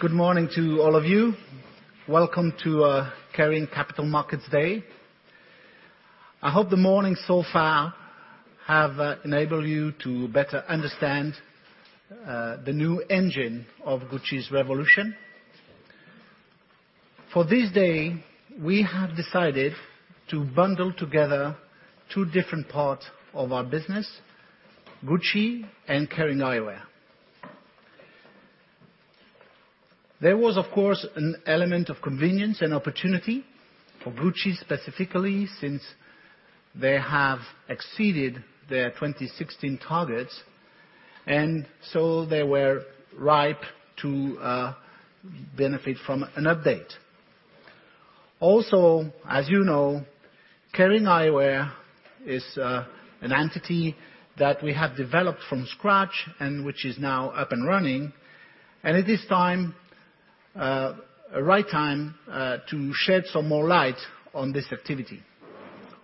Good morning to all of you. Welcome to Kering Capital Markets Day. I hope the morning so far have enabled you to better understand the new engine of Gucci's revolution. For this day, we have decided to bundle together two different parts of our business, Gucci and Kering Eyewear. There was, of course, an element of convenience and opportunity for Gucci specifically, since they have exceeded their 2016 targets, so they were ripe to benefit from an update. Also, as you know, Kering Eyewear is an entity that we have developed from scratch and which is now up and running. It is the right time to shed some more light on this activity.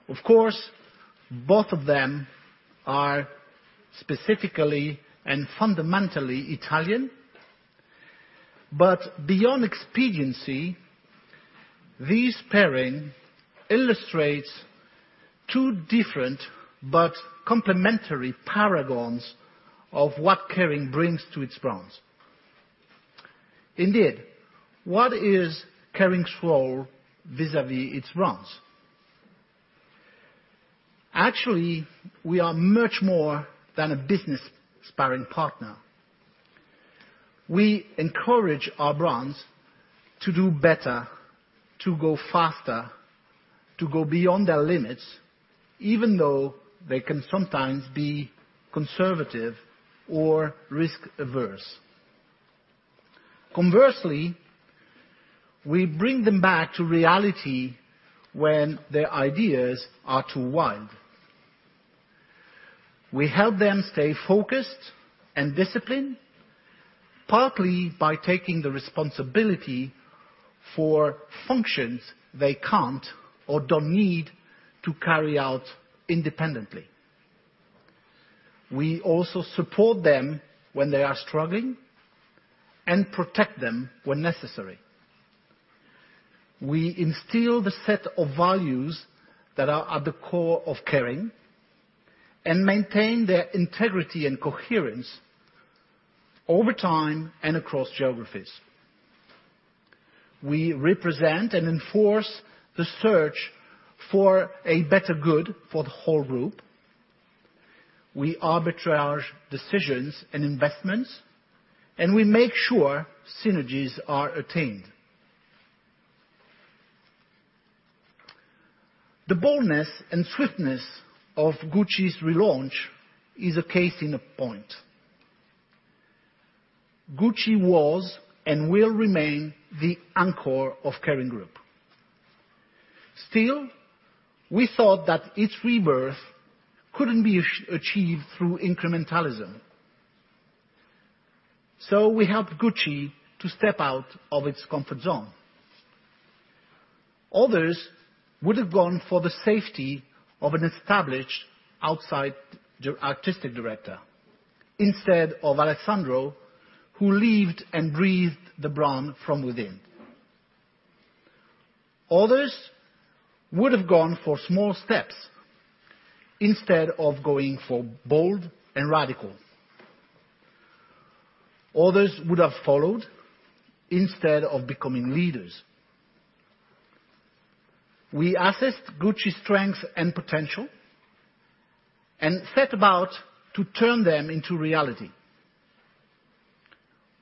Of course, both of them are specifically and fundamentally Italian. Beyond expediency, this pairing illustrates two different but complementary paragons of what Kering brings to its brands. Indeed, what is Kering's role vis-à-vis its brands? Actually, we are much more than a business sparring partner. We encourage our brands to do better, to go faster, to go beyond their limits, even though they can sometimes be conservative or risk-averse. Conversely, we bring them back to reality when their ideas are too wild. We help them stay focused and disciplined, partly by taking the responsibility for functions they can't or don't need to carry out independently. We also support them when they are struggling and protect them when necessary. We instill the set of values that are at the core of Kering and maintain their integrity and coherence over time and across geographies. We represent and enforce the search for a better good for the whole group. We arbitrage decisions and investments, and we make sure synergies are attained. The boldness and swiftness of Gucci's relaunch is a case in point. Gucci was and will remain the anchor of Kering Group. Still, we thought that its rebirth couldn't be achieved through incrementalism, so we helped Gucci to step out of its comfort zone. Others would have gone for the safety of an established outside artistic director instead of Alessandro, who lived and breathed the brand from within. Others would have gone for small steps instead of going for bold and radical. Others would have followed instead of becoming leaders. We assessed Gucci's strength and potential and set about to turn them into reality.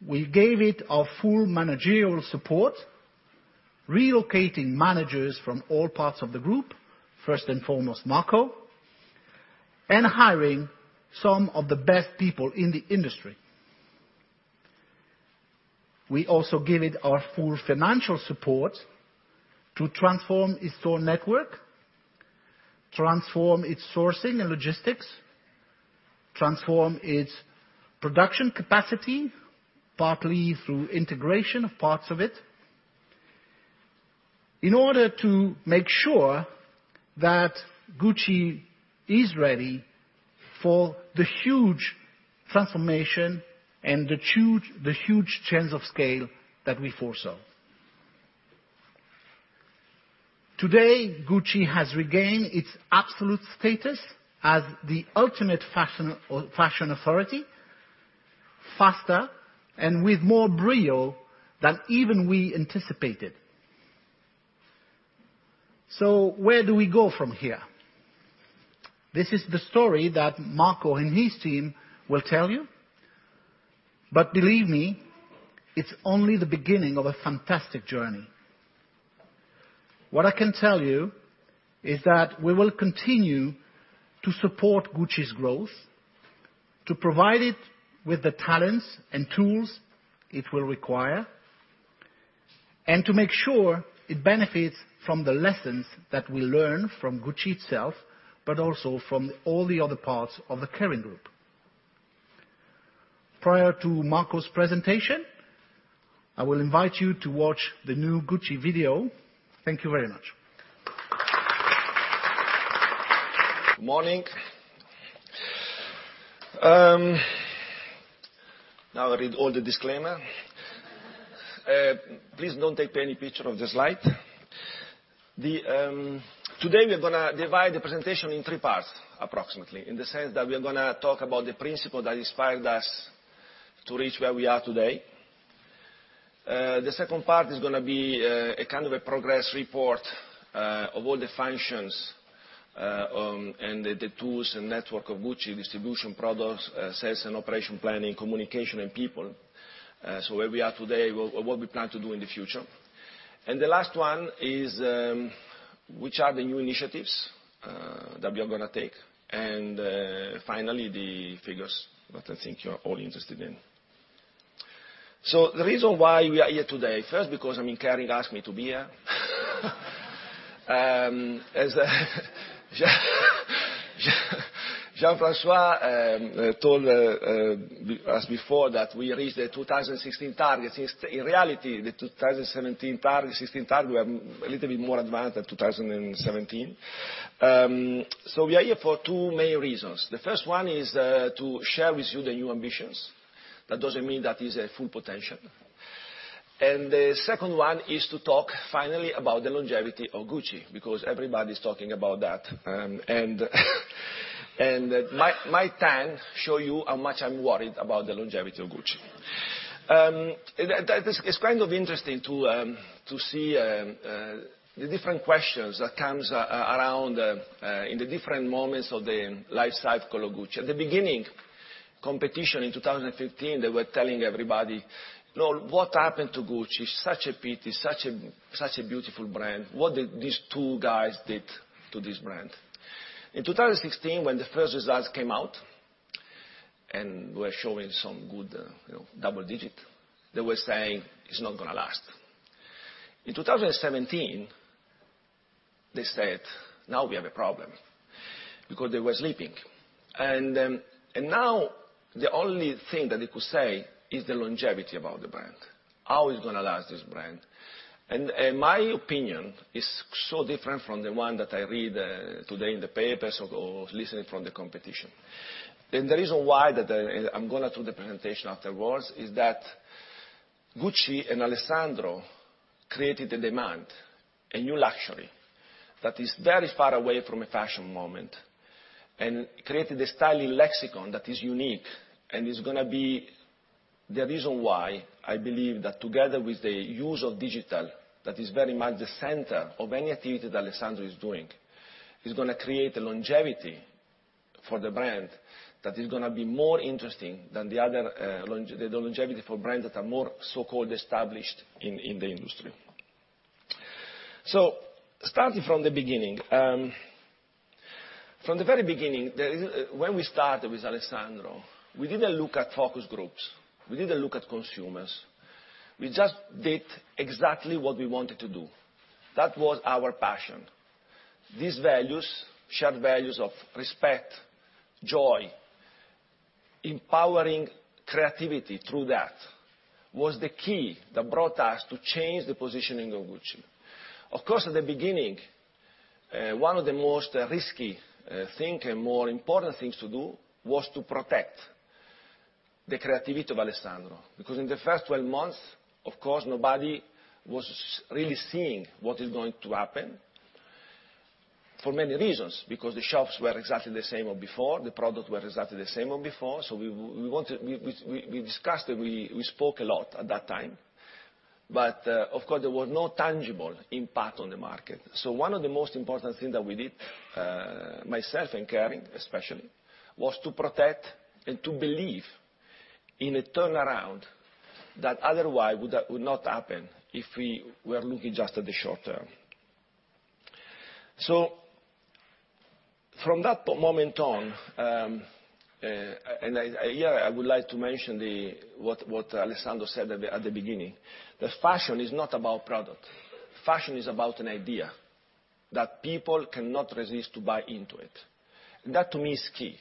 We gave it our full managerial support, relocating managers from all parts of the group, first and foremost, Marco, and hiring some of the best people in the industry. We also give it our full financial support to transform its store network, transform its sourcing and logistics, transform its production capacity, partly through integration of parts of it, in order to make sure that Gucci is ready for the huge transformation and the huge change of scale that we foresaw. Today, Gucci has regained its absolute status as the ultimate fashion authority, faster and with more brio than even we anticipated. Where do we go from here? This is the story that Marco and his team will tell you. Believe me, it's only the beginning of a fantastic journey. What I can tell you is that we will continue to support Gucci's growth, to provide it with the talents and tools it will require, and to make sure it benefits from the lessons that we learn from Gucci itself, but also from all the other parts of the Kering Group. Prior to Marco's presentation, I will invite you to watch the new Gucci video. Thank you very much. Morning. Now I read all the disclaimer. Please don't take any picture of the slide. Today we're going to divide the presentation in three parts approximately, in the sense that we're going to talk about the principle that inspired us to reach where we are today. The second part is going to be a progress report of all the functions and the tools and network of Gucci distribution products, sales and operation planning, communication and people. Where we are today, what we plan to do in the future. The last one is, which are the new initiatives that we are going to take. Finally, the figures that I think you are all interested in. The reason why we are here today, first because I mean, Kering asked me to be here. As Jean-François told us before, that we reached the 2016 target. In reality, the 2017 target, 2016 target, we are a little bit more advanced than 2017. We are here for two main reasons. The first one is to share with you the new ambitions. That doesn't mean that is a full potential. The second one is to talk finally about the longevity of Gucci, because everybody's talking about that. My tan show you how much I'm worried about the longevity of Gucci. It's kind of interesting to see the different questions that comes around in the different moments of the life cycle of Gucci. At the beginning, competition in 2015, they were telling everybody, "No, what happened to Gucci? Such a pity, such a beautiful brand. What did these two guys did to this brand?" In 2016, when the first results came out and were showing some good double digit, they were saying, "It's not going to last." In 2017, they said, "Now we have a problem," because they were sleeping. Now the only thing that they could say is the longevity about the brand, how is it going to last, this brand. My opinion is so different from the one that I read today in the papers or listening from the competition. The reason why that I'm going through the presentation afterwards is that Gucci and Alessandro created a demand, a new luxury that is very far away from a fashion moment, and created a styling lexicon that is unique and is going to be the reason why I believe that together with the use of digital, that is very much the center of any activity that Alessandro is doing. He's going to create a longevity for the brand that is going to be more interesting than the other, the longevity for brands that are more so-called established in the industry. Starting from the beginning. From the very beginning, when we started with Alessandro, we didn't look at focus groups. We didn't look at consumers. We just did exactly what we wanted to do. That was our passion. These values, shared values of respect, joy, empowering creativity through that, was the key that brought us to change the positioning of Gucci. Of course, at the beginning, one of the most risky thing and more important things to do was to protect the creativity of Alessandro. Because in the first 12 months, of course, nobody was really seeing what is going to happen for many reasons, because the shops were exactly the same as before, the product were exactly the same as before. We discussed and we spoke a lot at that time. Of course there was no tangible impact on the market. One of the most important thing that we did, myself and Kering especially, was to protect and to believe in a turnaround that otherwise would not happen if we were looking just at the short term. From that moment on, and here I would like to mention what Alessandro said at the beginning, that fashion is not about product. Fashion is about an idea that people cannot resist to buy into it. That to me is key.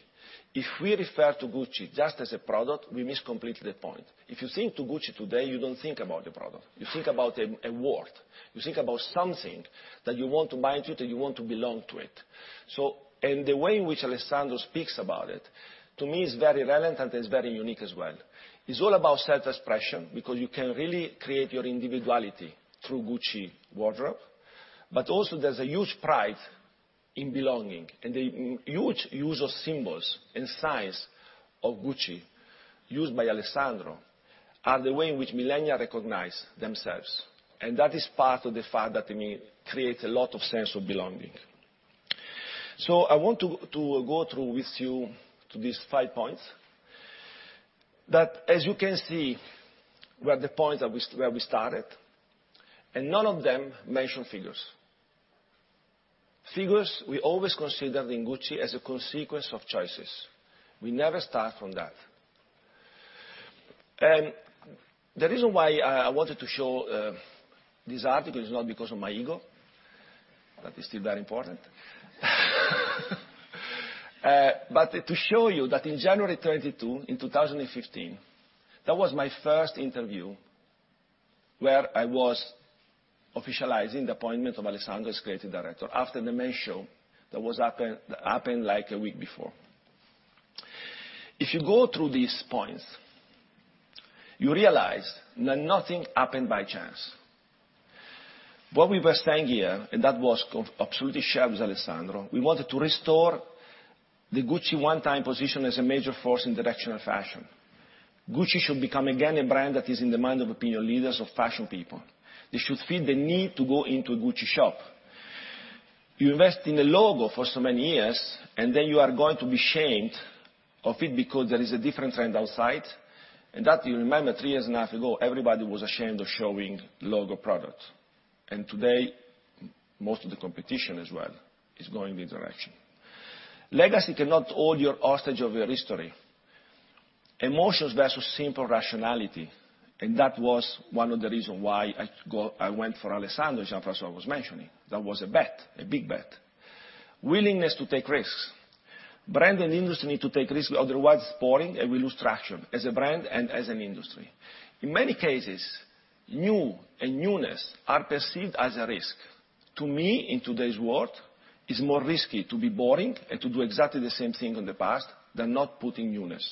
If we refer to Gucci just as a product, we miss completely the point. If you think to Gucci today, you don't think about the product. You think about a world, you think about something that you want to buy into, that you want to belong to it. The way in which Alessandro speaks about it, to me, is very relevant and is very unique as well. It's all about self-expression because you can really create your individuality through Gucci wardrobe. Also there's a huge pride in belonging and the huge use of symbols and signs of Gucci used by Alessandro are the way in which millennial recognize themselves. That is part of the fact that it may create a lot of sense of belonging. I want to go through with you to these five points. That as you can see, were the points where we started, and none of them mention figures. Figures we always considered in Gucci as a consequence of choices. We never start from that. The reason why I wanted to show this article is not because of my ego. That is still very important. To show you that in January 22, 2015, that was my first interview- Where I was officializing the appointment of Alessandro as creative director after the men's show that happened like a week before. If you go through these points, you realize that nothing happened by chance. What we were saying here, and that was absolutely shared with Alessandro, we wanted to restore the Gucci one-time position as a major force in directional fashion. Gucci should become again a brand that is in the mind of opinion leaders, of fashion people. They should feel the need to go into a Gucci shop. You invest in a logo for so many years, and then you are going to be ashamed of it because there is a different trend outside. That, you remember three years and a half ago, everybody was ashamed of showing logo products. Today, most of the competition as well is going this direction. Legacy cannot hold you hostage of your history. Emotions versus simple rationality, and that was one of the reasons why I went for Alessandro, Jean-François was mentioning. That was a bet, a big bet. Willingness to take risks. Brand and industry need to take risks, otherwise it's boring, and we lose traction as a brand and as an industry. In many cases, new and newness are perceived as a risk. To me, in today's world, it's more risky to be boring and to do exactly the same thing in the past than not putting newness.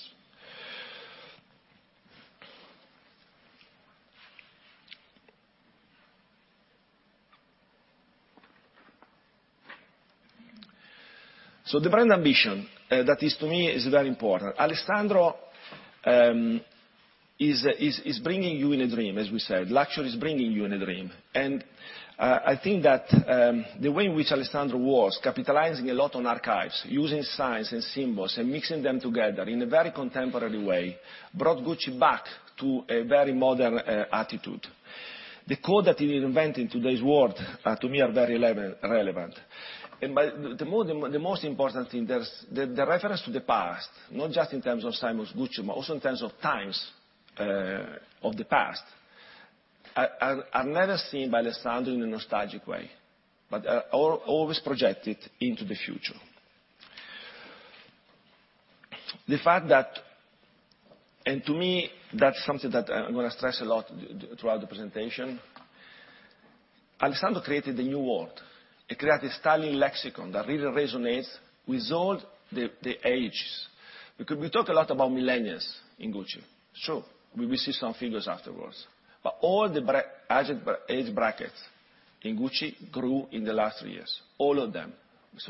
The brand ambition that is, to me, is very important. Alessandro is bringing you in a dream, as we said, luxury is bringing you in a dream. I think that the way in which Alessandro works, capitalizing a lot on archives, using signs and symbols and mixing them together in a very contemporary way, brought Gucci back to a very modern attitude. The code that he invented in today's world, to me, are very relevant. The most important thing, the reference to the past, not just in terms of symbols Gucci, but also in terms of times of the past, are never seen by Alessandro in a nostalgic way, but are always projected into the future. The fact that, and to me, that's something that I'm going to stress a lot throughout the presentation, Alessandro created a new world. He created styling lexicon that really resonates with all the ages. We talk a lot about millennials in Gucci. Sure, we will see some figures afterwards. All the age brackets in Gucci grew in the last three years, all of them.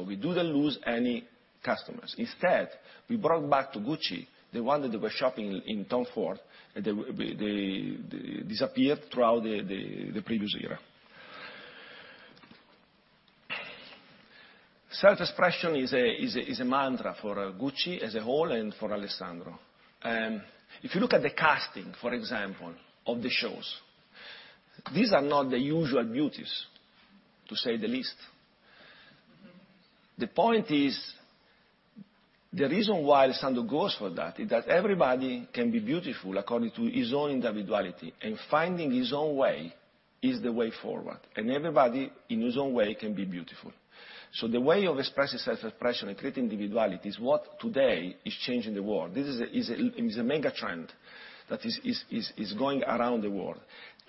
We didn't lose any customers. Instead, we brought back to Gucci the ones that were shopping in Tom Ford, they disappeared throughout the previous era. Self-expression is a mantra for Gucci as a whole and for Alessandro. If you look at the casting, for example, of the shows, these are not the usual beauties, to say the least. The point is, the reason why Alessandro Michele goes for that is that everybody can be beautiful according to his own individuality, and finding his own way is the way forward, and everybody in his own way can be beautiful. The way of expressing self-expression and creating individuality is what today is changing the world. This is a mega trend that is going around the world.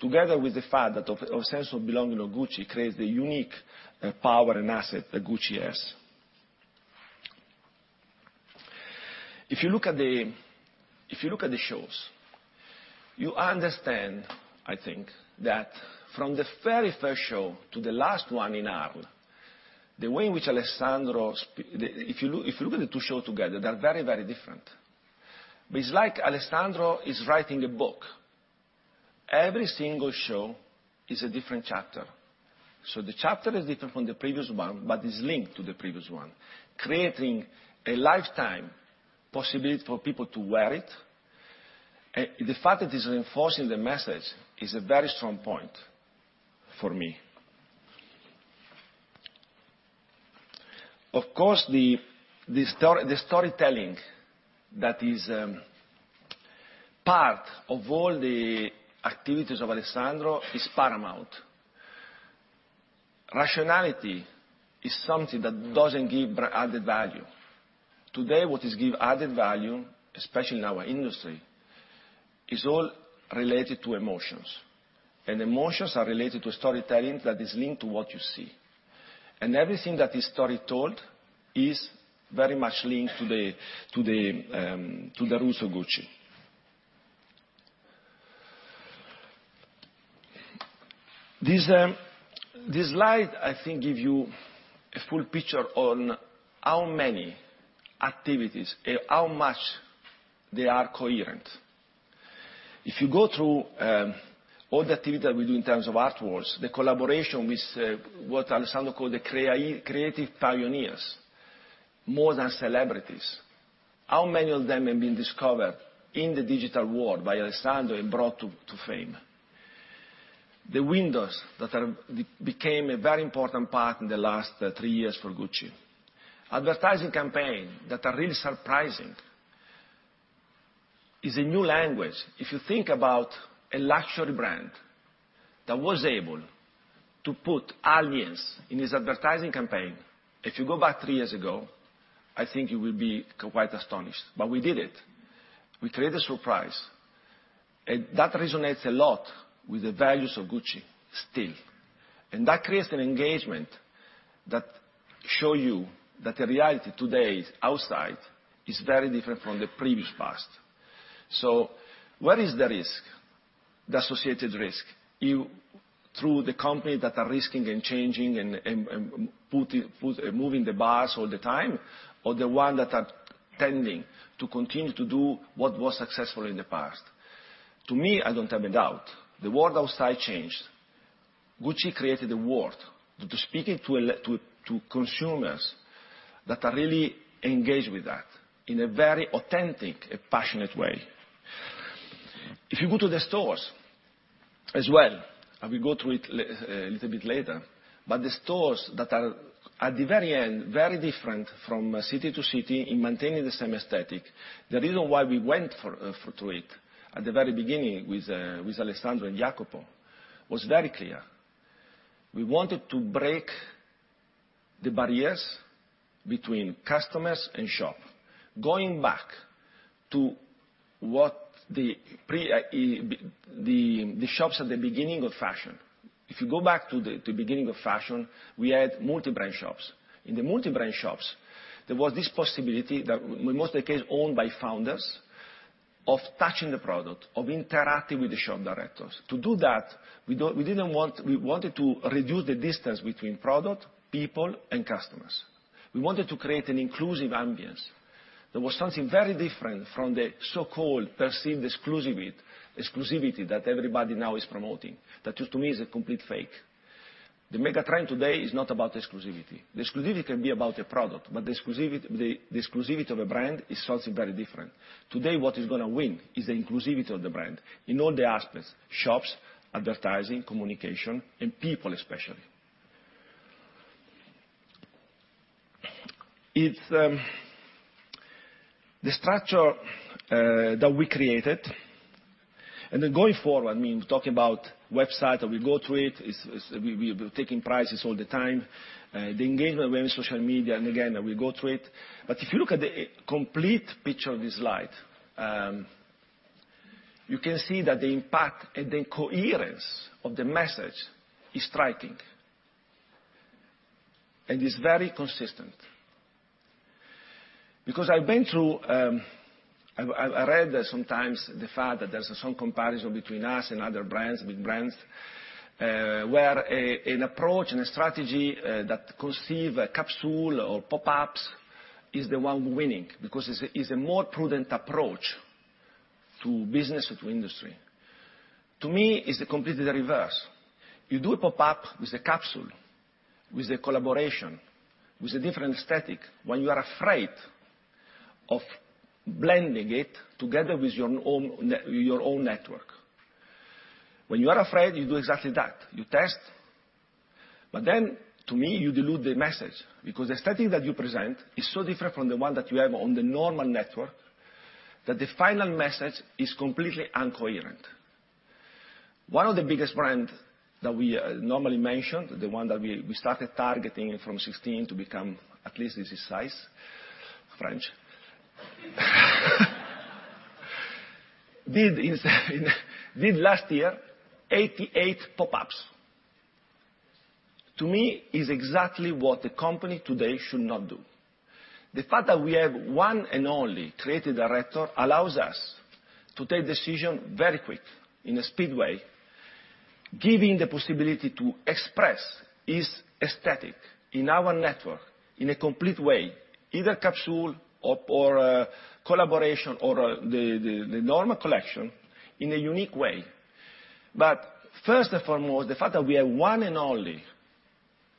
Together with the fact that our sense of belonging of Gucci creates the unique power and asset that Gucci has. If you look at the shows, you understand, I think, that from the very first show to the last one in Arles. If you look at the two shows together, they're very different. It's like Alessandro Michele is writing a book. Every single show is a different chapter. The chapter is different from the previous one, but is linked to the previous one, creating a lifetime possibility for people to wear it. The fact that it's reinforcing the message is a very strong point for me. Of course, the storytelling that is part of all the activities of Alessandro Michele is paramount. Rationality is something that doesn't give added value. Today, what gives added value, especially in our industry, is all related to emotions. Emotions are related to storytelling that is linked to what you see. Everything that is story told is very much linked to the roots of Gucci. This slide, I think, give you a full picture on how many activities, how much they are coherent. If you go through all the activity that we do in terms of art works, the collaboration with what Alessandro Michele called the creative pioneers, more than celebrities. How many of them have been discovered in the digital world by Alessandro Michele and brought to fame? The windows that became a very important part in the last three years for Gucci. Advertising campaign that are really surprising is a new language. If you think about a luxury brand that was able to put aliens in his advertising campaign, if you go back three years ago, I think you will be quite astonished. We did it. We created a surprise, and that resonates a lot with the values of Gucci still. That creates an engagement that shows you that the reality today outside is very different from the previous past. What is the risk, the associated risk? Through the company that are risking and changing and moving the bars all the time, or the one that are tending to continue to do what was successful in the past. To me, I don't have a doubt. The world outside changed. Gucci created a world, speaking to consumers that are really engaged with that in a very authentic and passionate way. If you go to the stores as well, and we go through it a little bit later, but the stores that are at the very end, very different from city to city in maintaining the same aesthetic. The reason why we went through it at the very beginning with Alessandro Michele and Jacopo Venturini was very clear. We wanted to break the barriers between customers and shop. Going back to the shops at the beginning of fashion. If you go back to the beginning of fashion, we had multi-brand shops. In the multi-brand shops, there was this possibility, in most of the case owned by founders, of touching the product, of interacting with the shop directors. To do that, we wanted to reduce the distance between product, people, and customers. We wanted to create an inclusive ambience that was something very different from the so-called perceived exclusivity that everybody now is promoting. That to me is a complete fake. The mega trend today is not about exclusivity. The exclusivity can be about a product, but the exclusivity of a brand is something very different. Today, what is going to win is the inclusivity of the brand in all the aspects, shops, advertising, communication, and people especially. The structure that we created, then going forward, we're talking about website, we go through it, we're taking prices all the time, the engagement with social media, again, we go through it. If you look at the complete picture of this slide, you can see that the impact and the coherence of the message is striking, and is very consistent. I read sometimes the fact that there's some comparison between us and other brands, big brands, where an approach and a strategy that conceive a capsule or pop-ups is the one winning, because it's a more prudent approach to business or to industry. To me, it's completely the reverse. You do a pop-up with a capsule, with a collaboration, with a different aesthetic when you are afraid of blending it together with your own network. When you are afraid, you do exactly that. You test, then, to me, you dilute the message because the aesthetic that you present is so different from the one that you have on the normal network that the final message is completely incoherent. One of the biggest brands that we normally mention, the one that we started targeting from 2016 to become at least this size, French. Did last year, 88 pop-ups. To me, it's exactly what the company today should not do. The fact that we have one and only Creative Director allows us to take decision very quick, in a speed way, giving the possibility to express his aesthetic in our network in a complete way, either capsule or a collaboration or the normal collection in a unique way. First and foremost, the fact that we have one and only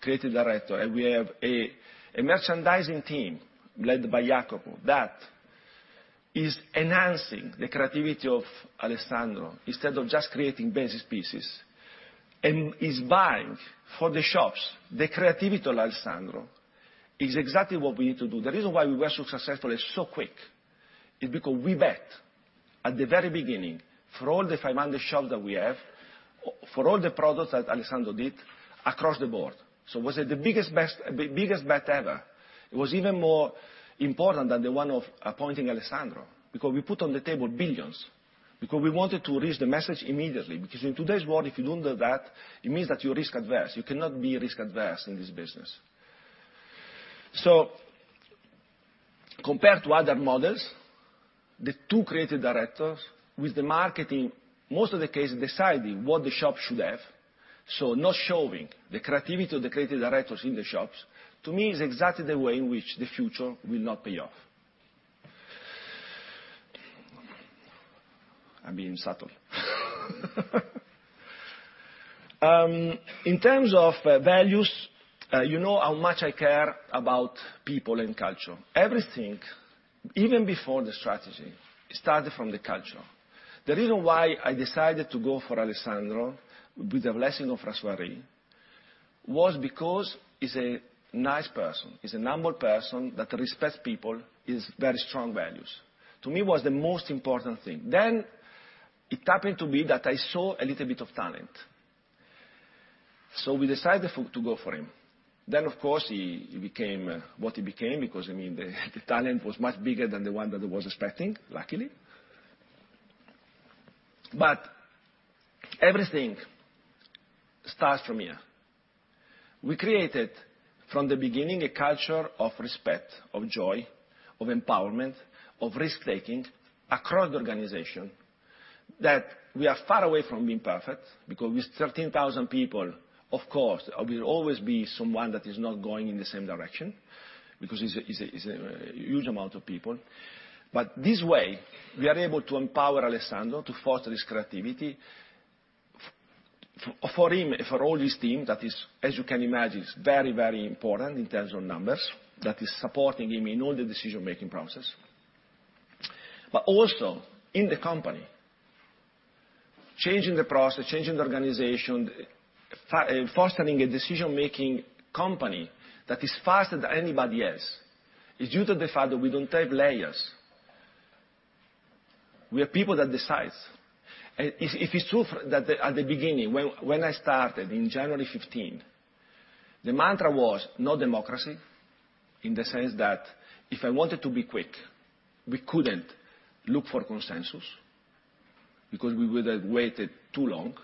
Creative Director, and we have a merchandising team led by Jacopo that is enhancing the creativity of Alessandro instead of just creating basic pieces and is buying for the shops the creativity of Alessandro, is exactly what we need to do. The reason why we were so successful and so quick is because we bet at the very beginning for all the 500 shops that we have, for all the products that Alessandro did across the board. It was the biggest bet ever. It was even more important than the one of appointing Alessandro, we put on the table billions, we wanted to reach the message immediately. In today's world, if you don't do that, it means that you're risk-averse. You cannot be risk-averse in this business. Compared to other models, the two creative directors with the marketing, most of the case deciding what the shop should have, not showing the creativity of the creative directors in the shops, to me is exactly the way in which the future will not pay off. I'm being subtle. In terms of values, you know how much I care about people and culture. Everything, even before the strategy, started from the culture. The reason why I decided to go for Alessandro, with the blessing of François-Henri, was because he's a nice person, he's a humble person that respects people, he has very strong values. To me, it was the most important thing. It happened to be that I saw a little bit of talent, so we decided to go for him. Of course, he became what he became because the talent was much bigger than the one that I was expecting, luckily. Everything starts from here. We created, from the beginning, a culture of respect, of joy, of empowerment, of risk-taking across the organization, that we are far away from being perfect because with 13,000 people, of course, there will always be someone that is not going in the same direction because it's a huge amount of people. This way, we are able to empower Alessandro to foster his creativity. For him, for all his team, that is, as you can imagine, is very important in terms of numbers, that is supporting him in all the decision-making process, but also in the company. Changing the process, changing the organization, fostering a decision-making company that is faster than anybody else is due to the fact that we don't have layers. We are people that decide. It is true that at the beginning when I started in January 2015, the mantra was no democracy in the sense that if I wanted to be quick, we couldn't look for consensus because we would have waited too long.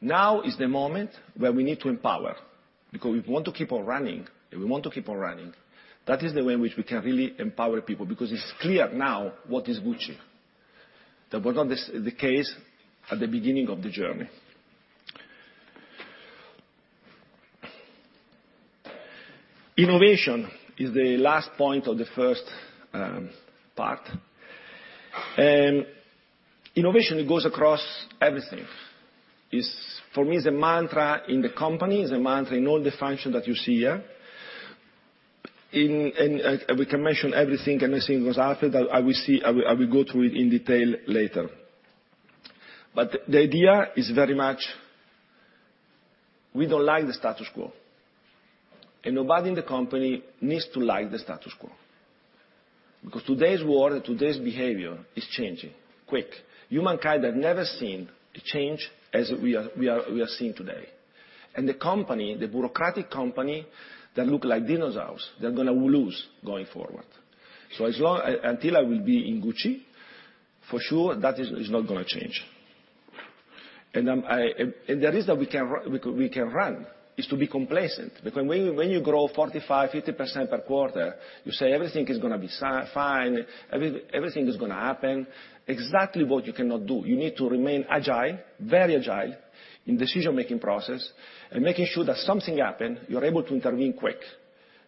Now is the moment where we need to empower because if we want to keep on running, that is the way in which we can really empower people because it's clear now what is Gucci. That was not the case at the beginning of the journey. Innovation is the last point of the first part. Innovation goes across everything. For me, it's a mantra in the company, it's a mantra in all the functions that you see here. We can mention everything. I think what's happened, I will go through it in detail later. The idea is very much we don't like the status quo, and nobody in the company needs to like the status quo because today's world and today's behavior is changing quick. Humankind has never seen a change as we are seeing today. The bureaucratic company that look like dinosaurs, they're going to lose going forward. Until I will be in Gucci, for sure that is not going to change. The risk we can run is to be complacent, because when you grow 45%, 50% per quarter, you say everything is going to be fine, everything is going to happen. Exactly what you cannot do. You need to remain agile, very agile in decision-making process and making sure that something happen, you're able to intervene quick.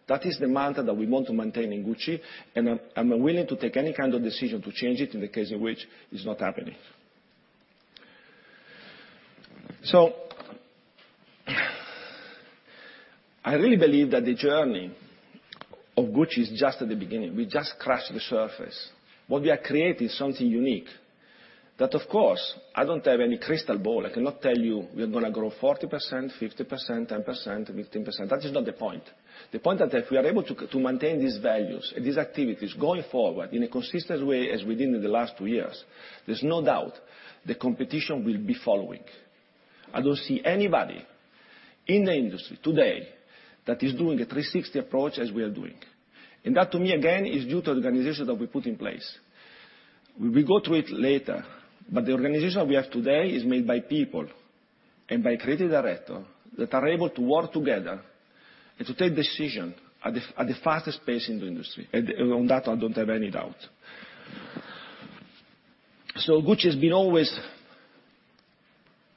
That is the mantra that we want to maintain in Gucci, and I'm willing to take any kind of decision to change it in the case in which it's not happening. I really believe that the journey of Gucci is just at the beginning. We just scratched the surface. What we are creating is something unique that, of course, I don't have any crystal ball. I cannot tell you we are going to grow 40%, 50%, 10%, 15%. That is not the point. The point that if we are able to maintain these values and these activities going forward in a consistent way as we did in the last two years, there's no doubt the competition will be following. I don't see anybody in the industry today that is doing a 360 approach as we are doing. That to me, again, is due to the organization that we put in place. We will go through it later, but the organization we have today is made by people and by creative director that are able to work together and to take decision at the fastest pace in the industry. On that, I don't have any doubt. Gucci has been always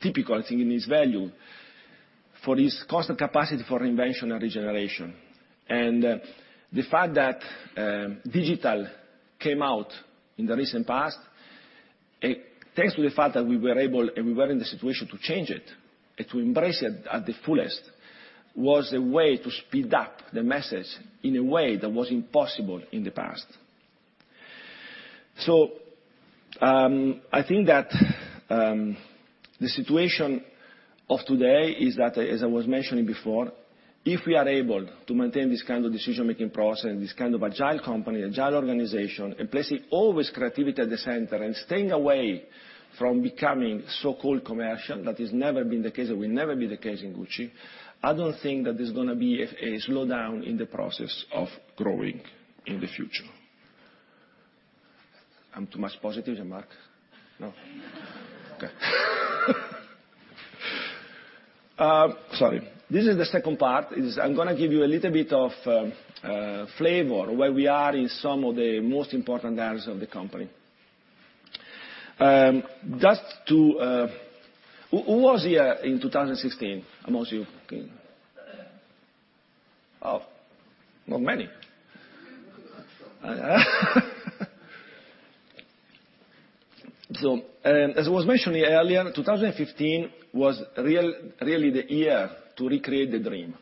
typical, I think, in its value for its constant capacity for invention and regeneration. The fact that digital came out in the recent past, thanks to the fact that we were able and we were in the situation to change it and to embrace it at the fullest, was a way to speed up the message in a way that was impossible in the past. I think that the situation of today is that, as I was mentioning before, if we are able to maintain this kind of decision-making process, this kind of agile company, agile organization, and placing always creativity at the center and staying away from becoming so-called commercial, that has never been the case and will never be the case in Gucci, I don't think that there's going to be a slowdown in the process of growing in the future. I'm too much positive, Marco? No? Okay. Sorry. This is the second part, is I'm going to give you a little bit of flavor where we are in some of the most important areas of the company. Who was here in 2016 amongst you? Not many. As I was mentioning earlier, 2015 was really the year to recreate the dream.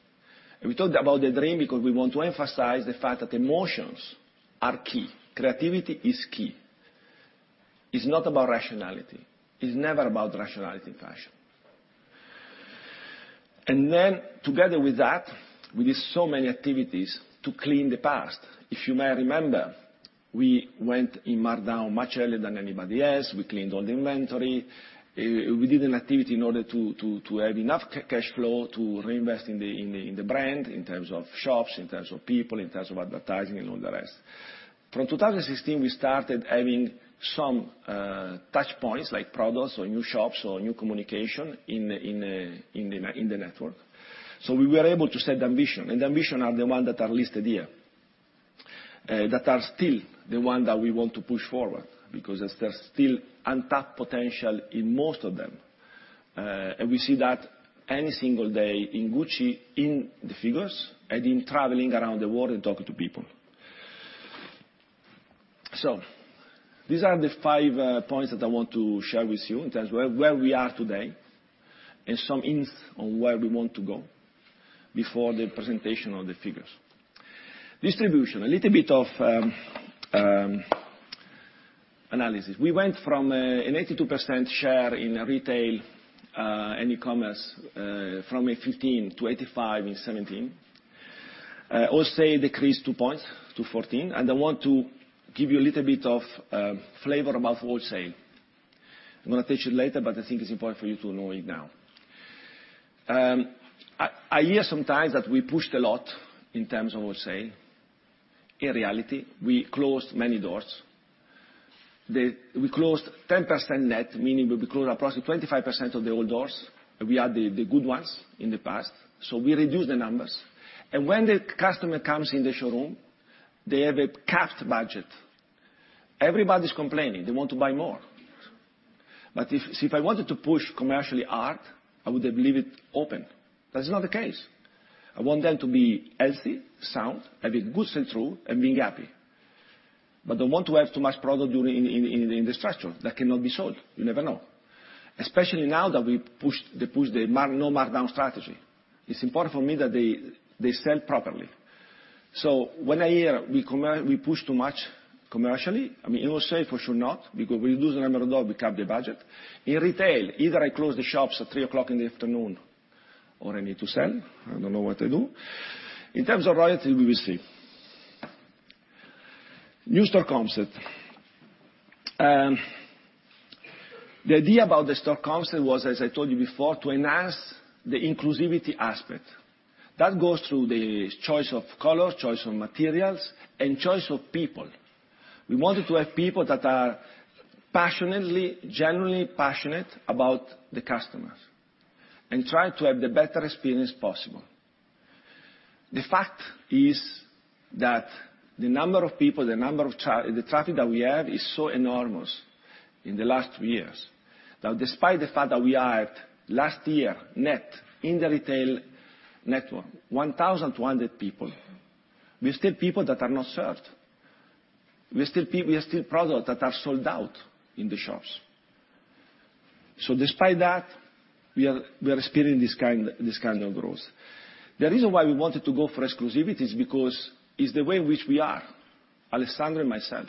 We talked about the dream because we want to emphasize the fact that emotions are key, creativity is key. It's not about rationality. It's never about rationality in fashion. Then together with that, we did so many activities to clean the past. If you may remember, we went in markdown much earlier than anybody else. We cleaned all the inventory. We did an activity in order to have enough cash flow to reinvest in the brand in terms of shops, in terms of people, in terms of advertising, and all the rest. From 2016, we started having some touchpoints, like products or new shops or new communication in the network. We were able to set the ambition, and the ambition are the one that are listed here, that are still the one that we want to push forward because there's still untapped potential in most of them. We see that any single day in Gucci, in the figures, and in traveling around the world and talking to people. These are the 5 points that I want to share with you in terms of where we are today and some hints on where we want to go before the presentation of the figures. Distribution, a little bit of analysis. We went from an 82% share in retail and e-commerce from 2015, to 85% in 2017. Wholesale decreased 2 points to 14%, and I want to give you a little bit of flavor about wholesale. I am going to teach you later, but I think it is important for you to know it now. I hear sometimes that we pushed a lot in terms of wholesale. In reality, we closed many doors. We closed 10% net, meaning we closed approximately 25% of the old doors. We had the good ones in the past, we reduced the numbers. When the customer comes in the showroom, they have a capped budget. Everybody's complaining; they want to buy more. If I wanted to push commercially hard, I would have leave it open. That's not the case. I want them to be healthy, sound, have a good sell-through, and being happy. I don't want to have too much product in the structure that cannot be sold. You never know. Especially now that we pushed the no markdown strategy. It's important for me that they sell properly. When I hear we pushed too much commercially, in wholesale, for sure not, because we lose the number of door, we cap the budget. In retail, either I close the shops at 3:00 P.M. or I need to sell. I don't know what to do. In terms of royalty, we will see. New store concept. The idea about the store concept was, as I told you before, to enhance the inclusivity aspect. That goes through the choice of color, choice of materials, and choice of people. We wanted to have people that are genuinely passionate about the customers and try to have the better experience possible. The fact is that the number of people, the traffic that we have is so enormous in the last 2 years, that despite the fact that we are, last year, net in the retail network, 1,200 people, we still people that are not served. We still product that are sold out in the shops. Despite that, we are experiencing this kind of growth. The reason why we wanted to go for exclusivity is because it's the way in which we are, Alessandro and myself.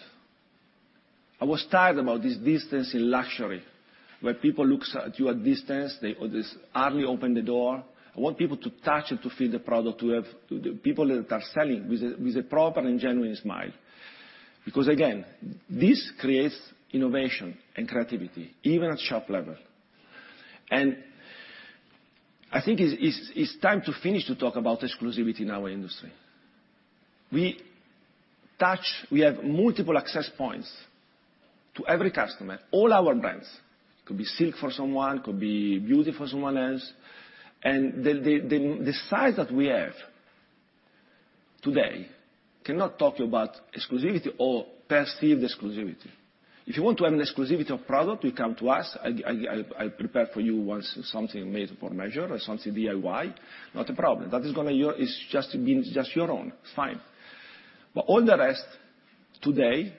I was tired about this business in luxury, where people looks at you a distance. They hardly open the door. I want people to touch and to feel the product, to have people that are selling with a proper and genuine smile. Again, this creates innovation and creativity, even at shop level. I think it's time to finish to talk about exclusivity in our industry. We have multiple access points to every customer, all our brands. It could be silk for someone, could be beauty for someone else. The size that we have today cannot talk about exclusivity or perceived exclusivity. If you want to have an exclusivity of product, you come to us, I prepare for you once something made for measure or something DIY, not a problem. That is just your own, fine. All the rest today,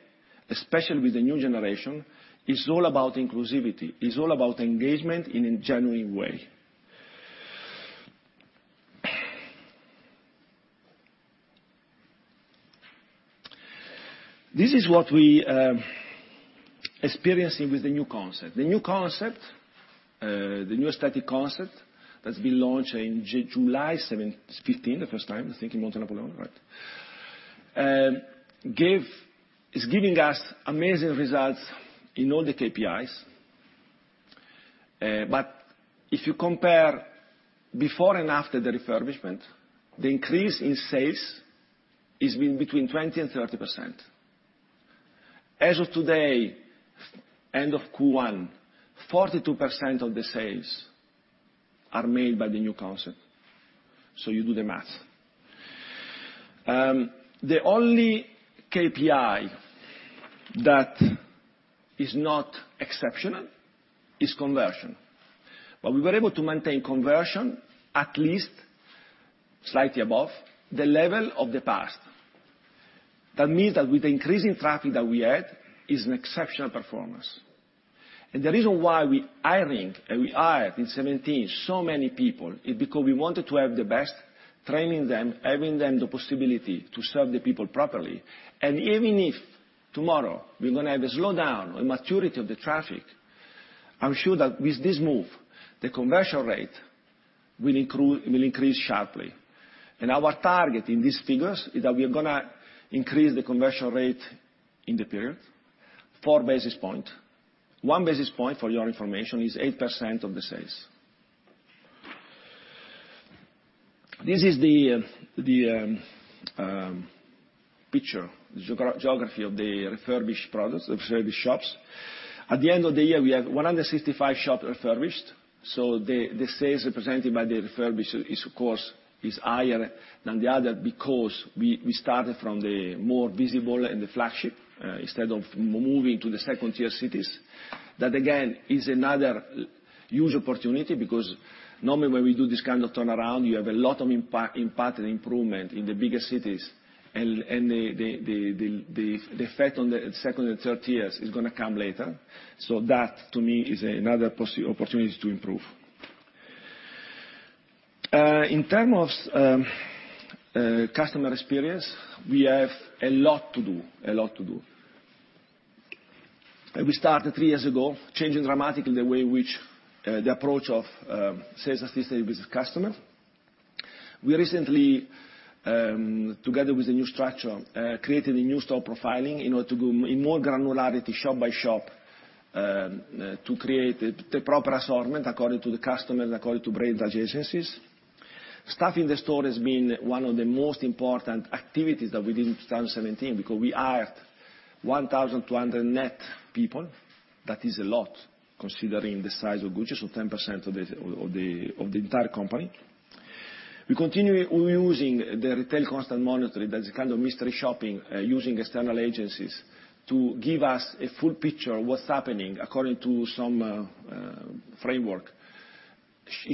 especially with the new generation, is all about inclusivity, is all about engagement in a genuine way. This is what we experiencing with the new concept. The new aesthetic concept that's been launched in July 17, 2015, the first time, I think, in Monte Napoleone. It's giving us amazing results in all the KPIs. If you compare before and after the refurbishment, the increase in sales is between 20% and 30%. As of today, end of Q1, 42% of the sales are made by the new concept. You do the math. The only KPI that is not exceptional is conversion. We were able to maintain conversion at least slightly above the level of the past. That means that with the increase in traffic that we had, is an exceptional performance. The reason why we're hiring, and we hired in 2017 so many people, is because we wanted to have the best, training them, having them the possibility to serve the people properly. Even if tomorrow we're going to have a slowdown or maturity of the traffic, I'm sure that with this move, the conversion rate will increase sharply. Our target in these figures is that we're going to increase the conversion rate in the period, four basis point. One basis point, for your information, is 8% of the sales. This is the picture, the geography of the refurbished products, refurbished shops. At the end of the year, we have 165 shops refurbished. The sales represented by the refurbished is, of course, higher than the other because we started from the more visible and the flagship, instead of moving to the second-tier cities. That, again, is another huge opportunity because normally when we do this kind of turnaround, you have a lot of impact and improvement in the bigger cities, and the effect on the 2 and 3 tiers is going to come later. That, to me, is another opportunity to improve. In term of customer experience, we have a lot to do. We started three years ago, changing dramatically the approach of sales associates with the customer. We recently, together with a new structure, created a new store profiling in order to go in more granularity shop by shop, to create the proper assortment according to the customer and according to brand adjacencies. Staffing the store has been one of the most important activities that we did in 2017 because we hired 1,200 net people. That is a lot considering the size of Gucci, 10% of the entire company. We're using the retail constant monitoring, that's a kind of mystery shopping, using external agencies to give us a full picture of what's happening according to some framework,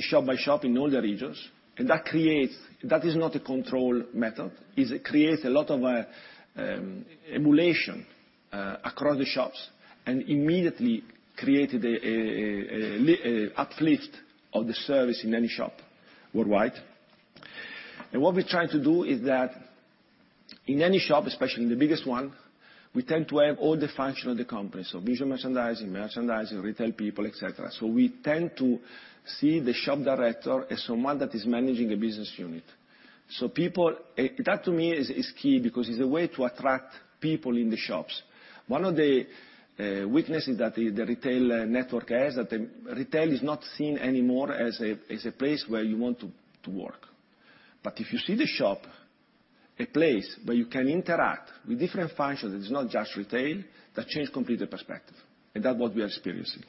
shop by shop in all the regions. That is not a control method, is it creates a lot of emulation across the shops and immediately created an uplift of the service in any shop worldwide. What we're trying to do is that in any shop, especially in the biggest one, we tend to have all the function of the company. Visual merchandising, retail people, et cetera. We tend to see the shop director as someone that is managing a business unit. That to me is key because it's a way to attract people in the shops. One of the weaknesses that the retail network has that the retail is not seen anymore as a place where you want to work. If you see the shop a place where you can interact with different functions, it is not just retail, that change complete the perspective. That what we are experiencing.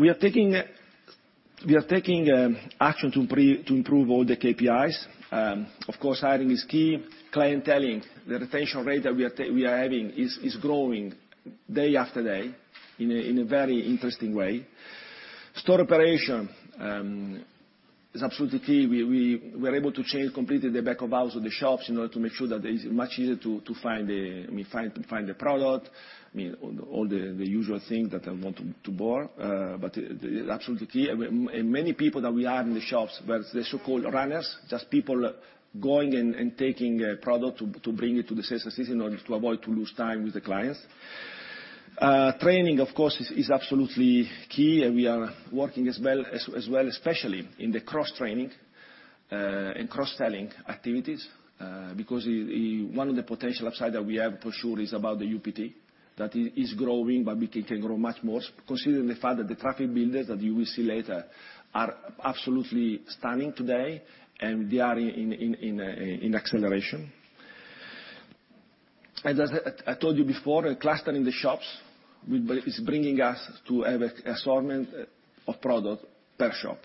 We are taking action to improve all the KPIs. Of course, hiring is key. Clienteling, the retention rate that we are having is growing day after day in a very interesting way. Store operation is absolutely key. We're able to change completely the back of house of the shops in order to make sure that it is much easier to find the product, all the usual things that I want to bore. Absolutely key, and many people that we have in the shops were the so-called runners, just people going and taking a product to bring it to the sales associate in order to avoid to lose time with the clients. Training, of course, is absolutely key, and we are working as well, especially in the cross-training, and cross-selling activities, because one of the potential upside that we have for sure is about the UPT. That is growing but it can grow much more, considering the fact that the traffic builders that you will see later are absolutely stunning today, and they are in acceleration. As I told you before, clustering the shops is bringing us to have assortment of product per shop.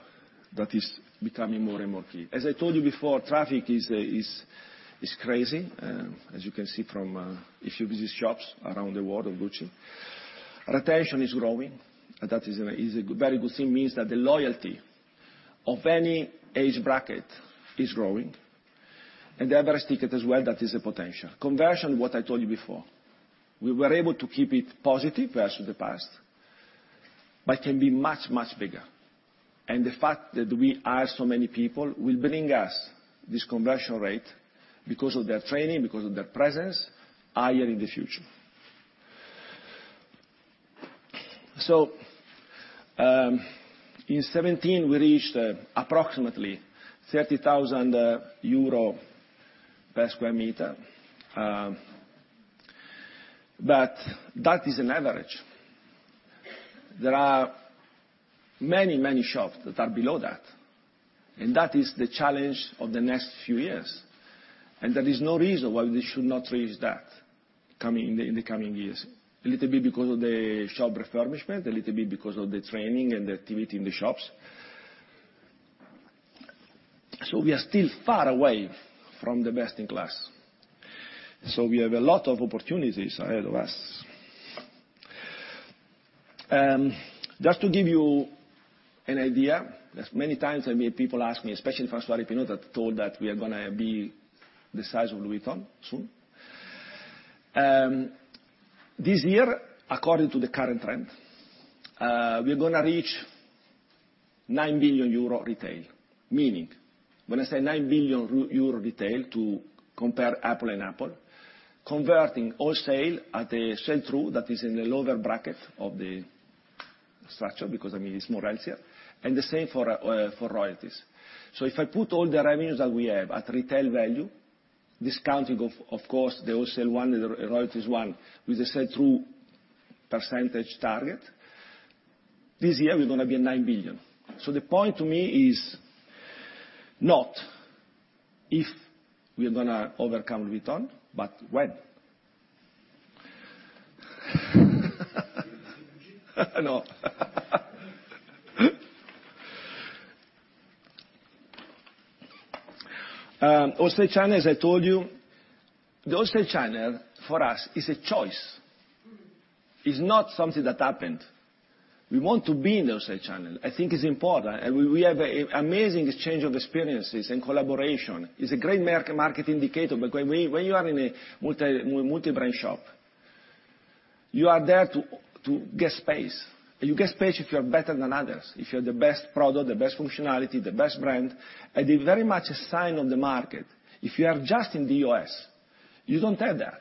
That is becoming more and more key. As I told you before, traffic is crazy, as you can see from a few busy shops around the world of Gucci. Retention is growing, and that is a very good thing. Means that the loyalty of any age bracket is growing. The average ticket as well, that is a potential. Conversion, what I told you before. We were able to keep it positive versus the past, but can be much, much bigger. The fact that we hire so many people will bring us this conversion rate because of their training, because of their presence, higher in the future. In 2017, we reached approximately 30,000 euro per square meter. That is an average. There are many, many shops that are below that, and that is the challenge of the next few years. There is no reason why we should not reach that in the coming years. A little bit because of the shop refurbishment, a little bit because of the training and the activity in the shops. We are still far away from the best in class. We have a lot of opportunities ahead of us. Just to give you an idea, many times people ask me, especially François-Henri Pinault, that told that we are going to be the size of Louis Vuitton soon. This year, according to the current trend, we're going to reach 9 billion euro retail. Meaning, when I say 9 billion euro retail, to compare apple and apple, converting wholesale at a sell-through that is in the lower bracket of the structure because, it's more easier. The same for royalties. If I put all the revenues that we have at retail value, discounting of course the wholesale one and the royalties one with the sell-through percentage target, this year we're going to be at 9 billion. The point to me is not if we are going to overcome Vuitton, but when. No. Wholesale channel, as I told you, the wholesale channel for us is a choice. It's not something that happened. We want to be in the wholesale channel. I think it's important. We have an amazing exchange of experiences and collaboration. It's a great market indicator because when you are in a multi-brand shop, you are there to get space. You get space if you are better than others, if you have the best product, the best functionality, the best brand. Very much a sign of the market. If you are just in DOS, you don't have that.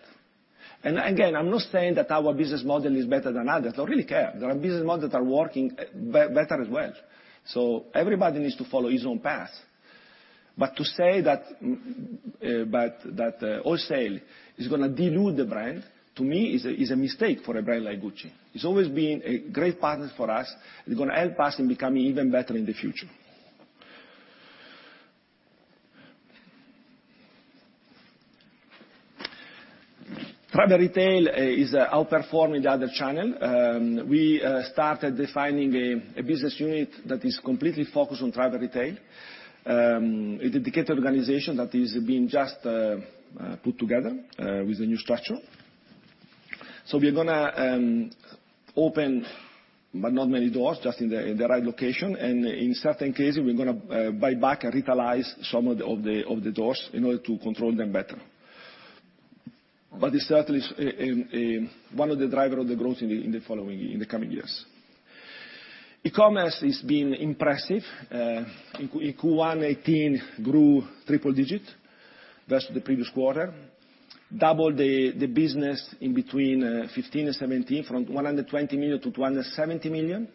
Again, I'm not saying that our business model is better than others. I don't really care. There are business models that are working better as well. Everybody needs to follow his own path. To say that wholesale is going to dilute the brand, to me is a mistake for a brand like Gucci. It's always been a great partner for us. Going to help us in becoming even better in the future. Travel retail is outperforming the other channel. We started defining a business unit that is completely focused on travel retail, a dedicated organization that is being just put together with a new structure. We are going to open, not many doors, just in the right location. In certain cases, we're going to buy back and retailize some of the doors in order to control them better. It certainly is one of the driver of the growth in the coming years. E-commerce is being impressive. In Q1 2018 grew triple digit versus the previous quarter. Doubled the business in between 2015 and 2017, from 120 million to 270 million.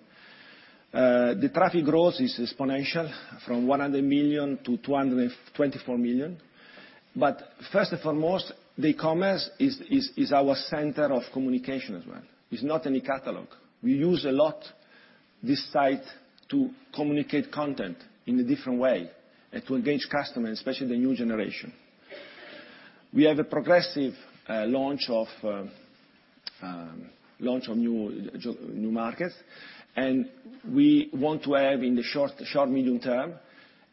The traffic growth is exponential, from 100 million to 224 million. First and foremost, the e-commerce is our center of communication as well, is not any catalog. We use a lot this site to communicate content in a different way and to engage customers, especially the new generation. We have a progressive launch of new markets. We want to have in the short, medium term,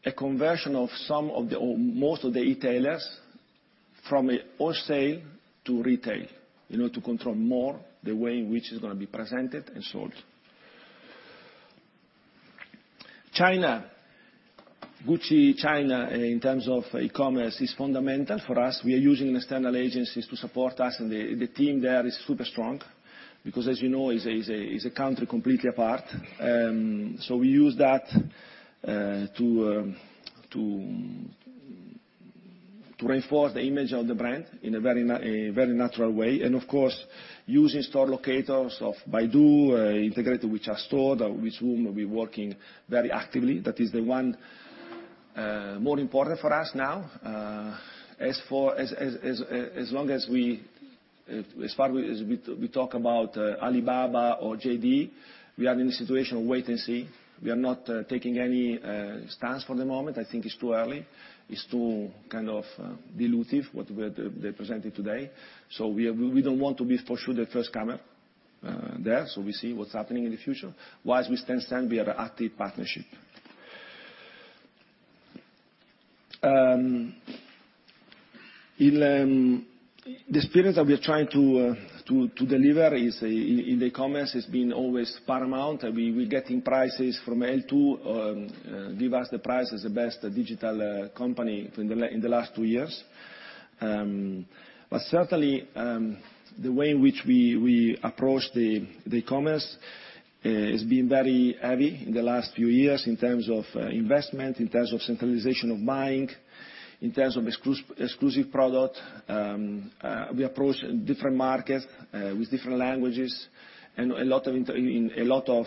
a conversion of most of the e-tailers from a wholesale to retail, to control more the way in which it's going to be presented and sold. China. Gucci China, in terms of e-commerce, is fundamental for us. We are using external agencies to support us. The team there is super strong because, as you know, is a country completely apart. We use that to reinforce the image of the brand in a very natural way. Of course, using store locators of Baidu, integrated with our store, with whom we're working very actively. That is the one more important for us now. As far as we talk about Alibaba or JD, we are in a situation of wait and see. We are not taking any stance for the moment. I think it's too early. It's too dilutive, what they presented today. We don't want to be for sure the first comer there. We see what's happening in the future. While we stand, we have an active partnership. The experience that we are trying to deliver in the e-commerce has been always paramount. We getting prizes from L2, give us the prize as the best digital company in the last 2 years. Certainly, the way in which we approach the e-commerce has been very heavy in the last few years in terms of investment, in terms of centralization of buying, in terms of exclusive product. We approach different markets with different languages and a lot of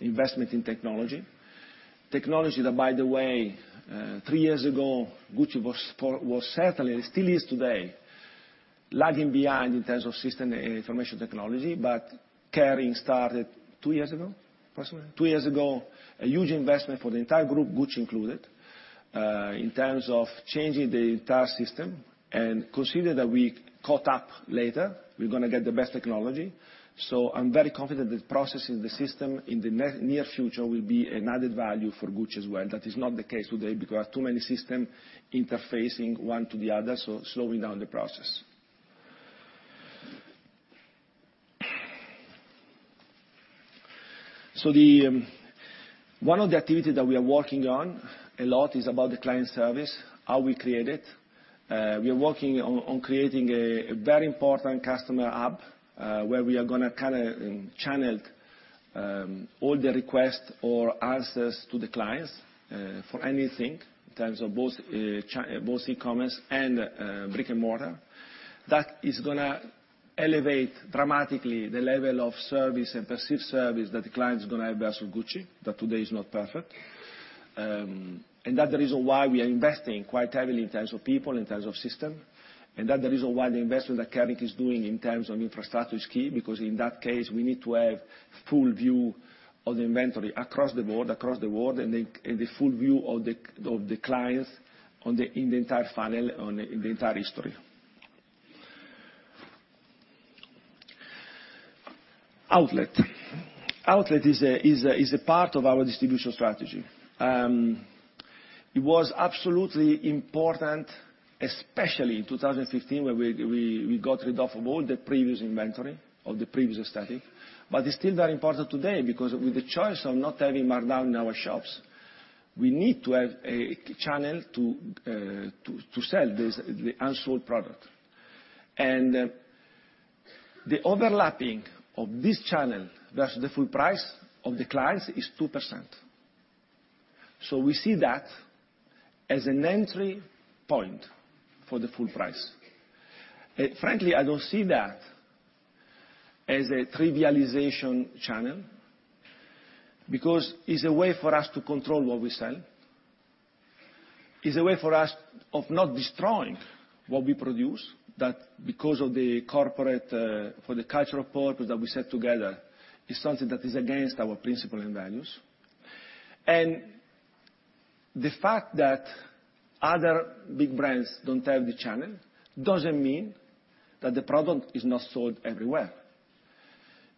investment in technology. Technology that, by the way, 3 years ago, Gucci was certainly, still is today, lagging behind in terms of system information technology, but Kering started 2 years ago. 2 years ago, a huge investment for the entire group, Gucci included, in terms of changing the entire system and consider that we caught up later, we're going to get the best technology. I'm very confident that processing the system in the near future will be an added value for Gucci as well. That is not the case today because too many system interfacing one to the other, slowing down the process. One of the activities that we are working on a lot is about the client service, how we create it. We are working on creating a very important Gucci App, where we are going to channel all the requests or answers to the clients for anything, in terms of both e-commerce and brick-and-mortar. That is going to elevate dramatically the level of service and perceived service that the client is going to have versus Gucci, that today is not perfect. That's the reason why we are investing quite heavily in terms of people, in terms of system, and that's the reason why the investment that Kering is doing in terms of infrastructure is key, because in that case, we need to have full view of the inventory across the board, across the world, and the full view of the clients in the entire funnel, in the entire history. Outlet. Outlet is a part of our distribution strategy. It was absolutely important, especially in 2015, when we got rid of all the previous inventory, or the previous aesthetic. It's still very important today because with the choice of not having markdown in our shops, we need to have a channel to sell the unsold product. The overlapping of this channel versus the full price of the clients is 2%. We see that as an entry point for the full price. Frankly, I don't see that as a trivialization channel, because it's a way for us to control what we sell. It's a way for us of not destroying what we produce. That, because of the corporate, for the cultural purpose that we set together, is something that is against our principle and values. The fact that other big brands don't have the channel doesn't mean that the product is not sold everywhere,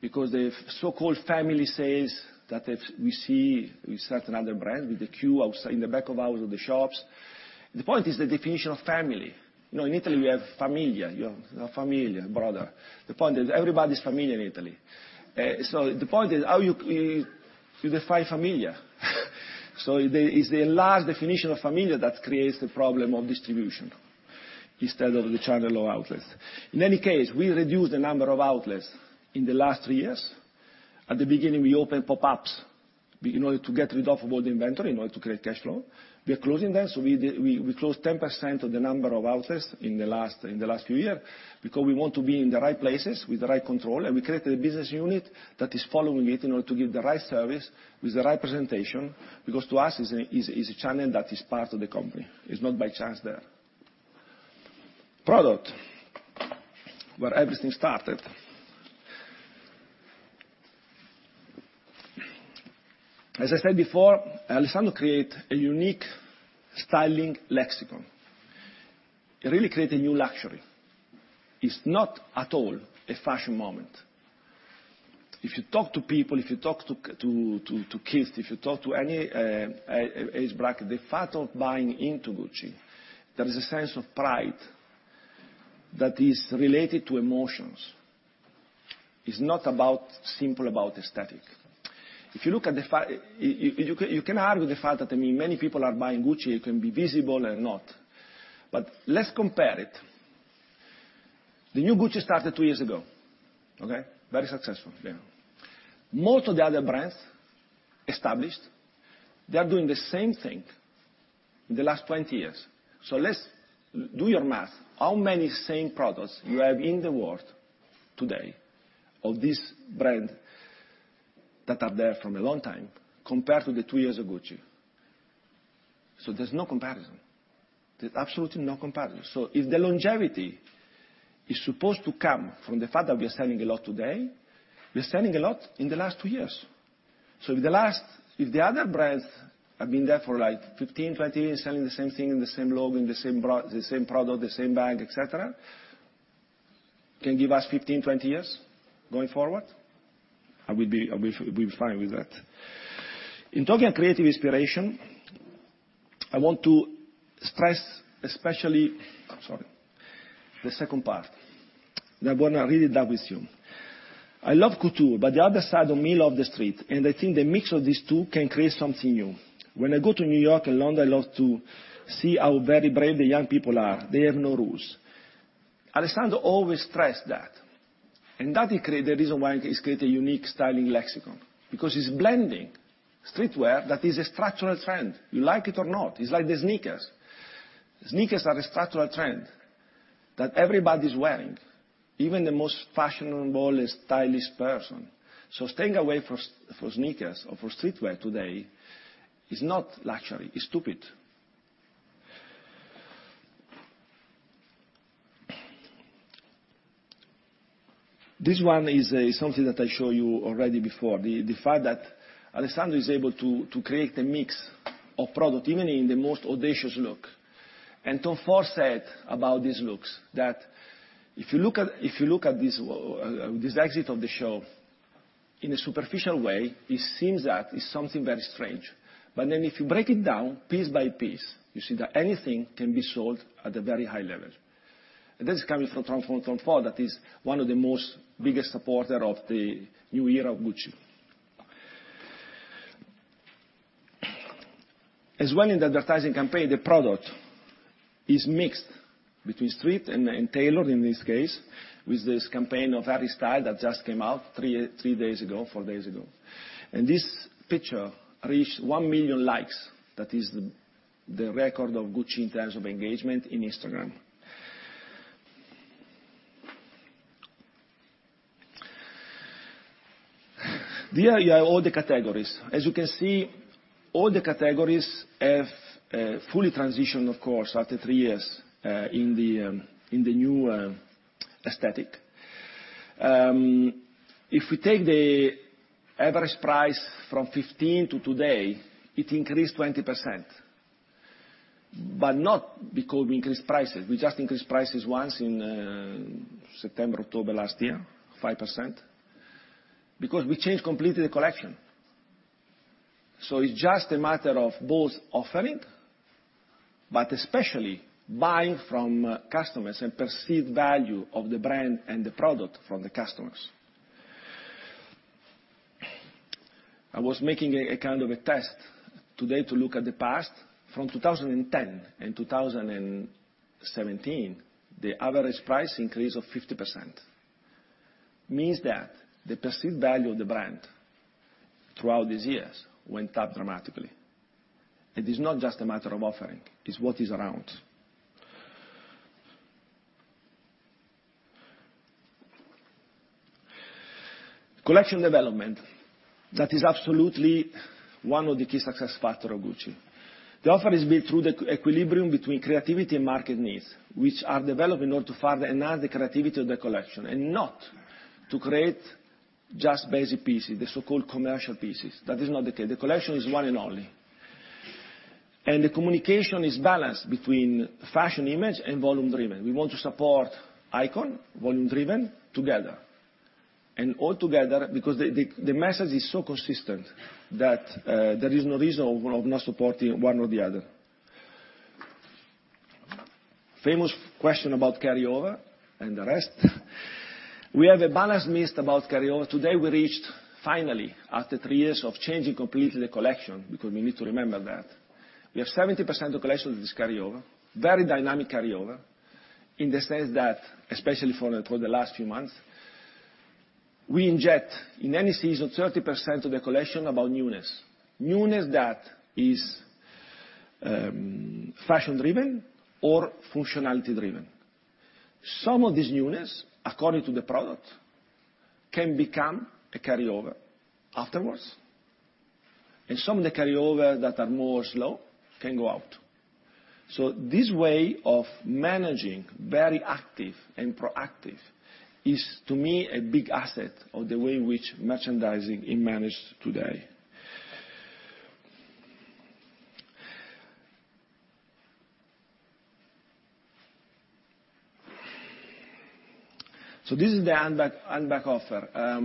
because the so-called family sales that we see with certain other brands, with the queue in the back of out of the shops. The point is the definition of family. In Italy, we have famiglia. Famiglia, brother. The point is everybody's famiglia in Italy. The point is how you define famiglia. It's the large definition of famiglia that creates the problem of distribution instead of the channel or outlets. In any case, we reduced the number of outlets in the last three years. At the beginning, we opened pop-ups in order to get rid of all the inventory, in order to create cash flow. We are closing them, we closed 10% of the number of outlets in the last few years because we want to be in the right places with the right control, and we created a business unit that is following it in order to give the right service with the right presentation, because to us, it's a channel that is part of the company. It's not by chance there. Product, where everything started. As I said before, Alessandro create a unique styling lexicon. He really create a new luxury. It's not at all a fashion moment. If you talk to people, if you talk to kids, if you talk to any age bracket, the fact of buying into Gucci, there is a sense of pride that is related to emotions. It's not simple about aesthetic. You can argue the fact that many people are buying Gucci, it can be visible or not, but let's compare it. The new Gucci started two years ago, okay? Very successful. Most of the other brands established, they are doing the same thing in the last 20 years. Let's do your math. How many same products you have in the world today of this brand that are there from a long time compared to the two years of Gucci? There's no comparison. There's absolutely no comparison. If the longevity is supposed to come from the fact that we are selling a lot today, we're selling a lot in the last two years. If the other brands have been there for 15, 20 years, selling the same thing and the same logo and the same product, the same bag, et cetera, can give us 15, 20 years going forward, I will be fine with that. In talking creative inspiration, I want to stress especially, I'm sorry, the second part. I want to read it out with you. "I love couture, but the other side of me love the street, and I think the mix of these two can create something new. When I go to New York and London, I love to see how very brave the young people are. They have no rules." Alessandro always stressed that, and that is the reason why he's created a unique styling lexicon, because he's blending streetwear, that is a structural trend. You like it or not. It's like the sneakers. Sneakers are a structural trend that everybody's wearing, even the most fashionable and stylish person. Staying away from sneakers or from streetwear today is not luxury, it's stupid. This one is something that I show you already before. The fact that Alessandro is able to create a mix of product, even in the most audacious look. Tom Ford said about these looks that if you look at this exit of the show in a superficial way, it seems that it's something very strange. If you break it down piece by piece, you see that anything can be sold at a very high level. This is coming from Tom Ford, that is one of the most biggest supporter of the new era of Gucci. As well in the advertising campaign, the product is mixed between street and tailored, in this case, with this campaign of Harry Styles that just came out three days ago, four days ago. This picture reached 1 million likes. That is the record of Gucci in terms of engagement in Instagram. There you have all the categories. As you can see, all the categories have fully transitioned, of course, after three years in the new aesthetic. If we take the average price from 2015 to today, it increased 20%. Not because we increased prices. We just increased prices once in September, October last year, 5%, because we changed completely the collection. It's just a matter of both offering, but especially buying from customers and perceived value of the brand and the product from the customers. I was making a test today to look at the past. From 2010 and 2017, the average price increase of 50% means that the perceived value of the brand throughout these years went up dramatically. It is not just a matter of offering, it's what is around. Collection development. That is absolutely one of the key success factor of Gucci. The offer is built through the equilibrium between creativity and market needs, which are developed in order to further enhance the creativity of the collection, and not to create just basic pieces, the so-called commercial pieces. That is not the case. The collection is one and only. The communication is balanced between fashion image and volume-driven. We want to support icon, volume-driven together, and altogether because the message is so consistent that there is no reason of not supporting one or the other. Famous question about carryover and the rest. We have a balanced mix about carryover. Today, we reached, finally, after three years of changing completely the collection, because we need to remember that, we have 70% of collection that is carryover. Very dynamic carryover in the sense that, especially for the last few months, we inject, in any season, 30% of the collection about newness. Newness that is fashion-driven or functionality-driven. Some of this newness, according to the product, can become a carryover afterwards. Some of the carryover that are more slow can go out. This way of managing, very active and proactive, is, to me, a big asset of the way which merchandising is managed today. This is the handbag offer. I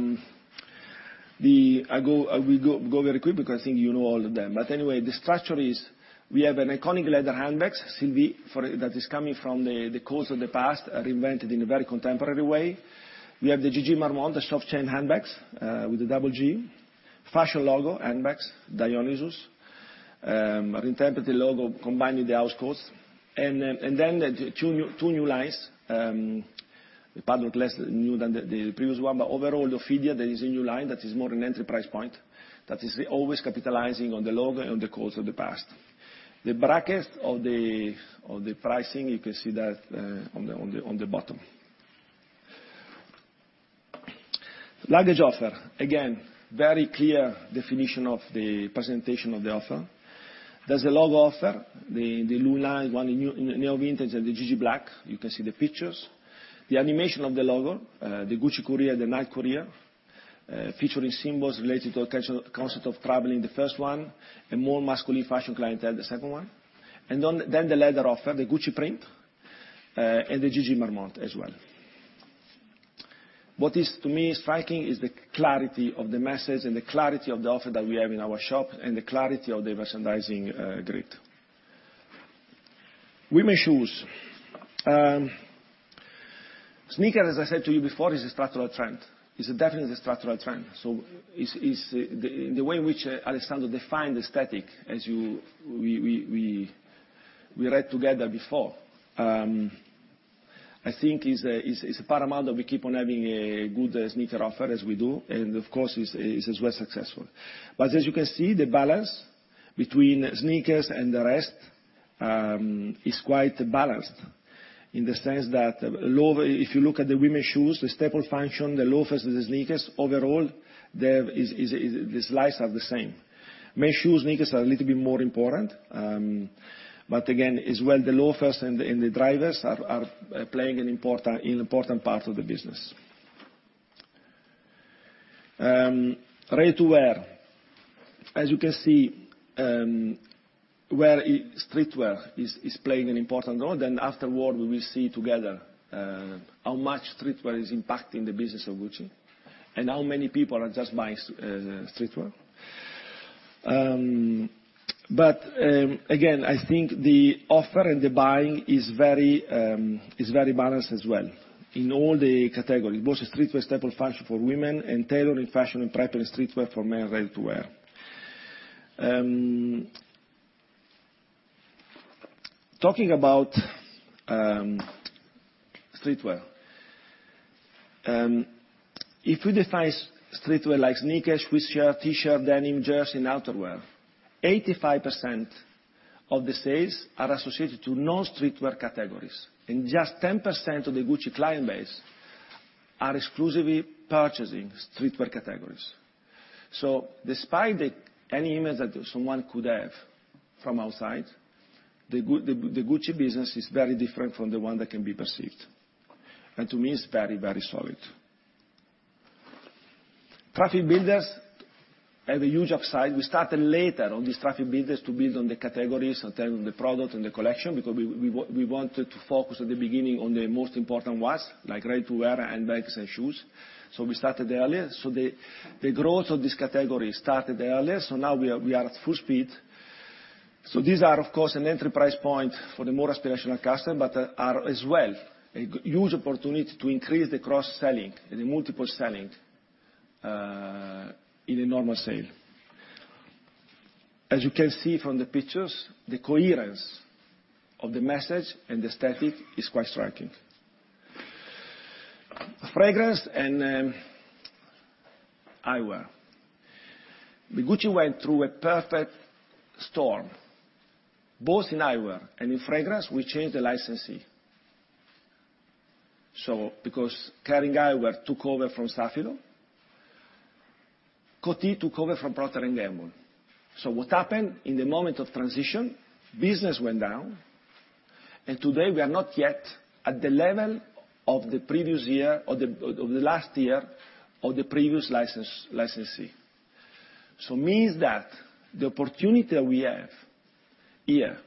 will go very quick because I think you know all of them, but anyway, the structure is we have an iconic leather handbags, Sylvie, that is coming from the course of the past, reinvented in a very contemporary way. We have the GG Marmont, the soft chain handbags with the double G. Fashion logo handbags, Dionysus. Reinterpreted logo combined with the House codes. The two new lines. Padlock less new than the previous one. Overall, Ophidia, that is a new line that is more an entry price point, that is always capitalizing on the logo and the course of the past. The brackets of the pricing, you can see that on the bottom. Luggage offer. Again, very clear definition of the presentation of the offer. There is a logo offer, the Luna is one of new vintage, and the GG Black. You can see the pictures. The animation of the logo, the Gucci Courier, the Night Courier, featuring symbols related to a concept of traveling, the first one, a more masculine fashion clientele, the second one. The leather offer, the Gucci Print, and the GG Marmont as well. What is, to me, striking is the clarity of the message and the clarity of the offer that we have in our shop, and the clarity of the merchandising grid. Women shoes. Sneakers, as I said to you before, is a structural trend, is definitely a structural trend. The way in which Alessandro defined the aesthetic as we read together before, I think it is paramount that we keep on having a good sneaker offer as we do, and of course, it is well successful. As you can see, the balance between sneakers and the rest is quite balanced in the sense that if you look at the women's shoes, the staple function, the loafers and the sneakers, overall, the slides are the same. Men's shoes, sneakers are a little bit more important. Again, as well, the loafers and the drivers are playing an important part of the business. Ready-to-wear. As you can see, where streetwear is playing an important role, afterward, we will see together how much streetwear is impacting the business of Gucci and how many people are just buying streetwear. Again, I think the offer and the buying is very balanced as well in all the categories, both the streetwear staple fashion for women and tailoring fashion and prep and streetwear for men's ready-to-wear. Talking about streetwear. If we define streetwear like sneakers, sweatshirt, T-shirt, denim, jersey, and outerwear, 85% of the sales are associated to non-streetwear categories, and just 10% of the Gucci client base are exclusively purchasing streetwear categories. Despite any image that someone could have from outside, the Gucci business is very different from the one that can be perceived. To me, it is very, very solid. Traffic builders have a huge upside. We started later on this traffic builders to build on the categories, on the product and the collection, because we wanted to focus at the beginning on the most important ones, like ready-to-wear and bags and shoes. We started earlier. The growth of this category started earlier. Now we are at full speed. These are, of course, an entry price point for the more aspirational customer, but are as well a huge opportunity to increase the cross-selling and the multiple selling in a normal sale. As you can see from the pictures, the coherence of the message and the aesthetic is quite striking. Fragrance and eyewear. Gucci went through a perfect storm. Both in eyewear and in fragrance, we changed the licensee. Because Kering Eyewear took over from Safilo, Coty took over from Procter & Gamble. What happened, in the moment of transition, business went down, and today we are not yet at the level of the previous year or the last year of the previous licensee. Means that the opportunity we have here,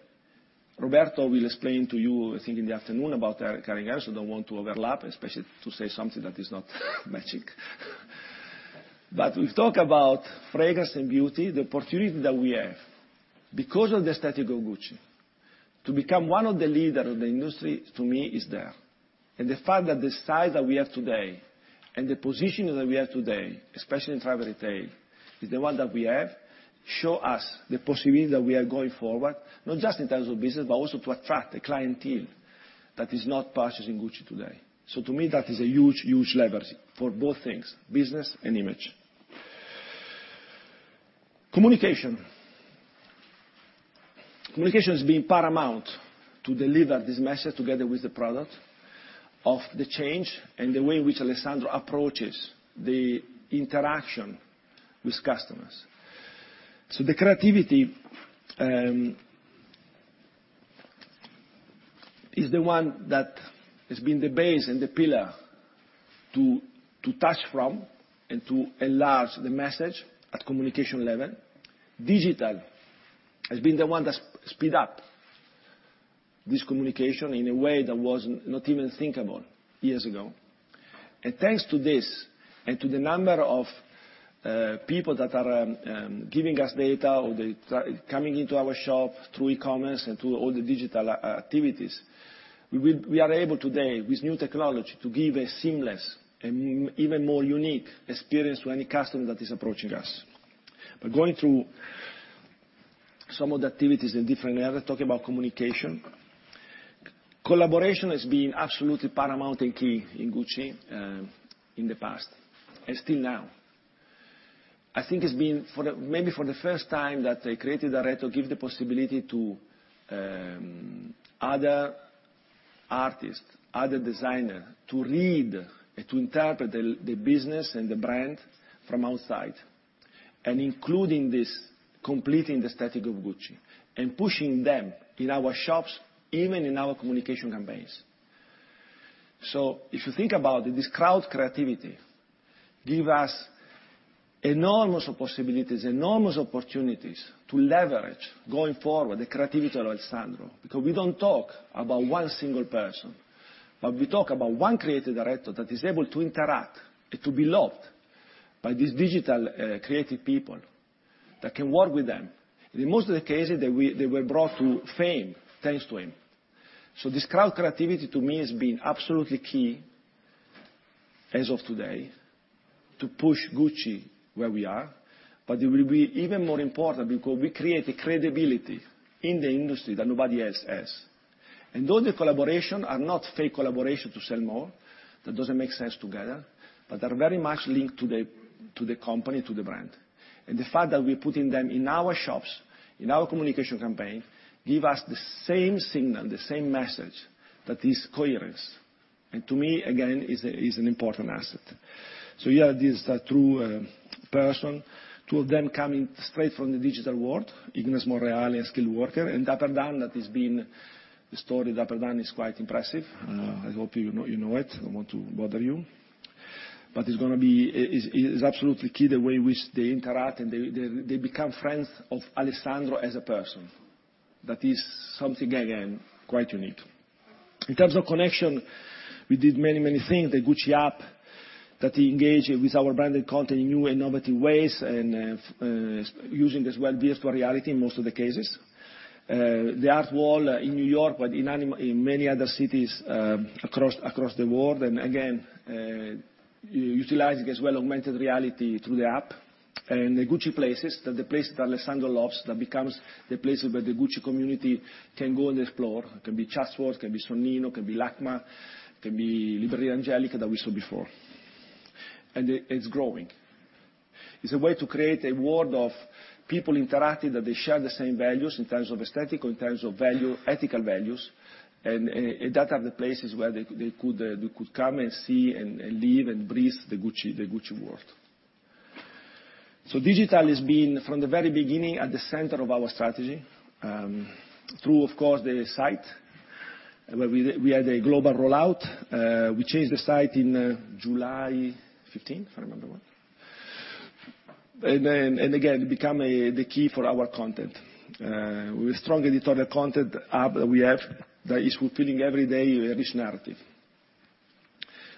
Roberto will explain to you, I think, in the afternoon about Kering Eyewear, don't want to overlap, especially to say something that is not magic. We'll talk about fragrance and beauty, the opportunity that we have because of the aesthetic of Gucci to become one of the leaders of the industry, to me is there. The fact that the size that we have today and the positioning that we have today, especially in travel retail, is the one that we have, show us the possibility that we are going forward, not just in terms of business, but also to attract a clientele that is not purchasing Gucci today. To me, that is a huge, huge leverage for both things, business and image. Communication. Communication has been paramount to deliver this message together with the product of the change and the way in which Alessandro approaches the interaction with customers. The creativity is the one that has been the base and the pillar to touch from and to enlarge the message at communication level. Digital has been the one that sped up this communication in a way that was not even thinkable years ago. Thanks to this and to the number of people that are giving us data or they coming into our shop through e-commerce and through all the digital activities, we are able today, with new technology, to give a seamless and even more unique experience to any customer that is approaching us. Going through some of the activities in different areas, talking about communication. Collaboration has been absolutely paramount and key in Gucci in the past and still now. I think it's been maybe for the first time that a Creative Director give the possibility to other artists, other designer, to read and to interpret the business and the brand from outside. Including this complete in the aesthetic of Gucci and pushing them in our shops, even in our communication campaigns. If you think about it, this crowd creativity give us enormous possibilities, enormous opportunities to leverage going forward the creativity of Alessandro, because we don't talk about one single person, but we talk about one Creative Director that is able to interact and to be loved by these digital creative people that can work with them. In most of the cases, they were brought to fame thanks to him. This crowd creativity, to me, has been absolutely key as of today to push Gucci where we are, but it will be even more important because we create a credibility in the industry that nobody else has. All the collaboration are not fake collaboration to sell more. That doesn't make sense together. They are very much linked to the company, to the brand. The fact that we're putting them in our shops, in our communication campaign, give us the same signal, the same message that is coherence, and to me, again, is an important asset. Yeah, these are true person, two of them coming straight from the digital world, Ignasi Monreal, Unskilled Worker, and Dapper Dan that has been the story. Dapper Dan is quite impressive. I hope you know it. I don't want to bother you. It's absolutely key the way which they interact, and they become friends of Alessandro as a person. That is something, again, quite unique. In terms of connection, we did many things. The Gucci App that engaged with our branded content in new innovative ways, and using as well virtual reality in most of the cases. The art wall in New York, but in many other cities across the world. Again, utilizing as well augmented reality through the app. The Gucci places, the places that Alessandro loves, that becomes the places where the Gucci community can go and explore. It can be Chatsworth, it can be Sonnino, it can be LACMA, it can be Libreria Angelica that we saw before. It's growing. It's a way to create a world of people interacting, that they share the same values in terms of aesthetic, or in terms of ethical values, and that are the places where they could come and see, and live, and breathe the Gucci world. Digital has been, from the very beginning, at the center of our strategy. Through, of course, the site, where we had a global rollout. We changed the site in July 15, if I remember well. Again, it become the key for our content, with strong editorial content hub that we have, that is fulfilling every day a rich narrative.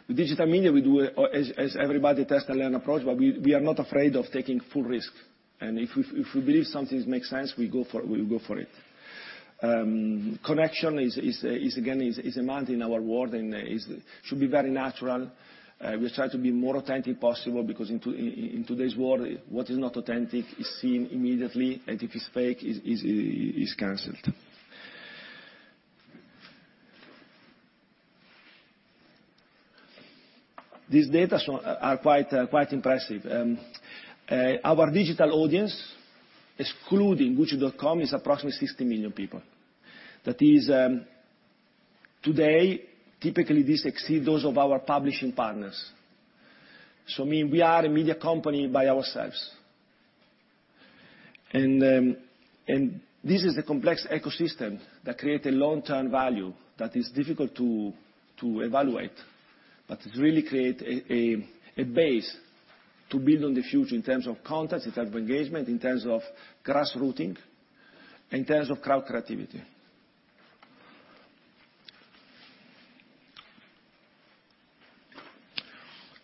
With digital media, we do, as everybody, test and learn approach, we are not afraid of taking full risk. If we believe something makes sense, we go for it. Connection is, again, is a must in our world and should be very natural. We try to be more authentic possible, because in today's world, what is not authentic is seen immediately, and if it's fake, it's canceled. These data are quite impressive. Our digital audience, excluding gucci.com, is approximately 60 million people. That is, today, typically this exceeds those of our publishing partners. We are a media company by ourselves. This is a complex ecosystem that create a long-term value that is difficult to evaluate, but it really create a base to build on the future in terms of content, in terms of engagement, in terms of grass-rooting, in terms of crowd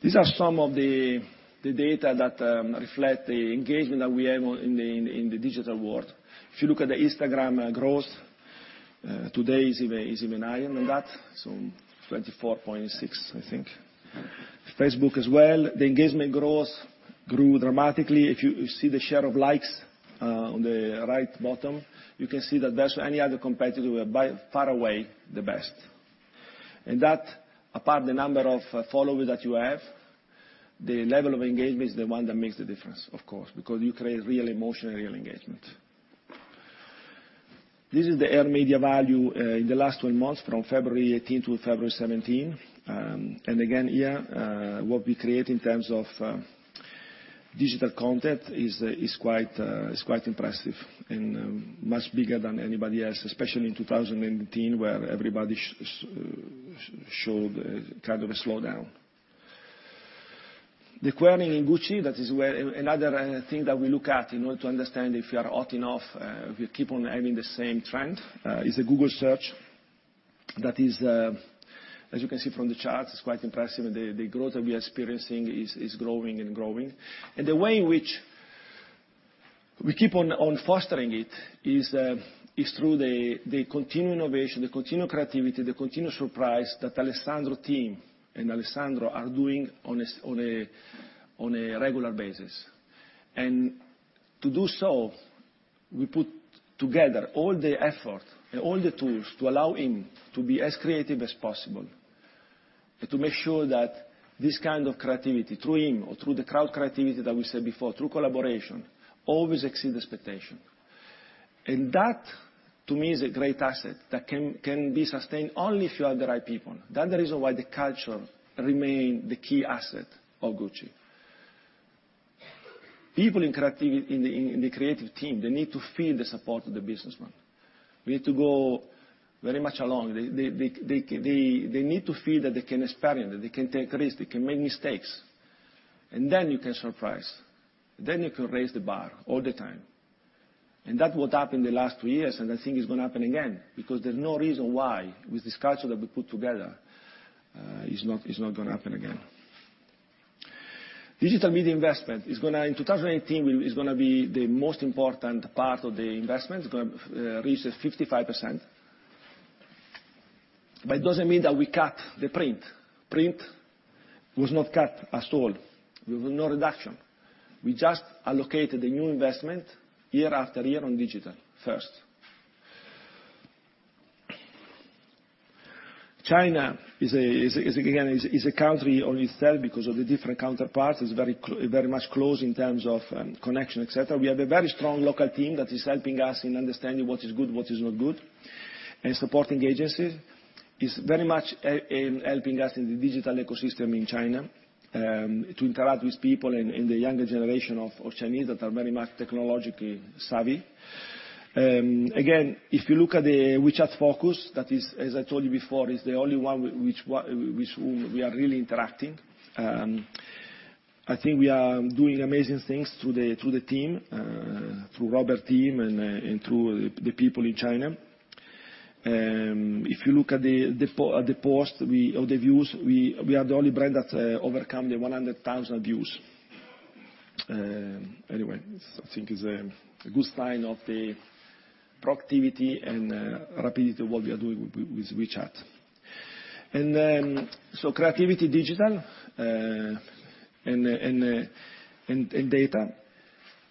creativity. These are some of the data that reflect the engagement that we have in the digital world. If you look at the Instagram growth, today is even higher than that, so 24.6, I think. Facebook as well, the engagement growth grew dramatically. If you see the share of likes on the right bottom, you can see that versus any other competitor, we are by far away the best. That, apart the number of followers that you have, the level of engagement is the one that makes the difference, of course, because you create real emotional, real engagement. This is the earned media value in the last 12 months, from February 2018 to February 2017. Again here, what we create in terms of digital content is quite impressive and much bigger than anybody else, especially in 2019, where everybody showed kind of a slowdown. The querying in Gucci, that is where another thing that we look at in order to understand if we are hot enough, if we keep on having the same trend, is a Google search. That is, as you can see from the charts, is quite impressive, and the growth that we are experiencing is growing and growing. The way in which we keep on fostering it is through the continued innovation, the continued creativity, the continued surprise that Alessandro team and Alessandro are doing on a regular basis. To do so, we put together all the effort and all the tools to allow him to be as creative as possible, and to make sure that this kind of creativity, through him or through the crowd creativity that we said before, through collaboration, always exceeds expectation. That, to me, is a great asset that can be sustained only if you have the right people. That's the reason why the culture remain the key asset of Gucci. People in the creative team, they need to feel the support of the businessman. We need to go very much along. They need to feel that they can experiment, that they can take risks, they can make mistakes. Then you can surprise. You can raise the bar all the time. That what happened the last two years, and I think it's going to happen again, because there's no reason why, with this culture that we put together, it's not going to happen again. Digital media investment, in 2018, is going to be the most important part of the investment. It's going to reach 55%. It doesn't mean that we cut the print. Print was not cut at all. We do no reduction. We just allocated a new investment year after year on digital first. China is again a country on itself because of the different counterparts. It's very much close in terms of connection, et cetera. We have a very strong local team that is helping us in understanding what is good, what is not good, and supporting agencies. It's very much helping us in the digital ecosystem in China, to interact with people in the younger generation of Chinese that are very much technologically savvy. Again, if you look at the WeChat Focus, that is, as I told you before, the only one with whom we are really interacting. I think we are doing amazing things through the team, through Robert's team, and through the people in China. If you look at the post of the views, we are the only brand that overcome the 100,000 views. Anyway, I think it's a good sign of the proactivity and rapidity of what we are doing with WeChat. Creativity digital, and data.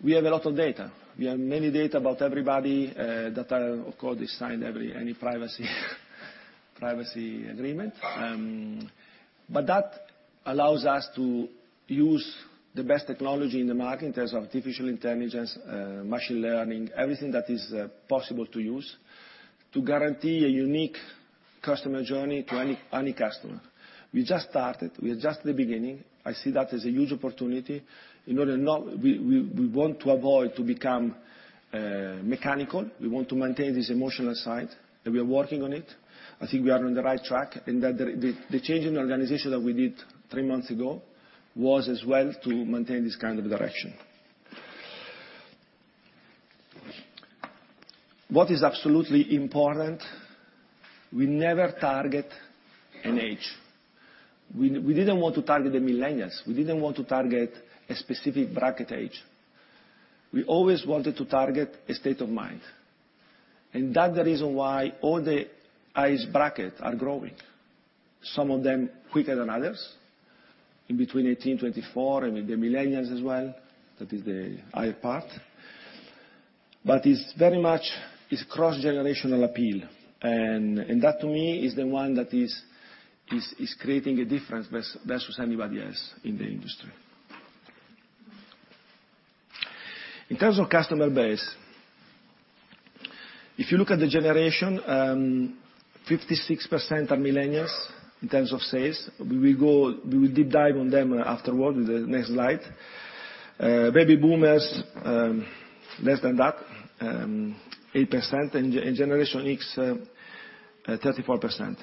We have a lot of data. We have many data about everybody that are, of course, signed any privacy agreement. That allows us to use the best technology in the market in terms of artificial intelligence, machine learning, everything that is possible to use to guarantee a unique customer journey to any customer. We just started. We are just at the beginning. I see that as a huge opportunity. We want to avoid to become mechanical. We want to maintain this emotional side, and we are working on it. I think we are on the right track and that the change in the organization that we did three months ago was as well to maintain this kind of direction. What is absolutely important, we never target an age. We didn't want to target the millennials. We didn't want to target a specific bracket age. We always wanted to target a state of mind. That's the reason why all the age bracket are growing, some of them quicker than others, in between 18 and 24, and with the millennials as well. That is the higher part. It's very much, it's cross-generational appeal. That to me is the one that is creating a difference versus anybody else in the industry. In terms of customer base, if you look at the generation, 56% are millennials in terms of sales. We will deep dive on them afterward in the next slide. Baby boomers, less than that, 8%, and Generation X, 34%.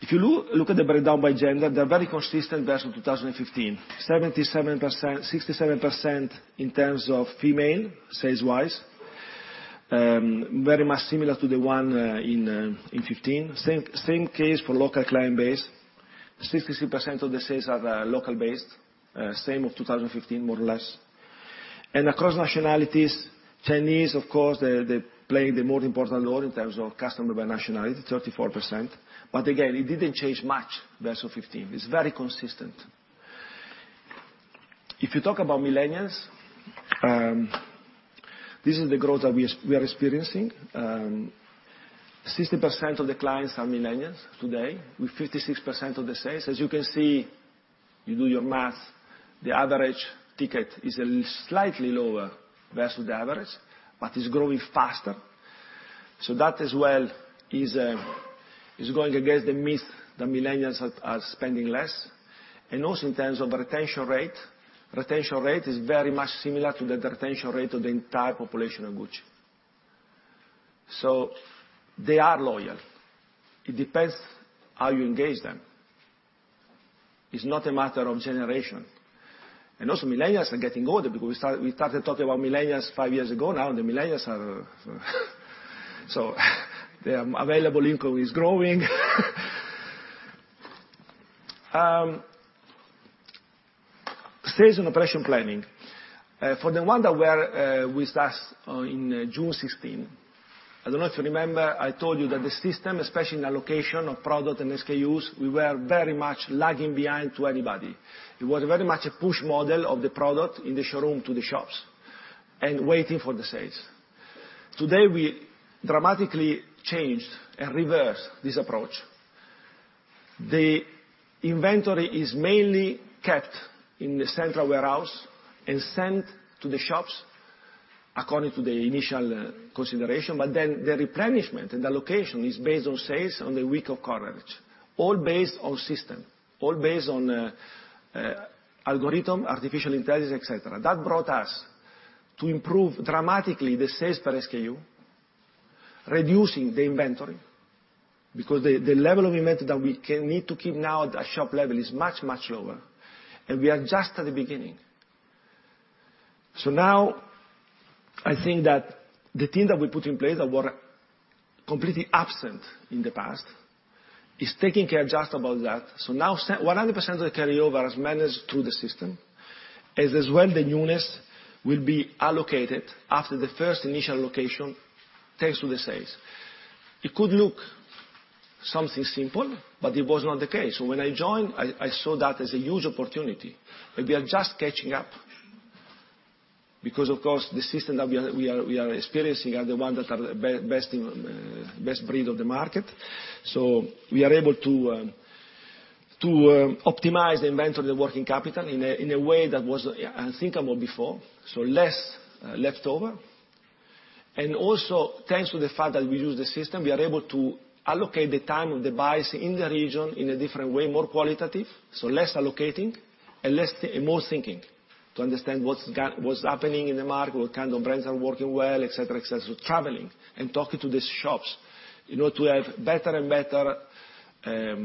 If you look at the breakdown by gender, they're very consistent versus 2015, 67% in terms of female, sales wise, very much similar to the one in 2015. Same case for local client base. 63% of the sales are the local based, same of 2015, more or less. Across nationalities, Chinese, of course, they play the more important role in terms of customer by nationality, 34%. Again, it didn't change much versus 2015. It's very consistent. If you talk about millennials, this is the growth that we are experiencing. 60% of the clients are millennials today, with 56% of the sales. As you can see, you do your math, the average ticket is slightly lower versus the average, but is growing faster. That as well is going against the myth that millennials are spending less. Also in terms of retention rate, retention rate is very much similar to the retention rate of the entire population of Gucci. They are loyal. It depends how you engage them. It's not a matter of generation. Also millennials are getting older because we started talking about millennials five years ago. Now the millennials are so their available income is growing. Season operation planning. For the one that were with us in June 2016, I don't know if you remember, I told you that the system, especially in the location of product and SKUs, we were very much lagging behind to anybody. It was very much a push model of the product in the showroom to the shops and waiting for the sales. Today, we dramatically changed and reversed this approach. The inventory is mainly kept in the central warehouse and sent to the shops according to the initial consideration, but then the replenishment and the location is based on sales on the week of coverage. All based on system, all based on algorithm, artificial intelligence, et cetera. That brought us to improve dramatically the sales per SKU, reducing the inventory, because the level of inventory that we need to keep now at a shop level is much, much lower, and we are just at the beginning. I think that the team that we put in place that were completely absent in the past is taking care just about that. 100% of the carryover is managed through the system, as is when the newness will be allocated after the first initial location, thanks to the sales. It could look something simple, but it was not the case. When I joined, I saw that as a huge opportunity, and we are just catching up because, of course, the system that we are experiencing are the ones that are best of breed of the market. We are able to optimize inventory working capital in a way that was unthinkable before, so less leftover. Thanks to the fact that we use the system, we are able to allocate the time of the buyers in the region in a different way, more qualitative, so less allocating and more thinking to understand what's happening in the market, what kind of brands are working well, et cetera, et cetera, traveling and talking to the shops to have better and better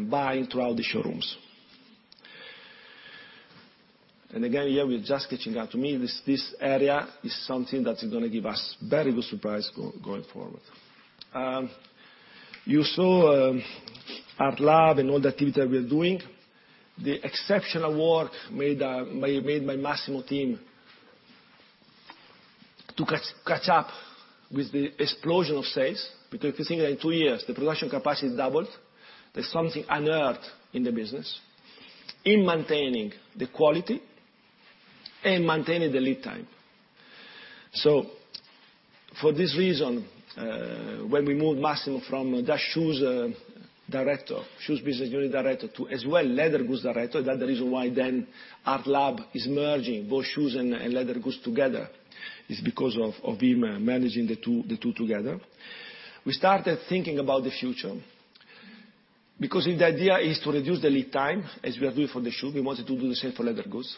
buying throughout the showrooms. Here, we're just sketching out. To me, this area is something that's going to give us very good surprise going forward. You saw Art Lab and all the activity we are doing, the exceptional work made by Massimo's team to catch up with the explosion of sales. If you think, in two years, the production capacity doubled. There's something unearthed in the business, in maintaining the quality and maintaining the lead time. For this reason, when we moved Massimo from the shoes business unit director to, as well, leather goods director, that the reason why then Art Lab is merging both shoes and leather goods together is because of him managing the two together. We started thinking about the future, because if the idea is to reduce the lead time, as we are doing for the shoe, we wanted to do the same for leather goods.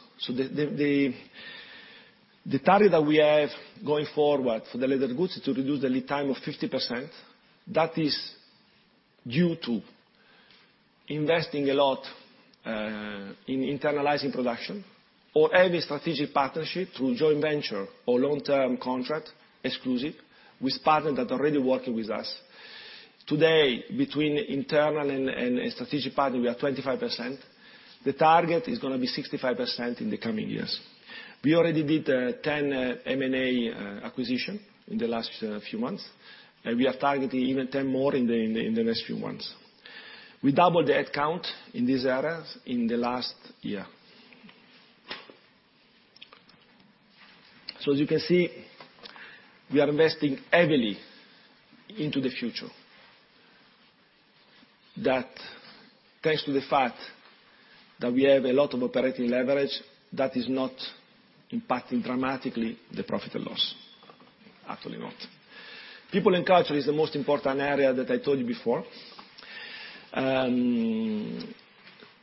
The target that we have going forward for the leather goods is to reduce the lead time of 50%. That is due to investing a lot in internalizing production or every strategic partnership through joint venture or long-term contract, exclusive, with partners that are already working with us. Today, between internal and strategic partner, we are 25%. The target is going to be 65% in the coming years. We already did 10 M&A acquisition in the last few months. We are targeting even 10 more in the next few months. We doubled the head count in these areas in the last year. As you can see, we are investing heavily into the future. That, thanks to the fact that we have a lot of operating leverage, that is not impacting dramatically the profit and loss. Absolutely not. People and culture is the most important area that I told you before.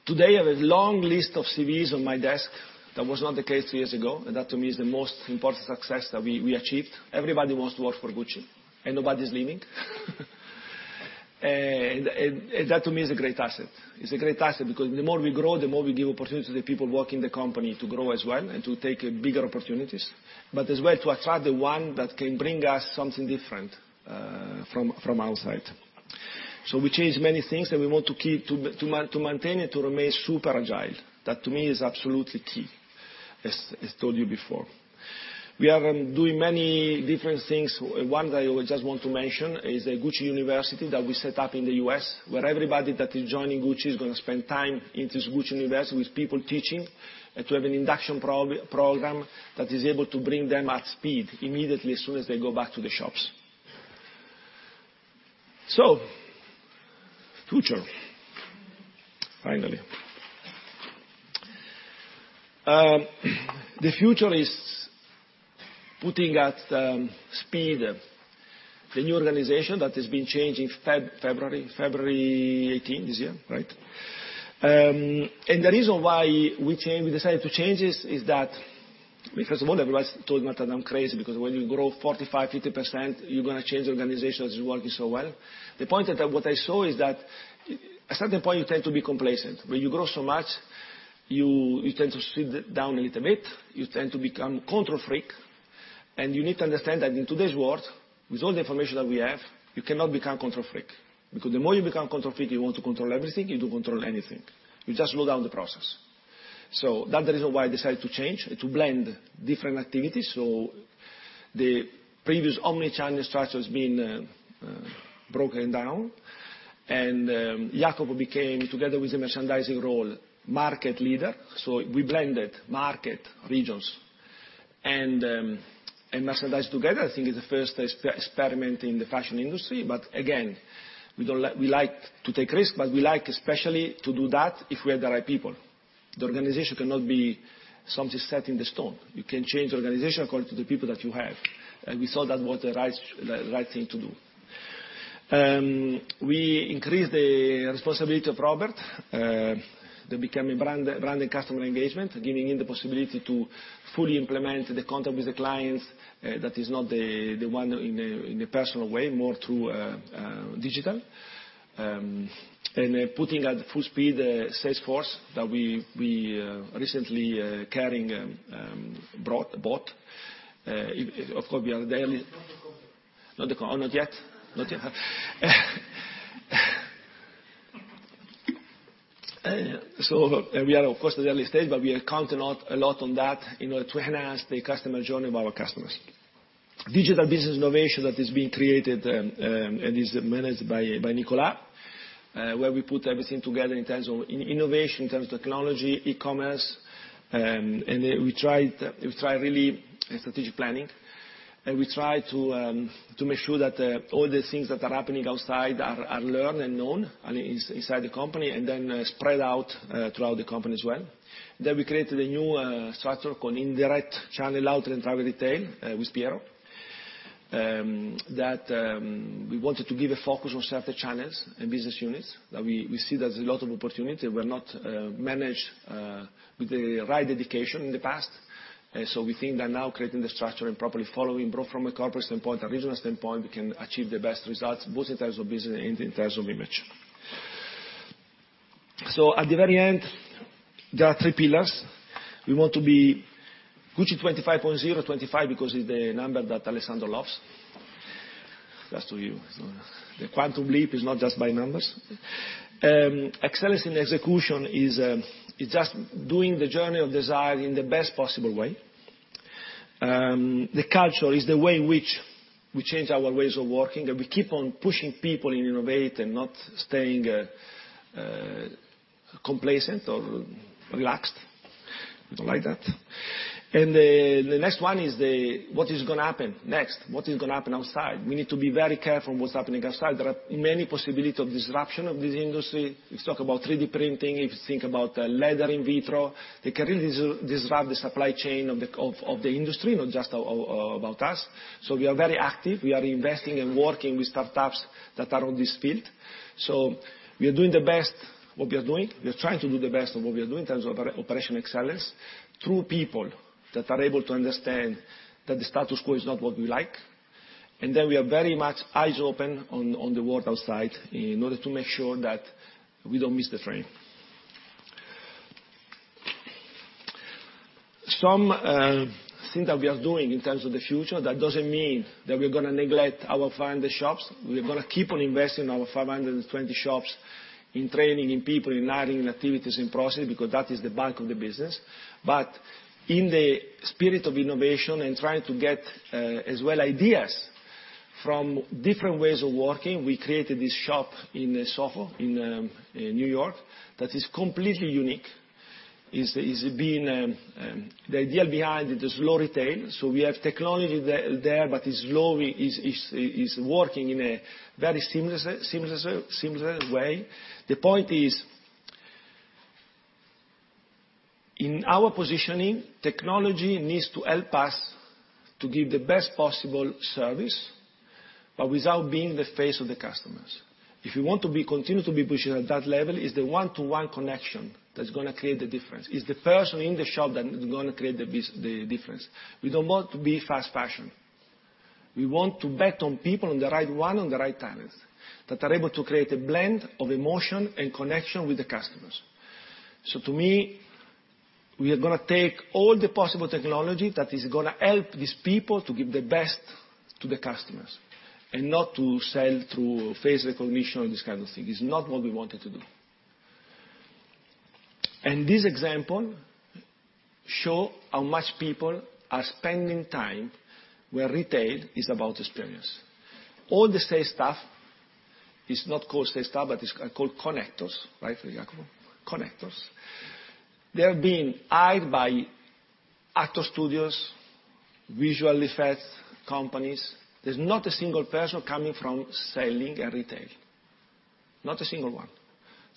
Today, I have a long list of CVs on my desk. That was not the case two years ago. That, to me, is the most important success that we achieved. Everybody wants to work for Gucci, and nobody's leaving. That, to me, is a great asset. It's a great asset because the more we grow, the more we give opportunity to the people working the company to grow as well and to take bigger opportunities, but as well to attract the one that can bring us something different from outside. We change many things, and we want to maintain and to remain super agile. That to me is absolutely key, as I told you before. We are doing many different things. One that I just want to mention is the Gucci University that we set up in the U.S., where everybody that is joining Gucci is going to spend time into Gucci University, with people teaching, to have an induction program that is able to bring them at speed immediately as soon as they go back to the shops. Future, finally. The future is putting at speed the new organization that has been changing February 2018, this year. Right? The reason why we decided to change this is that, first of all, everybody told me that I'm crazy, because when you grow 45%-50%, you're going to change the organization that is working so well. The point that what I saw is that at a certain point, you tend to be complacent. When you grow so much, you tend to sit down a little bit. You tend to become control freak. You need to understand that in today's world, with all the information that we have, you cannot become control freak. The more you become control freak, you want to control everything, you don't control anything. You just slow down the process. That the reason why I decided to change and to blend different activities. The previous omni-channel structure has been broken down. Jacopo became, together with the merchandising role, market leader. We blended market regions and merchandise together. I think it's the first experiment in the fashion industry. Again, we like to take risk, but we like especially to do that if we have the right people. The organization cannot be something set in the stone. You can change the organization according to the people that you have. We saw that was the right thing to do. We increased the responsibility of Robert, becoming Brand and Customer Engagement, giving him the possibility to fully implement the contact with the clients that is not the one in the personal way, more through digital. Putting at full speed Salesforce that we recently Kering bought. Of course, we are the early- Not the contract. Oh, not yet? We are, of course, at the early stage, but we are counting a lot on that in order to enhance the customer journey of our customers. Digital business innovation that is being created and is managed by Nicola, where we put everything together in terms of innovation, in terms of technology, e-commerce, and we try really strategic planning. We try to make sure that all the things that are happening outside are learned and known inside the company, and then spread out throughout the company as well. We created a new structure called indirect channel outlet and travel retail with Piero, that we wanted to give a focus on certain channels and business units that we see there's a lot of opportunity, were not managed with the right dedication in the past. We think that now creating the structure and properly following, both from a corporate standpoint, a regional standpoint, we can achieve the best results, both in terms of business and in terms of image. At the very end, there are three pillars. We want to be Gucci 25.0. 25 because it's the number that Alessandro loves. That's to you. The quantum leap is not just by numbers. Excellence in execution is just doing the journey of design in the best possible way. The culture is the way in which we change our ways of working, and we keep on pushing people and innovate and not staying complacent or relaxed. We don't like that. The next one is the what is going to happen next? What is going to happen outside? We need to be very careful what's happening outside. There are many possibilities of disruption of this industry. If you talk about 3D printing, if you think about leather in vitro, they can really disrupt the supply chain of the industry, not just about us. We are very active. We are investing and working with startups that are on this field. We are doing the best what we are doing. We are trying to do the best of what we are doing in terms of operational excellence through people that are able to understand that the status quo is not what we like. We are very much eyes open on the world outside in order to make sure that we don't miss the frame. Some things that we are doing in terms of the future, that doesn't mean that we're going to neglect our 500 shops. We're going to keep on investing our 520 shops in training, in people, in hiring, in activities, in process, because that is the bulk of the business. In the spirit of innovation and trying to get as well ideas from different ways of working, we created this shop in SoHo, in New York, that is completely unique. The idea behind it is slow retail. We have technology there, but is working in a very seamless way. The point is, in our positioning, technology needs to help us to give the best possible service, but without being in the face of the customers. If you want to continue to be pushing at that level, it's the one-to-one connection that's going to create the difference, is the person in the shop that is going to create the difference. We don't want to be fast fashion. We want to bet on people, on the right one, on the right talents, that are able to create a blend of emotion and connection with the customers. To me, we are going to take all the possible technology that is going to help these people to give the best to the customers and not to sell through face recognition or this kind of thing. It's not what we wanted to do. This example show how much people are spending time where retail is about experience. All the same stuff is not called sales stuff, but it's called connectors, right? For example, connectors. They're being hired by actor studios, visual effects companies. There's not a single person coming from selling and retail, not a single one.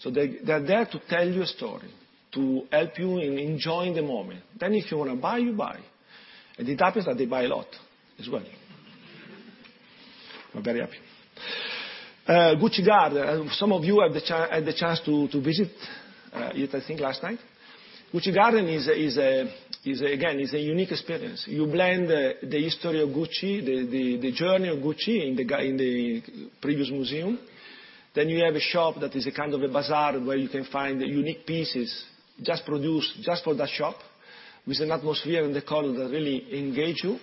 They're there to tell you a story, to help you in enjoying the moment. If you want to buy, you buy. It happens that they buy a lot as well. We're very happy. Gucci Garden, some of you had the chance to visit it, I think, last night. Gucci Garden, again, is a unique experience. You blend the history of Gucci, the journey of Gucci in the previous museum. You have a shop that is a kind of a bazaar where you can find unique pieces just produced just for that shop, with an atmosphere and decor that really engage you.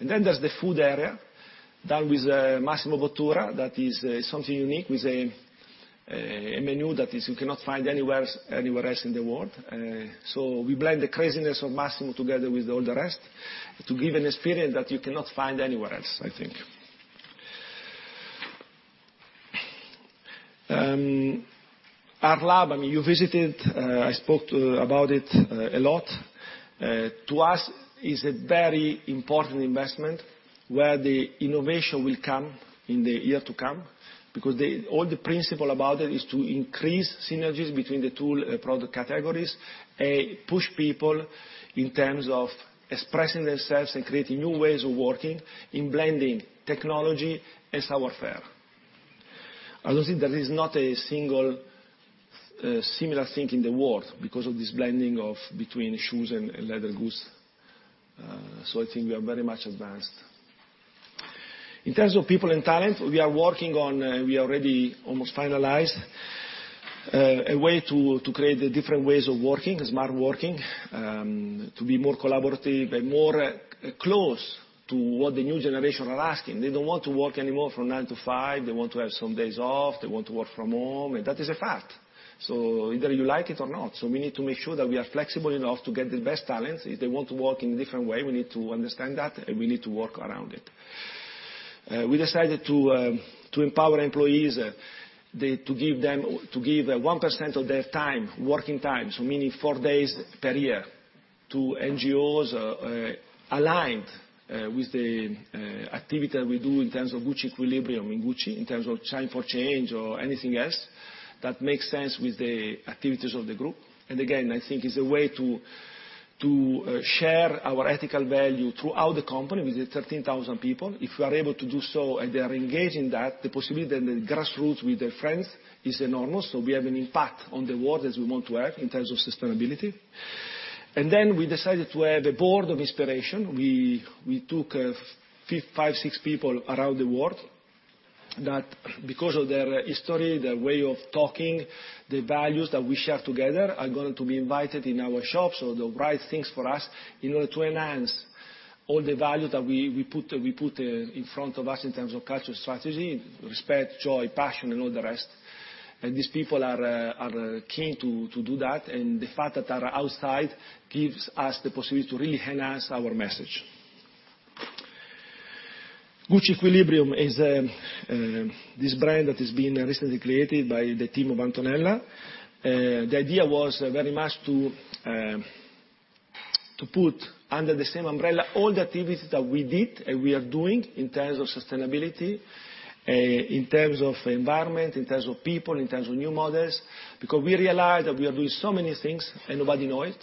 There's the food area done with Massimo Bottura, that is something unique, with a menu that you cannot find anywhere else in the world. We blend the craziness of Massimo together with all the rest to give an experience that you cannot find anywhere else, I think. Art Lab, you visited, I spoke about it a lot. To us, it is a very important investment where the innovation will come in the year to come, because all the principle about it is to increase synergies between the two product categories, push people in terms of expressing themselves and creating new ways of working in blending technology and savoir faire. I don't think there is not a single similar thing in the world because of this blending between shoes and leather goods. I think we are very much advanced. In terms of people and talent, we are working on, we already almost finalized, a way to create the different ways of working, smart working, to be more collaborative and more close to what the new generation are asking. They don't want to work anymore from 9:00 to 5:00. They want to have some days off. They want to work from home, and that is a fact, either you like it or not. We need to make sure that we are flexible enough to get the best talents. If they want to work in a different way, we need to understand that, and we need to work around it. We decided to empower employees, to give 1% of their time, working time, meaning four days per year, to NGOs aligned with the activity we do in terms of Gucci Equilibrium in Gucci, in terms of Chime for Change or anything else that makes sense with the activities of the group. Again, I think it's a way to share our ethical value throughout the company with the 13,000 people. If we are able to do so, and they are engaged in that, the possibility that the grassroots with their friends is enormous. We have an impact on the world as we want to have in terms of sustainability. Then we decided to have the board of inspiration. We took five, six people around the world, that because of their history, their way of talking, the values that we share together, are going to be invited in our shops or do the right things for us in order to enhance all the values that we put in front of us in terms of cultural strategy, respect, joy, passion, and all the rest. These people are keen to do that, and the fact that they are outside gives us the possibility to really enhance our message. Gucci Equilibrium is this brand that has been recently created by the team of Antonella. The idea was very much to put under the same umbrella all the activities that we did and we are doing in terms of sustainability, in terms of environment, in terms of people, in terms of new models, because we realized that we are doing so many things and nobody know it.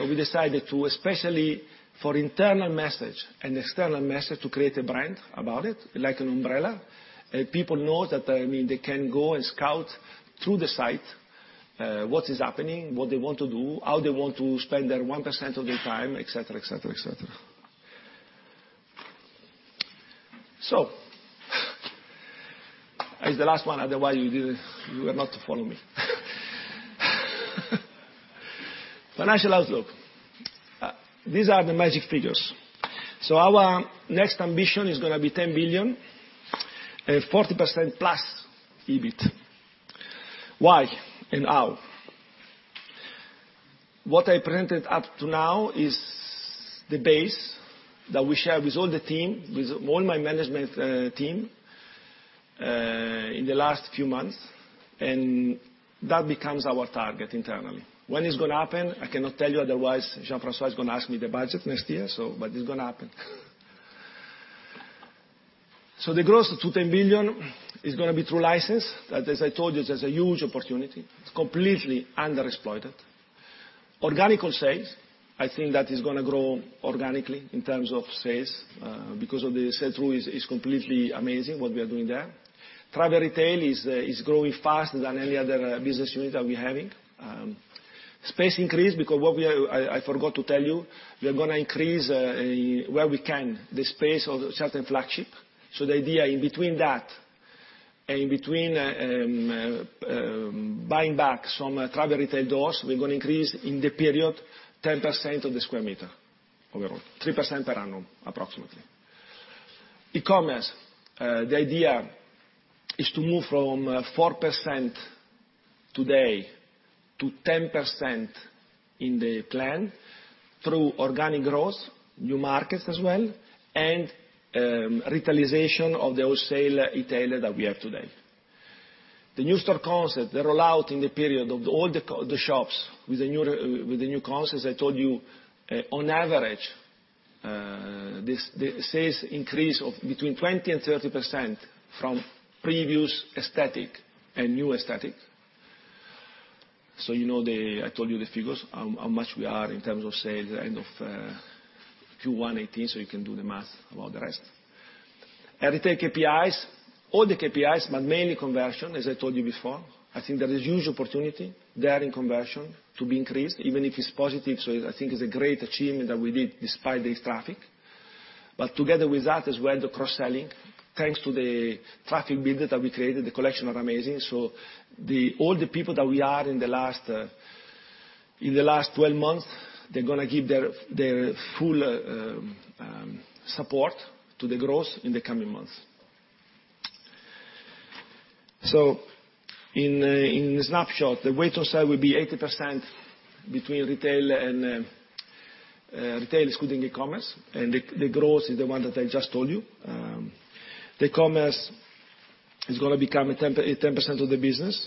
We decided to, especially for internal message and external message, to create a brand about it, like an umbrella. People know that they can go and scout through the site, what is happening, what they want to do, how they want to spend their 1% of their time, et cetera. It's the last one, otherwise you are not to follow me. Financial outlook. These are the magic figures. Our next ambition is going to be 10 billion, a 40% plus EBIT. Why and how? What I presented up to now is the base that we share with all the team, with all my management team, in the last few months, and that becomes our target internally. When it's going to happen, I cannot tell you, otherwise Jean-François is going to ask me the budget next year, but it's going to happen. The growth to 10 billion is going to be through license. As I told you, there's a huge opportunity. It's completely underexploited. Organical sales, I think that is going to grow organically in terms of sales, because of the sell-through is completely amazing what we are doing there. Travel retail is growing faster than any other business unit that we're having. Space increase because I forgot to tell you, we are going to increase, where we can, the space of certain flagship. The idea in between that, and in between buying back some travel retail doors, we're going to increase in the period 10% of the square meter overall, 3% per annum approximately. E-commerce, the idea is to move from 4% today to 10% in the plan through organic growth, new markets as well, and retailization of the wholesale e-tailer that we have today. The new store concept, the rollout in the period of all the shops with the new concepts, I told you, on average, the sales increase of between 20%-30% from previous aesthetic and new aesthetic. You know, I told you the figures, how much we are in terms of sales at end of Q1 2018, you can do the math about the rest. Retail KPIs, all the KPIs, but mainly conversion, as I told you before. There is huge opportunity there in conversion to be increased, even if it is positive. I think it is a great achievement that we did despite this traffic. Together with that as well, the cross-selling, thanks to the traffic build that we created, the collection are amazing. All the people that we are in the last 12 months, they are going to give their full support to the growth in the coming months. In a snapshot, the weight of sale will be 80% between retail and retail excluding e-commerce, and the growth is the one that I just told you. The e-commerce is going to become 10% of the business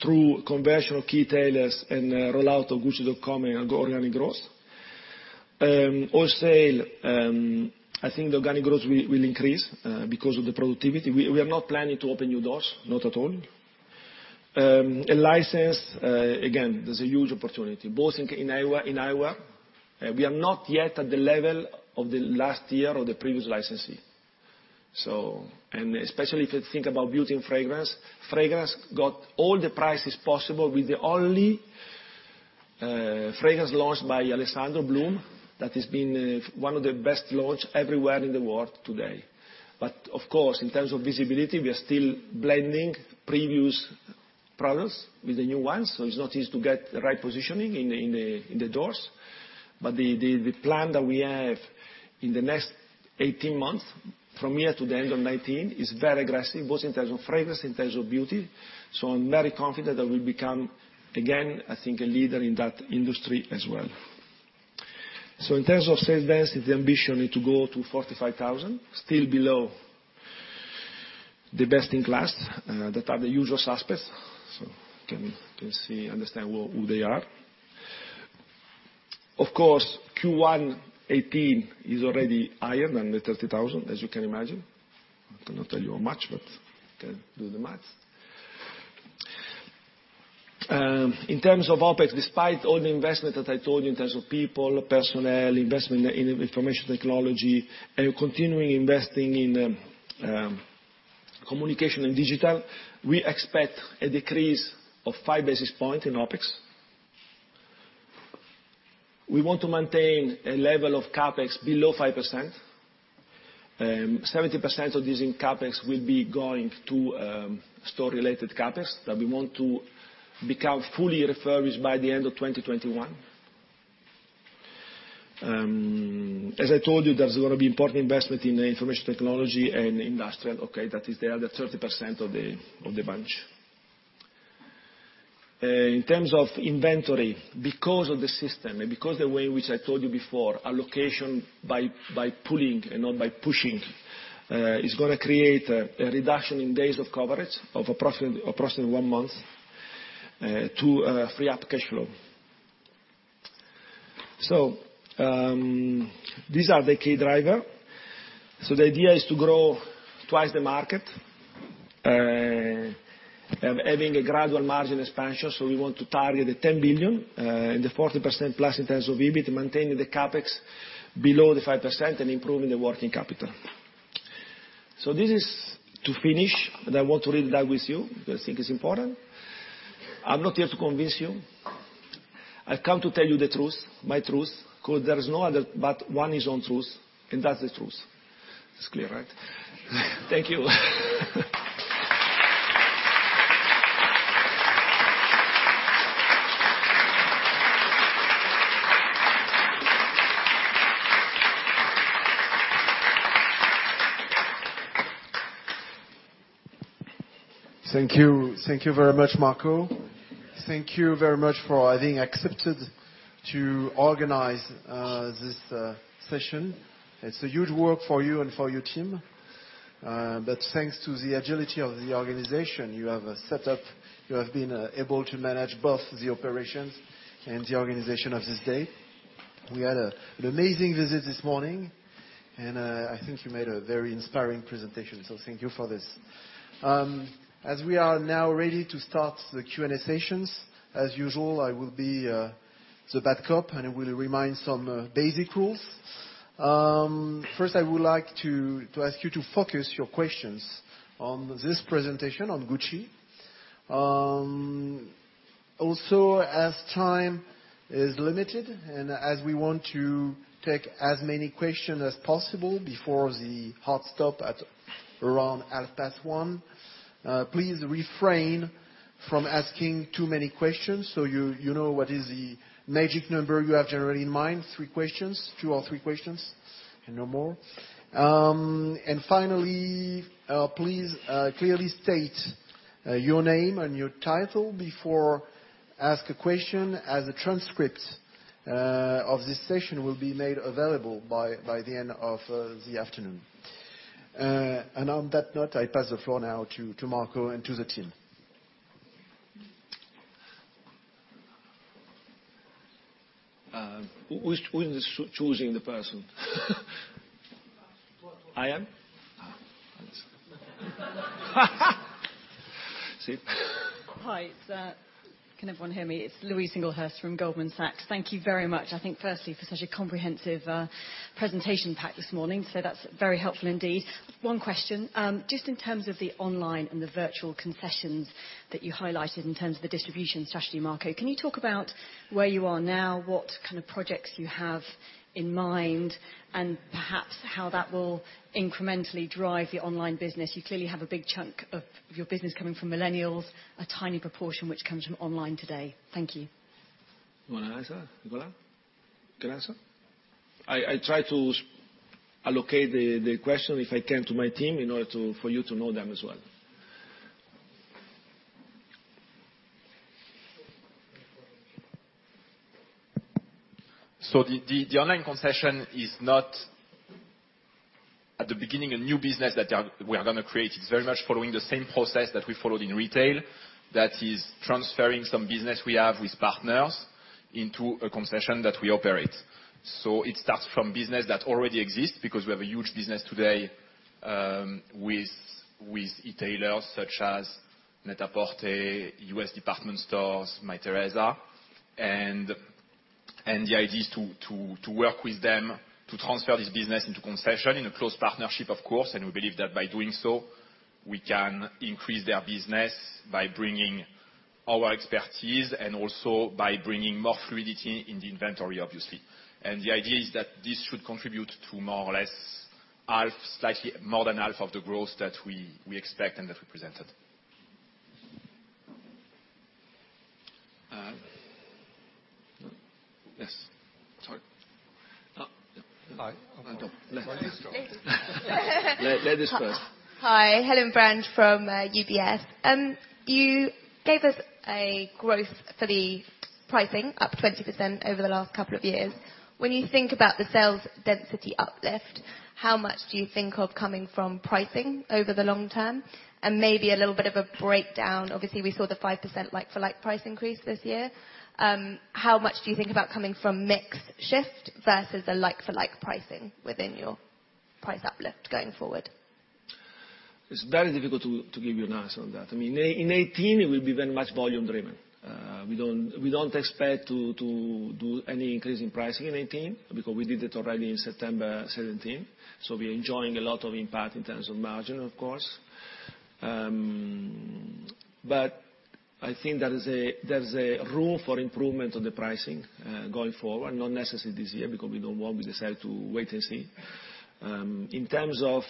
through conversion of key retailers and rollout of gucci.com and organic growth. Wholesale, the organic growth will increase because of the productivity. We are not planning to open new doors, not at all. License, again, there is a huge opportunity, both in eyewear. We are not yet at the level of the last year or the previous licensee. Especially if you think about beauty and fragrance got all the prizes possible with the only fragrance launched by Alessandro Bloom. That has been one of the best launch everywhere in the world today. Of course, in terms of visibility, we are still blending previous products with the new ones, so it is not easy to get the right positioning in the doors. The plan that we have in the next 18 months, from here to the end of 2019, is very aggressive, both in terms of fragrance, in terms of beauty. I am very confident that we will become, again, a leader in that industry as well. In terms of sales base, the ambition is to go to 45,000, still below the best in class that are the usual suspects, so you can understand who they are. Of course, Q1 2018 is already higher than the 30,000, as you can imagine. I cannot tell you how much, but you can do the math. In terms of OpEx, despite all the investment that I told you in terms of people, personnel, investment in information technology, and continuing investing in communication and digital, we expect a decrease of 5 basis point in OpEx. We want to maintain a level of CapEx below 5%. 70% of this in CapEx will be going to store-related CapEx that we want to become fully refurbished by the end of 2021. As I told you, there is going to be important investment in information technology and industrial, that is the other 30% of the bunch. In terms of inventory, because of the system and because the way which I told you before, allocation by pulling and not by pushing, is going to create a reduction in days of coverage of approximately one month, to free up cash flow. These are the key drivers. The idea is to grow twice the market, having a gradual margin expansion. We want to target the 10 billion, the 40% plus in terms of EBIT, maintaining the CapEx below the 5% and improving the working capital. This is to finish, and I want to read that with you, because I think it is important. I am not here to convince you. I've come to tell you the truth, my truth, because there is no other, but one's own truth, and that's the truth. It's clear, right? Thank you. Thank you. Thank you very much, Marco. Thank you very much for having accepted to organize this session. It's a huge work for you and for your team. Thanks to the agility of the organization you have set up, you have been able to manage both the operations and the organization of this day. We had an amazing visit this morning, I think you made a very inspiring presentation, so thank you for this. We are now ready to start the Q&A sessions, as usual, I will be the bad cop and I will remind some basic rules. First, I would like to ask you to focus your questions on this presentation on Gucci. As time is limited, as we want to take as many questions as possible before the hard stop at around 1:30 P.M., please refrain from asking too many questions so you know what is the magic number you have generally in mind, two or three questions and no more. Finally, please clearly state your name and your title before asking a question, as a transcript of this session will be made available by the end of the afternoon. On that note, I pass the floor now to Marco and to the team. Who is choosing the person? I am? Thanks. See. Hi. Can everyone hear me? It is Louise Singlehurst from Goldman Sachs. Thank you very much, I think firstly, for such a comprehensive presentation pack this morning. That is very helpful indeed. One question. Just in terms of the online and the virtual concessions that you highlighted in terms of the distribution strategy, Marco, can you talk about where you are now, what kind of projects you have in mind, and perhaps how that will incrementally drive the online business? You clearly have a big chunk of your business coming from millennials, a tiny proportion which comes from online today. Thank you. You want to answer, Nicola? Can answer? I try to allocate the question if I can to my team in order for you to know them as well. The online concession is not at the beginning a new business that we are going to create. It is very much following the same process that we followed in retail, that is transferring some business we have with partners into a concession that we operate. It starts from business that already exists because we have a huge business today with e-tailers such as NET-A-PORTER, U.S. department stores, Mytheresa. The idea is to work with them to transfer this business into concession in a close partnership, of course, and we believe that by doing so, we can increase their business by bringing our expertise and also by bringing more fluidity in the inventory, obviously. The idea is that this should contribute to more or less half, slightly more than half of the growth that we expect and that we presented. Yes. Sorry. Hi. Ladies first. Hi, Helen Brand from UBS. You gave us a growth for the pricing up 20% over the last couple of years. When you think about the sales density uplift, how much do you think of coming from pricing over the long term? Maybe a little bit of a breakdown. Obviously, we saw the 5% like-for-like price increase this year. How much do you think about coming from mix shift versus a like-for-like pricing within your price uplift going forward? It's very difficult to give you an answer on that. In 2018, it will be very much volume driven. We don't expect to do any increase in pricing in 2018 because we did it already in September 2017, we're enjoying a lot of impact in terms of margin, of course. I think there's a role for improvement on the pricing going forward. Not necessarily this year, because we decide to wait and see. In terms of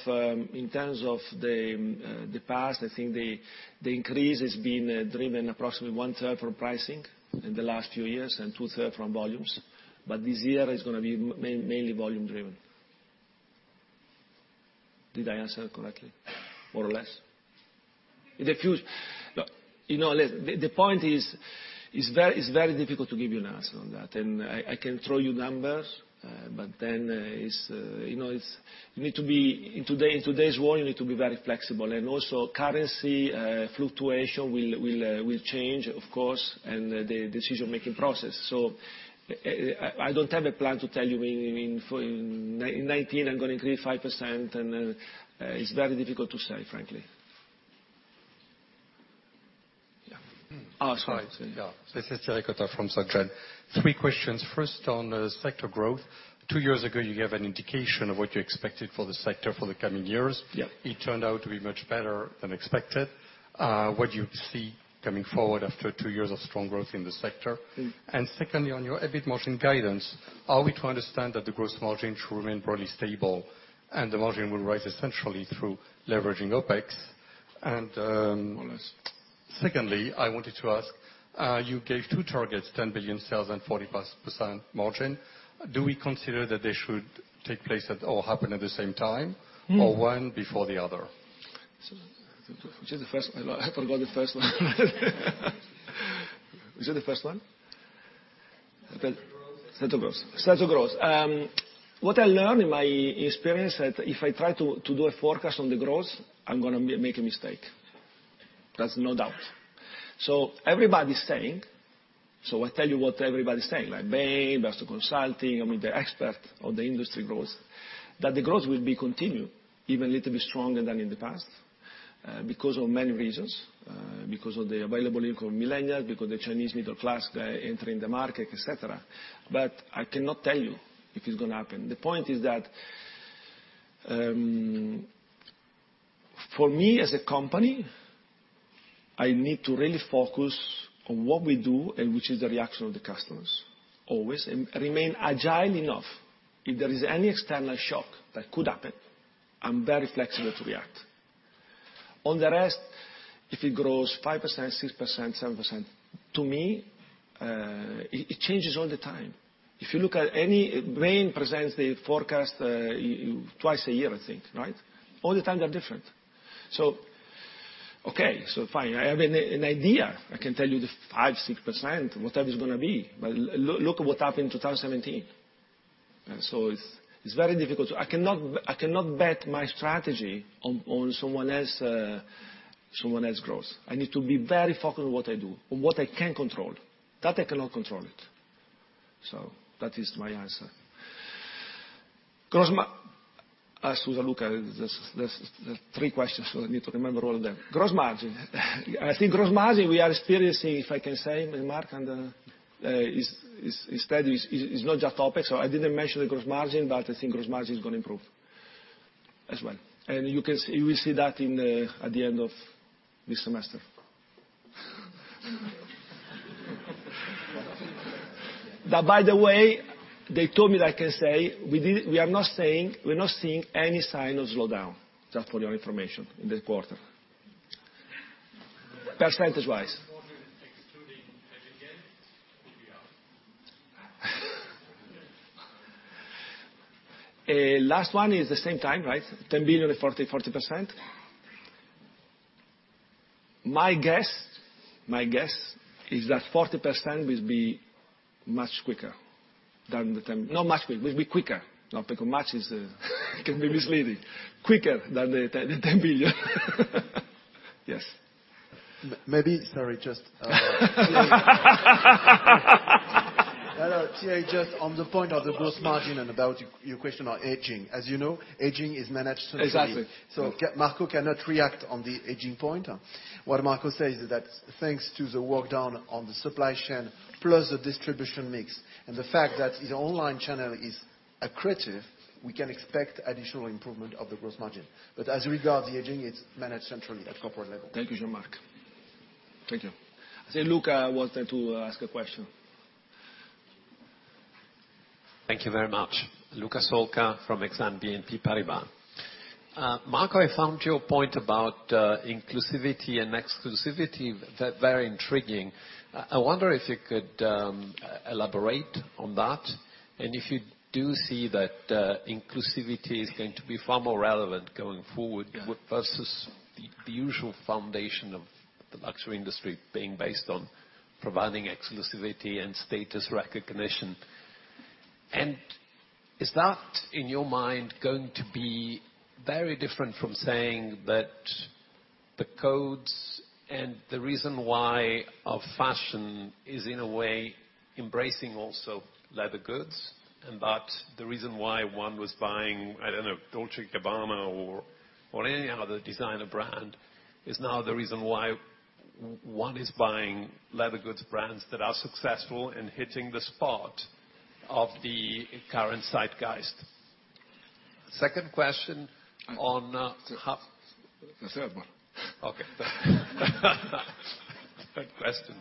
the past, I think the increase has been driven approximately one third from pricing in the last few years, and two third from volumes. This year is going to be mainly volume driven. Did I answer correctly, more or less? Look, the point is, it's very difficult to give you an answer on that. I can throw you numbers, but then in today's world, you need to be very flexible, also currency fluctuation will change, of course, the decision-making process. I don't have a plan to tell you, in 2019, I'm going to increase 5%, it's very difficult to say, frankly. Yeah. Ask. This is Erwan Rambourg from HSBC. Three questions. First, on sector growth. Two years ago, you gave an indication of what you expected for the sector for the coming years. Yeah. It turned out to be much better than expected. What do you see coming forward after two years of strong growth in the sector? Secondly, on your EBIT margin guidance, are we to understand that the growth margin should remain broadly stable and the margin will rise essentially through leveraging OpEx? More or less. Secondly, I wanted to ask, you gave two targets, 10 billion sales and 40-plus % margin. Do we consider that they should take place at or happen at the same time, or one before the other? Which is the first? I forgot the first one. Was it the first one? Sales and growth. Sales and growth. What I learned in my experience, that if I try to do a forecast on the growth, I'm going to make a mistake. There's no doubt. Everybody's saying, I tell you what everybody's saying, like Bain, Boston Consulting, the expert on the industry growth, that the growth will be continued, even a little bit stronger than in the past, because of many reasons. Because of the availability of millennials, because the Chinese middle class, they're entering the market, et cetera. I cannot tell you if it's going to happen. The point is that, for me as a company, I need to really focus on what we do and which is the reaction of the customers always, and remain agile enough. If there is any external shock that could happen, I'm very flexible to react. On the rest, if it grows 5%, 6%, 7%, to me, it changes all the time. If you look at any, Bain presents the forecast twice a year, I think, right? All the time, they're different. Okay. Fine. I have an idea. I can tell you the 5%, 6%, whatever it's going to be, look at what happened in 2017. It's very difficult to I cannot bet my strategy on someone else growth. I need to be very focused on what I do, on what I can control. That, I cannot control it. That is my answer. I saw Luca. There's three questions, I need to remember all of them. Gross margin. I think gross margin, we are experiencing, if I can say, Jean-Marc, and his study, it's not just OpEx. I didn't mention the gross margin, but I think gross margin is going to improve as well. You will see that at the end of this semester. By the way, they told me that I can say, we are not seeing any sign of slowdown, just for your information, in this quarter. Percentage wise. Excluding aging and Last one is the same time, right? 10 billion and 40%. My guess is that 40% will be much quicker than the EUR 10 billion. Not much quicker, will be quicker. Note that much is can be misleading. Quicker than the 10 billion. Yes. Maybe, sorry, Hello. Just on the point of the gross margin and about your question on aging. As you know, aging is managed centrally. Exactly. Marco cannot react on the aging point. What Marco says is that thanks to the work done on the supply chain, plus the distribution mix, and the fact that his online channel is accretive, we can expect additional improvement of the gross margin. As regards the aging, it's managed centrally at corporate level. Thank you, Jean-Marc Duplaix. Thank you. I see Luca wanted to ask a question. Thank you very much. Luca Solca from Exane BNP Paribas. Marco, I found your point about inclusivity and exclusivity very intriguing. I wonder if you could elaborate on that, and if you do see that inclusivity is going to be far more relevant going forward versus the usual foundation of the luxury industry being based on providing exclusivity and status recognition. Is that, in your mind, going to be very different from saying that the codes and the reason why fashion is, in a way, embracing also leather goods, but the reason why one was buying, I don't know, Dolce & Gabbana or any other designer brand is now the reason why one is buying leather goods brands that are successful in hitting the spot of the current zeitgeist? Second question on- The third one. Okay. Third question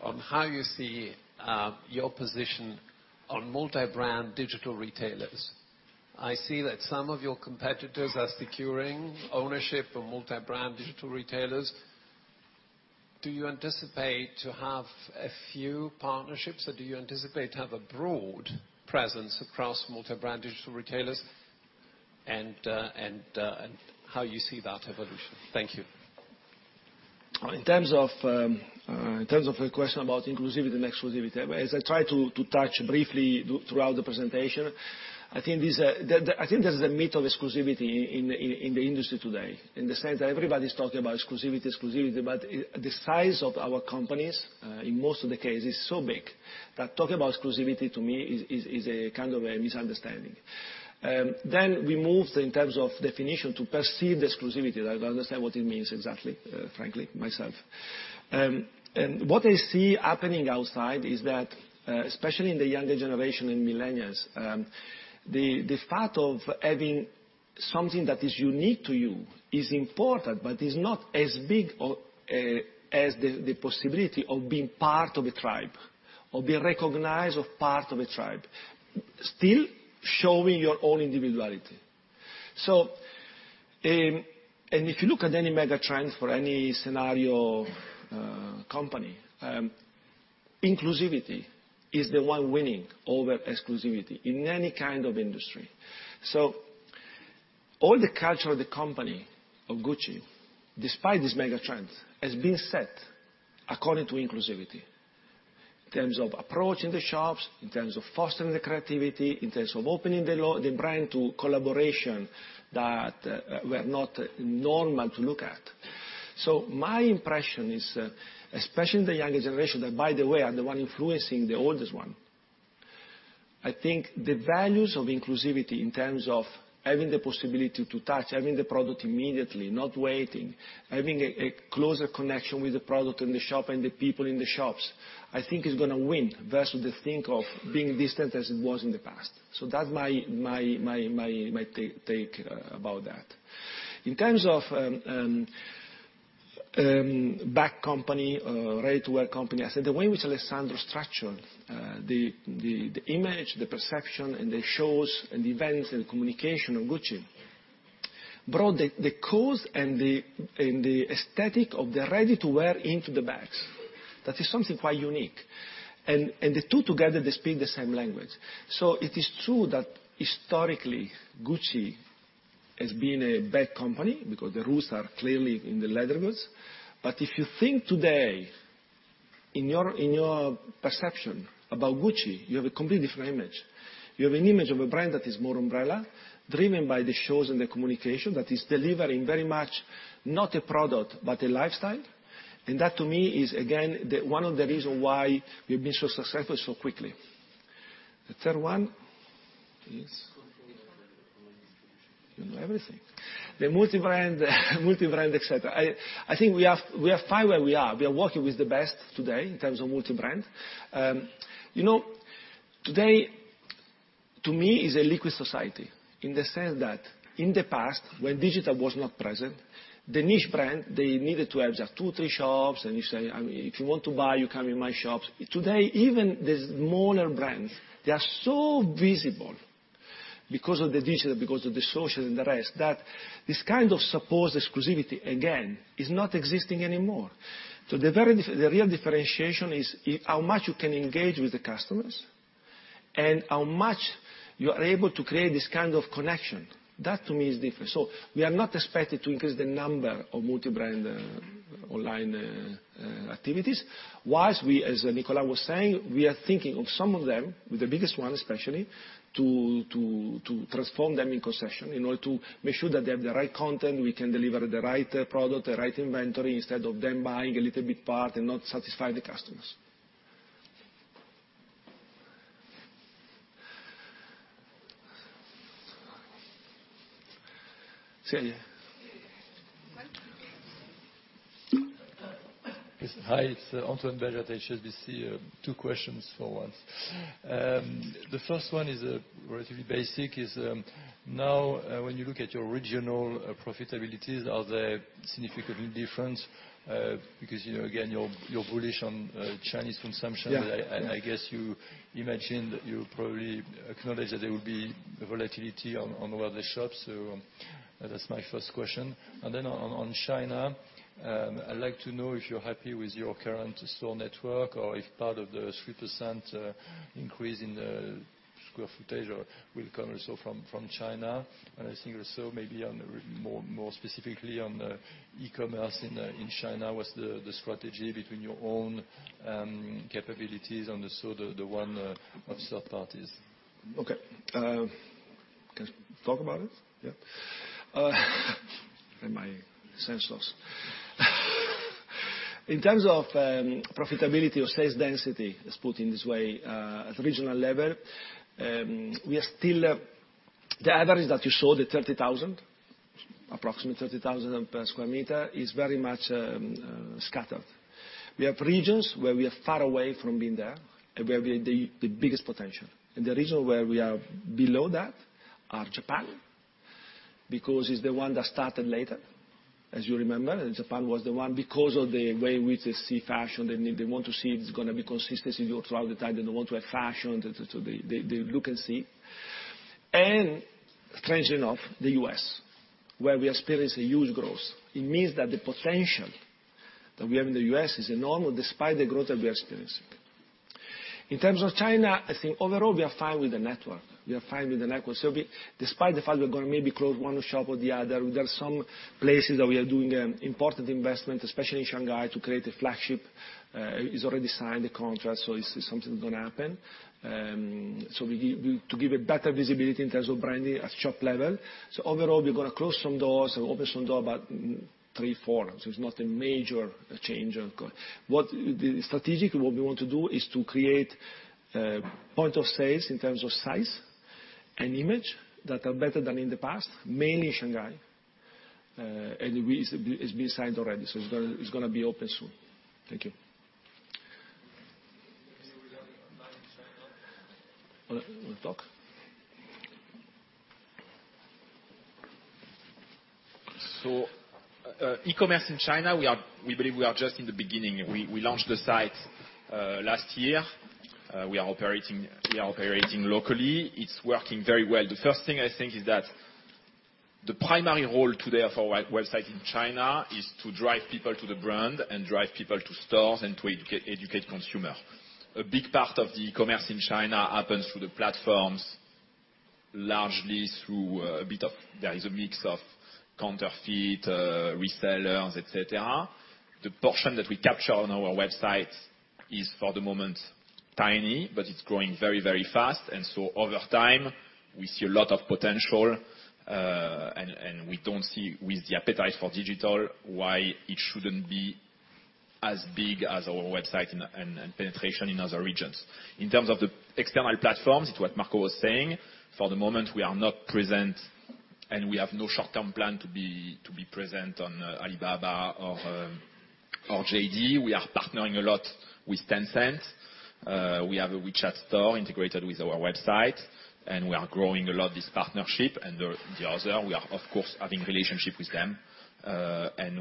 on how you see your position on multi-brand digital retailers. I see that some of your competitors are securing ownership of multi-brand digital retailers. Do you anticipate to have a few partnerships, or do you anticipate to have a broad presence across multi-brand digital retailers? How you see that evolution. Thank you. In terms of the question about inclusivity and exclusivity, as I tried to touch briefly throughout the presentation, I think there's a myth of exclusivity in the industry today, in the sense that everybody's talking about exclusivity, but the size of our companies, in most of the cases, is so big that talking about exclusivity to me is a kind of a misunderstanding. We moved in terms of definition to perceived exclusivity. I don't understand what it means exactly, frankly, myself. What I see happening outside is that, especially in the younger generation, in Millennials, the thought of having something that is unique to you is important, but is not as big as the possibility of being part of a tribe, or being recognized of part of a tribe, still showing your own individuality. If you look at any mega trends for any scenario company, inclusivity is the one winning over exclusivity in any kind of industry. All the culture of the company, of Gucci, despite this mega trend, has been set according to inclusivity, in terms of approach in the shops, in terms of fostering the creativity, in terms of opening the brand to collaboration that were not normal to look at. My impression is, especially in the younger generation, that by the way, are the one influencing the oldest one. I think the values of inclusivity in terms of having the possibility to touch, having the product immediately, not waiting, having a closer connection with the product in the shop and the people in the shops, I think is going to win versus the think of being distant as it was in the past. That's my take about that. In terms of back company, ready-to-wear company, I said the way which Alessandro structured the image, the perception, and the shows, and events and communication of Gucci, brought the cause and the aesthetic of the ready-to-wear into the bags. That is something quite unique. The two together, they speak the same language. It is true that historically, Gucci has been a bag company because the roots are clearly in the leather goods. If you think today, in your perception about Gucci, you have a complete different image. You have an image of a brand that is more umbrella, driven by the shows and the communication that is delivering very much not a product, but a lifestyle. That, to me, is again, one of the reason why we've been so successful so quickly. The third one, please. You know everything. The multi-brand, et cetera. I think we are fine where we are. We are working with the best today in terms of multi-brand. Today, to me, is a liquid society in the sense that in the past when digital was not present, the niche brand, they needed to have just two, three shops, and you say, "If you want to buy, you come in my shops." Today, even the smaller brands, they are so visible because of the digital, because of the social and the rest, that this kind of supposed exclusivity, again, is not existing anymore. The real differentiation is how much you can engage with the customers and how much you are able to create this kind of connection. That to me is different. We are not expected to increase the number of multi-brand online activities. Whilst we, as Nicola was saying, we are thinking of some of them, with the biggest ones especially, to transform them in concession in order to make sure that they have the right content, we can deliver the right product, the right inventory instead of them buying a little bit part and not satisfy the customers. Celia. Hi, it's Antoine Belge, HSBC. Two questions for once. The first one is relatively basic, is now when you look at your regional profitabilities, are they significantly different? Because, again, you're bullish on Chinese consumption- Yeah I guess you imagine that you probably acknowledge that there will be volatility on one of the shops. That's my first question. On China, I'd like to know if you're happy with your current store network or if part of the 3% increase in the square footage will come also from China. I think also maybe more specifically on e-commerce in China, what's the strategy between your own capabilities and the one of third parties? Okay. Can I talk about it? Yeah. My essentials. In terms of profitability or sales density, let's put it in this way, at regional level, the average that you saw, the approximately 30,000 per sq m is very much scattered. We have regions where we are far away from being there and where we have the biggest potential. The regions where we are below that are Japan, because it's the one that started later, as you remember. Japan was the one because of the way we see fashion, they want to see it's going to be consistency throughout the time. They don't want to have fashion, they look and see. Strangely enough, the U.S., where we are experiencing huge growth. It means that the potential that we have in the U.S. is enormous, despite the growth that we are experiencing. In terms of China, I think overall, we are fine with the network. We are fine with the network. Despite the fact we're going to maybe close one shop or the other, there are some places that we are doing an important investment, especially in Shanghai, to create a flagship. It's already signed the contract, so it's something that's going to happen. To give a better visibility in terms of branding at shop level. Overall, we're going to close some doors and open some doors, about three, four. It's not a major change. Strategically, what we want to do is to create point of sales in terms of size and image that are better than in the past, mainly Shanghai. It's been signed already, so it's going to be open soon. Thank you. Want to talk? E-commerce in China, we believe we are just in the beginning. We launched the site last year. We are operating locally. It's working very well. The first thing, I think, is that the primary role today of our website in China is to drive people to the brand and drive people to stores and to educate consumer. A big part of the e-commerce in China happens through the platforms. There is a mix of counterfeit, resellers, et cetera. The portion that we capture on our website is, for the moment, tiny, but it's growing very fast. Over time, we see a lot of potential, and we don't see with the appetite for digital why it shouldn't be as big as our website and penetration in other regions. In terms of the external platforms, it's what Marco was saying, for the moment, we are not present and we have no short-term plan to be present on Alibaba or JD. We are partnering a lot with Tencent. We have a WeChat store integrated with our website. We are growing a lot this partnership and the other. We are, of course, having relationship with them,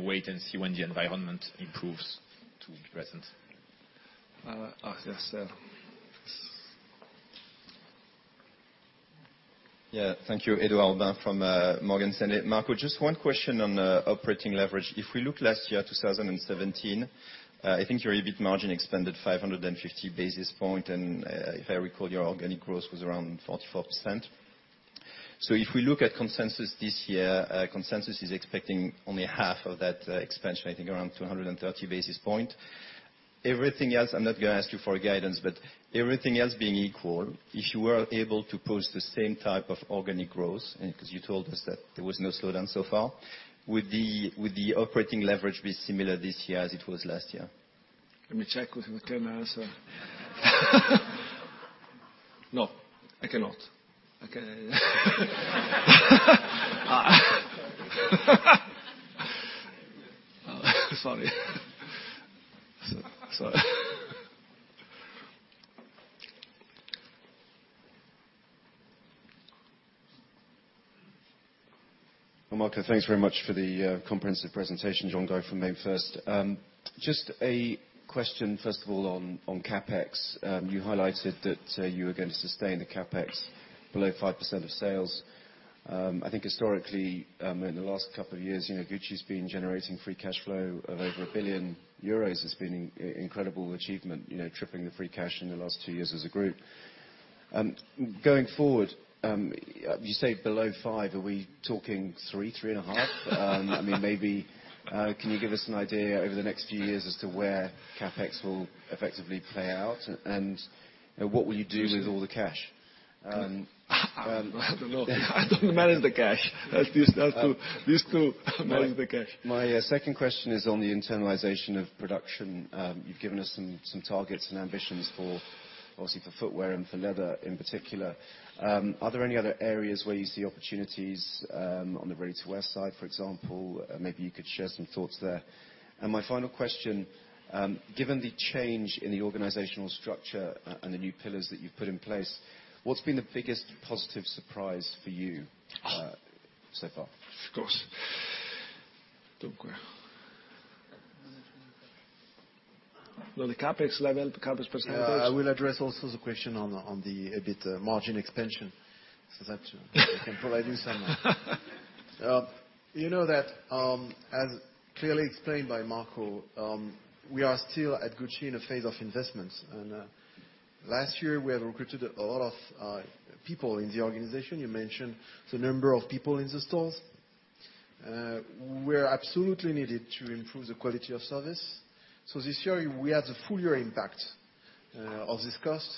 wait and see when the environment improves to be present. Okay, sir. Thank you. Edouard Aubin from Morgan Stanley. Marco, just one question on operating leverage. If we look last year, 2017, I think your EBIT margin expanded 550 basis points, and if I recall, your organic growth was around 44%. If we look at consensus this year, consensus is expecting only half of that expansion, I think around 230 basis points. Everything else, I'm not going to ask you for guidance, but everything else being equal, if you were able to post the same type of organic growth, because you told us that there was no slowdown so far, would the operating leverage be similar this year as it was last year? Let me check with Kering. No, I cannot. Sorry. Sorry. Marco, thanks very much for the comprehensive presentation. John Guy from MainFirst. Just a question, first of all on CapEx. You highlighted that you were going to sustain the CapEx below 5% of sales. I think historically, in the last couple of years, Gucci's been generating free cash flow of over 1 billion euros. It's been incredible achievement, tripling the free cash in the last two years as a group. Going forward, you say below five, are we talking three and a half? Maybe can you give us an idea over the next few years as to where CapEx will effectively play out? What will you do with all the cash? I don't know. I don't manage the cash. These two manage the cash. My second question is on the internalization of production. You've given us some targets and ambitions, obviously for footwear and for leather in particular. Are there any other areas where you see opportunities, on the ready-to-wear side, for example? Maybe you could share some thoughts there. My final question, given the change in the organizational structure and the new pillars that you've put in place, what's been the biggest positive surprise for you so far? Of course. Don't worry. Low the CapEx level, CapEx percentage. I will address also the question on the EBIT margin expansion, so that I can provide you some. You know that, as clearly explained by Marco, we are still at Gucci in a phase of investments. Last year, we have recruited a lot of people in the organization. You mentioned the number of people in the stores. We're absolutely needed to improve the quality of service. This year, we had the full year impact of this cost.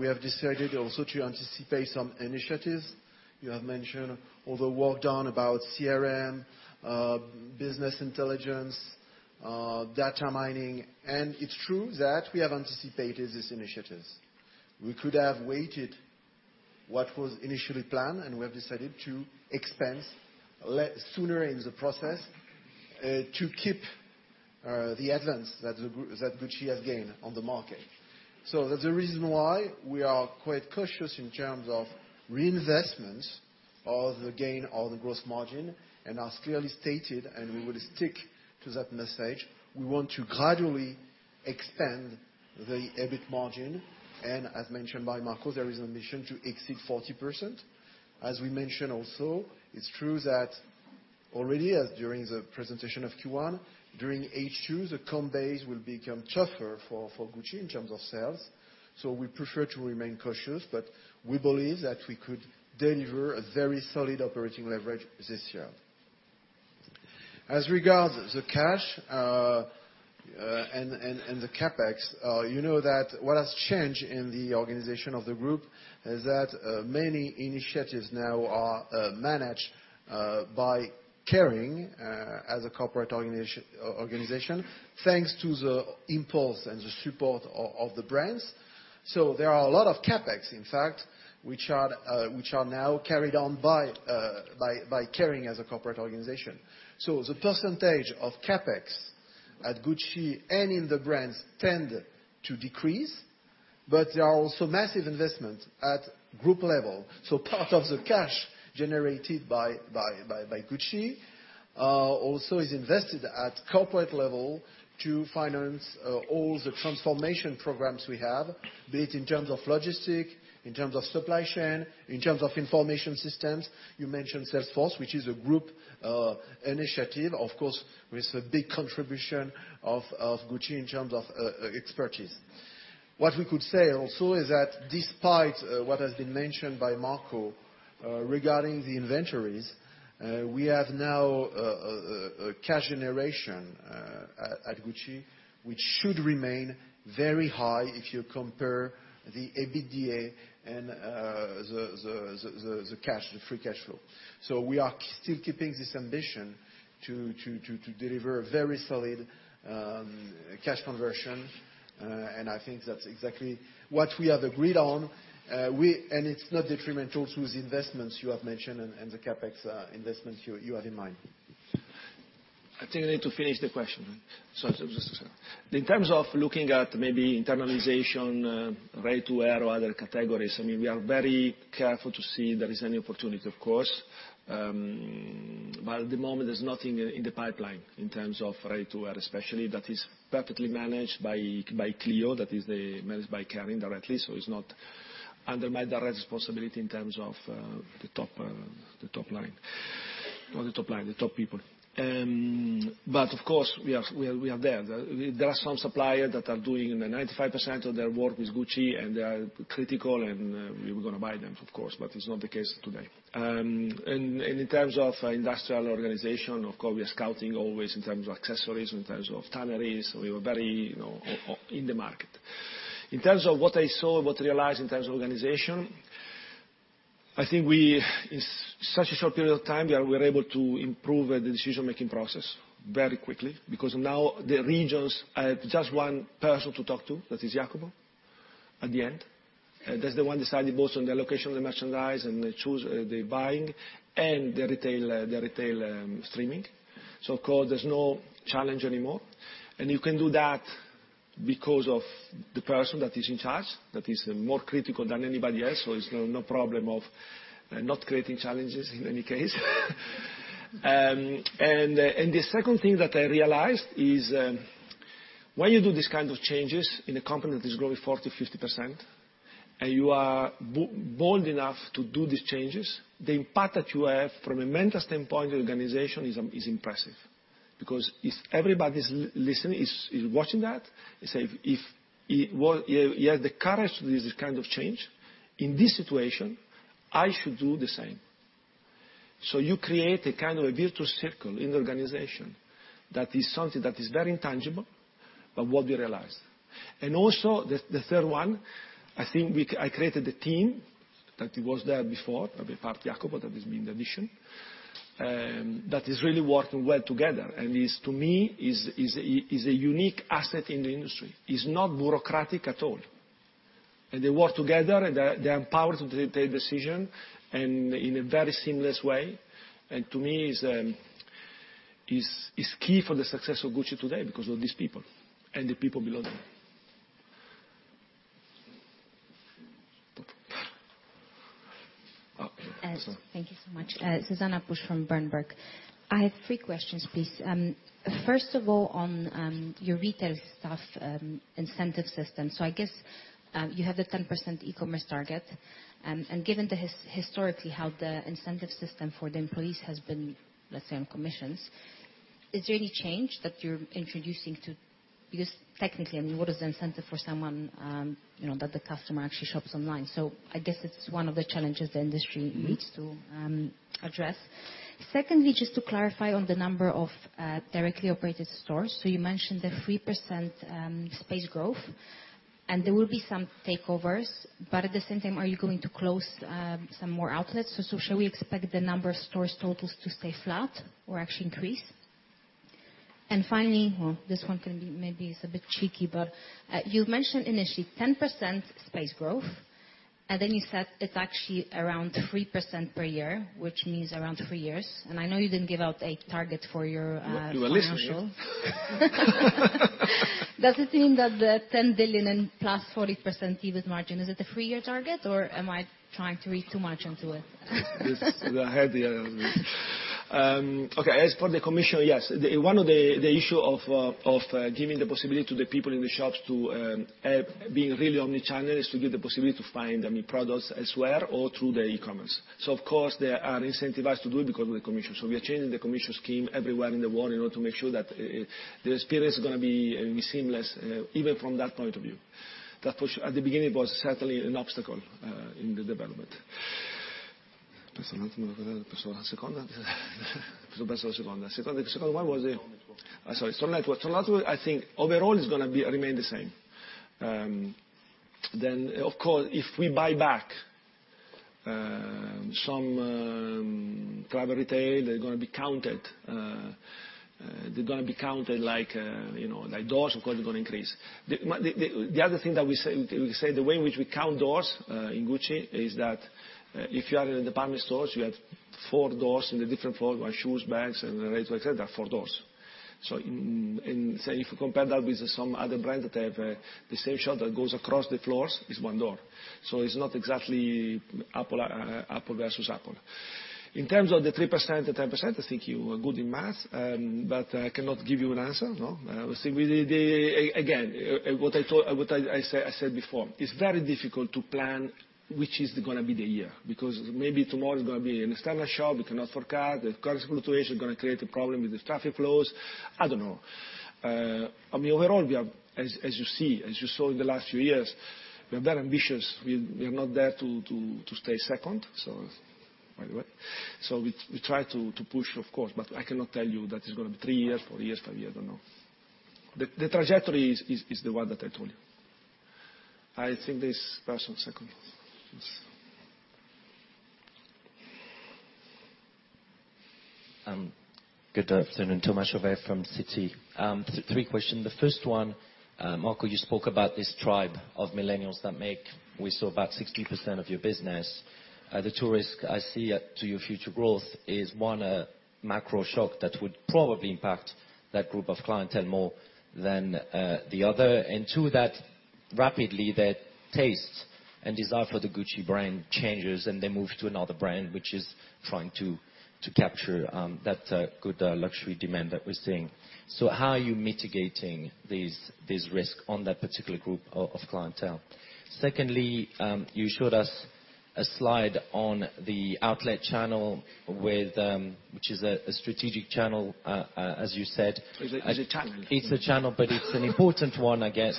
We have decided also to anticipate some initiatives. You have mentioned all the work done about CRM business intelligence, data mining. It's true that we have anticipated these initiatives. We could have waited what was initially planned, and we have decided to expense sooner in the process to keep the advance that Gucci has gained on the market. That's the reason why we are quite cautious in terms of reinvestments of the gain or the gross margin, and as clearly stated, and we will stick to that message, we want to gradually expand the EBIT margin. As mentioned by Marco, there is a mission to exceed 40%. As we mentioned also, it's true that already, as during the presentation of Q1, during H2, the comb base will become tougher for Gucci in terms of sales. We prefer to remain cautious, but we believe that we could deliver a very solid operating leverage this year. As regards the cash and the CapEx, you know that what has changed in the organization of the group is that many initiatives now are managed by Kering as a corporate organization, thanks to the impulse and the support of the brands. There are a lot of CapEx, in fact, which are now carried on by Kering as a corporate organization. The percentage of CapEx at Gucci and in the brands tend to decrease, but there are also massive investments at group level. Part of the cash generated by Gucci also is invested at corporate level to finance all the transformation programs we have, be it in terms of logistic, in terms of supply chain, in terms of information systems. You mentioned Salesforce, which is a group initiative, of course, with a big contribution of Gucci in terms of expertise. What we could say also is that despite what has been mentioned by Marco regarding the inventories, we have now a cash generation at Gucci, which should remain very high if you compare the EBITDA and the free cash flow. We are still keeping this ambition to deliver a very solid cash conversion, and I think that's exactly what we have agreed on. It's not detrimental to the investments you have mentioned and the CapEx investments you have in mind. I think I need to finish the question. In terms of looking at maybe internalization, ready-to-wear or other categories, we are very careful to see if there is any opportunity, of course. At the moment, there's nothing in the pipeline in terms of ready-to-wear especially, that is perfectly managed by Clio, that is managed by Kering directly. It's not under my direct responsibility in terms of the top line. Not the top line, the top people. Of course, we are there. There are some suppliers that are doing 95% of their work with Gucci, and they are critical, and we were going to buy them, of course, but it's not the case today. In terms of industrial organization, of course, we are scouting always in terms of accessories, in terms of tanneries. We are very in the market. In terms of what I saw, what I realized in terms of organization, I think we, in such a short period of time, we were able to improve the decision-making process very quickly because now the regions have just one person to talk to, that is Jacopo at the end. That's the one deciding both on the location of the merchandise and they choose the buying and the retail streaming. Of course, there's no challenge anymore. You can do that because of the person that is in charge, that is more critical than anybody else, so there's no problem of not creating challenges in any case. The second thing that I realized is when you do these kind of changes in a company that is growing 40%, 50%, and you are bold enough to do these changes, the impact that you have from a mental standpoint of the organization is impressive. Because if everybody's listening, is watching that, they say, "If he has the courage to do this kind of change in this situation, I should do the same." You create a kind of a virtuous circle in the organization that is something that is very intangible, but what we realized. Also, the third one, I think I created a team that was there before, apart Jacopo, that has been the addition, that is really working well together and is, to me, is a unique asset in the industry. It's not bureaucratic at all. They work together, and they are empowered to take decision and in a very seamless way. To me, it's key for the success of Gucci today because of these people and the people below them. Thank you so much. Susanna Busch from Berenberg. I have three questions, please. First of all, on your retail staff incentive system. I guess, you have the 10% e-commerce target, and given historically how the incentive system for the employees has been, let's say, on commissions, is there any change that you're introducing? Because technically, what is the incentive for someone that the customer actually shops online? I guess it's one of the challenges the industry needs to address. Secondly, just to clarify on the number of directly operated stores. You mentioned the 3% space growth. There will be some takeovers, but at the same time, are you going to close some more outlets? Shall we expect the number of stores totals to stay flat or actually increase? Finally, well, this one maybe is a bit cheeky, you mentioned initially 10% space growth, you said it's actually around 3% per year, which means around three years. I know you didn't give out a target for your financial. You are listening. Does it mean that the 10 billion and plus 40% EBIT margin, is it a three-year target, am I trying to read too much into it? Yes. As for the commission, one of the issue of giving the possibility to the people in the shops to being really omni-channel is to give the possibility to find new products elsewhere or through the e-commerce. Of course, they are incentivized to do it because of the commission. We are changing the commission scheme everywhere in the world in order to make sure that the experience is going to be seamless, even from that point of view. For sure at the beginning, was certainly an obstacle in the development. The second one was the- Store network. Sorry, store network. Store network, I think overall is going to remain the same. Of course, if we buy back some travel retail, they're going to be counted. They're going to be counted like doors, of course, are going to increase. The other thing that we say, the way in which we count doors in Gucci is that if you are in the department stores, you have four doors in the different floor. You have shoes, bags, and the rest etcetera, four doors. If you compare that with some other brand that have the same shop that goes across the floors, it's one door. It's not exactly apple versus apple. In terms of the 3% and 10%, I think you are good in math, but I cannot give you an answer, no. Again, what I said before, it's very difficult to plan which is going to be the year. Maybe tomorrow is going to be an external shop, we cannot forecast. The current situation is going to create a problem with the traffic flows. I don't know. Overall, as you see, as you saw in the last few years, we are very ambitious. We are not there to stay second. By the way. We try to push, of course, but I cannot tell you that it's going to be three years, four years, five years. I don't know. The trajectory is the one that I told you. I think this person second. Yes. Good afternoon. Thomas Chauvet from Citi. Three question. The first one, Marco, you spoke about this tribe of millennials that make, we saw about 60% of your business. The two risks I see to your future growth is, one, a macro shock that would probably impact that group of clientele more than the other. Two, that rapidly their taste and desire for the Gucci brand changes, and they move to another brand which is trying to capture that good luxury demand that we're seeing. How are you mitigating this risk on that particular group of clientele? Secondly, you showed us a slide on the outlet channel, which is a strategic channel, as you said. It's a channel. It's a channel, but it's an important one, I guess,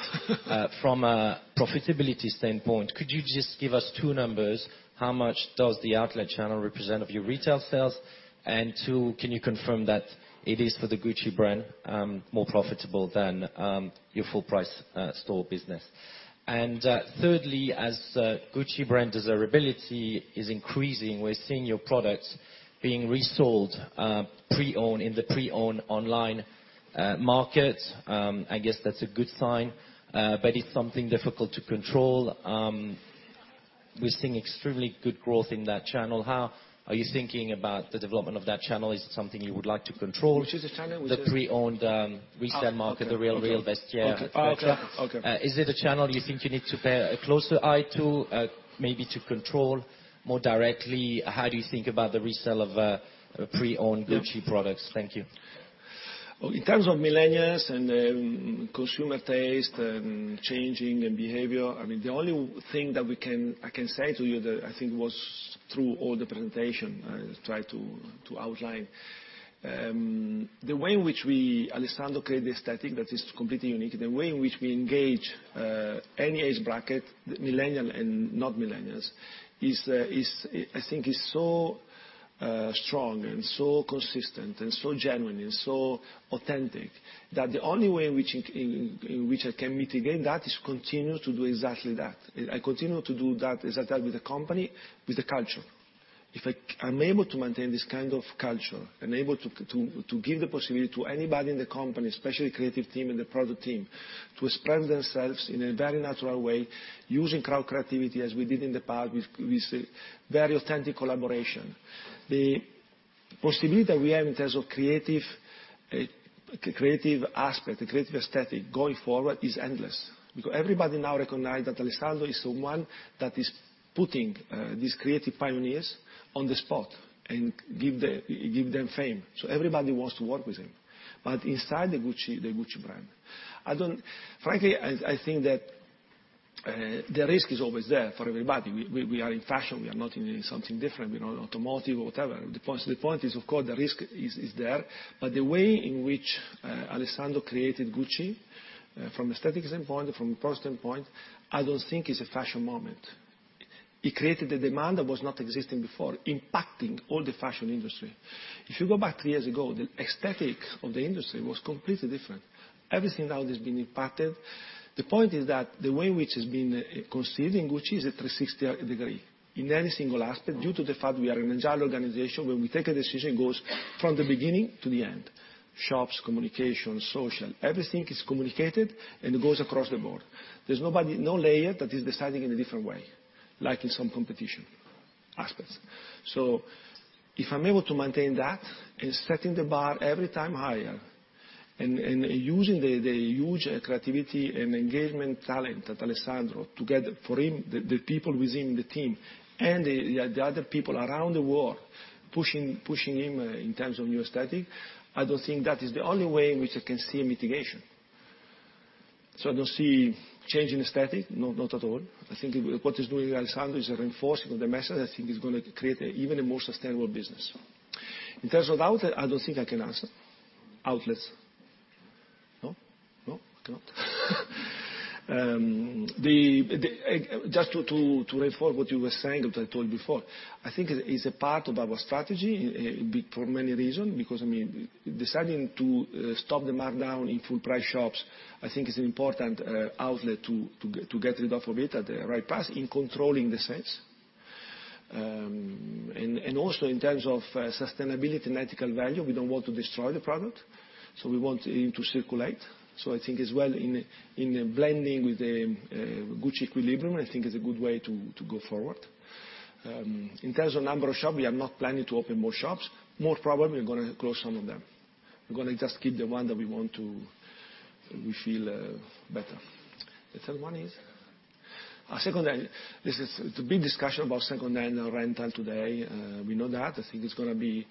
from a profitability standpoint. Could you just give us two numbers? How much does the outlet channel represent of your retail sales? Can you confirm that it is for the Gucci brand, more profitable than your full price store business? Thirdly, as Gucci brand desirability is increasing, we're seeing your products being resold pre-owned in the pre-owned online market. I guess that's a good sign, but it's something difficult to control. We're seeing extremely good growth in that channel. How are you thinking about the development of that channel? Is it something you would like to control? Which is the channel? The pre-owned resale market. Okay. The RealReal, Vestiaire, etcetera. Okay. Is it a channel you think you need to pay a closer eye to, maybe to control more directly? How do you think about the resale of pre-owned Gucci products? Yeah. Thank you. In terms of millennials and consumer taste and changing and behavior, the only thing that I can say to you that I think was through all the presentation, I tried to outline. The way in which we, Alessandro, create the aesthetic that is completely unique, the way in which we engage any age bracket, millennial and not millennials, I think is so strong and so consistent and so genuine and so authentic that the only way in which I can mitigate that is continue to do exactly that. I continue to do that, exactly with the company, with the culture. If I'm able to maintain this kind of culture and able to give the possibility to anybody in the company, especially creative team and the product team, to express themselves in a very natural way using crowd creativity as we did in the past with very authentic collaboration. The possibility we have in terms of creative aspect, creative aesthetic going forward is endless. Everybody now recognize that Alessandro is the one that is putting these creative pioneers on the spot and give them fame, so everybody wants to work with him. Inside the Gucci brand. Frankly, I think that the risk is always there for everybody. We are in fashion. We are not in something different, automotive or whatever. The point is, of course, the risk is there. The way in which Alessandro created Gucci, from aesthetic standpoint, from a prose standpoint, I don't think it's a fashion moment. It created a demand that was not existing before, impacting all the fashion industry. If you go back three years ago, the aesthetic of the industry was completely different. Everything now has been impacted. The point is that the way which it's been conceived, which is a 360-degree, in any single aspect, due to the fact we are an agile organization, when we take a decision, it goes from the beginning to the end. Shops, communication, social, everything is communicated, and goes across the board. There's no layer that is deciding in a different way, like in some competition aspects. If I'm able to maintain that, and setting the bar every time higher, and using the huge creativity and engagement talent that Alessandro, together for him, the people within the team, and the other people around the world, pushing him in terms of new aesthetic, I don't think that is the only way in which I can see a mitigation. I don't see change in aesthetic. No, not at all. I think what is doing Alessandro is a reinforcing of the message. I think it's going to create even a more sustainable business. In terms of outlet, I don't think I can answer. Outlets. No, I cannot. Just to reinforce what you were saying, that I told you before, I think it is a part of our strategy for many reason, because deciding to stop the markdown in full price shops, I think is an important outlet to get rid of it at the right price in controlling the sales. Also in terms of sustainability and ethical value, we don't want to destroy the product, so we want it to circulate. I think as well in blending with the Gucci Equilibrium, I think is a good way to go forward. In terms of number of shops, we are not planning to open more shops. More probably, we're going to close some of them. We're going to just keep the one that we feel better. The third one is? Secondhand. There's this big discussion about secondhand rental today. We know that. I think it's going to be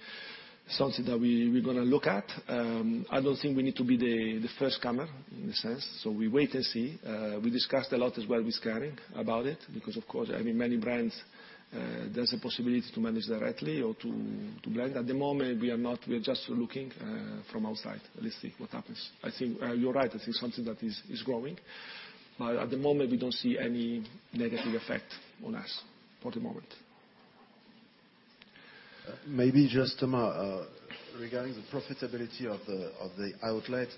something that we're going to look at. I don't think we need to be the first comer, in a sense. We wait and see. We discussed a lot as well with Kering about it because, of course, many brands, there's a possibility to manage directly or to blend. At the moment, we are not. We are just looking from outside. Let's see what happens. I think you're right. I think it's something that is growing. At the moment, we don't see any negative effect on us for the moment. Maybe just, Thomas, regarding the profitability of the outlet,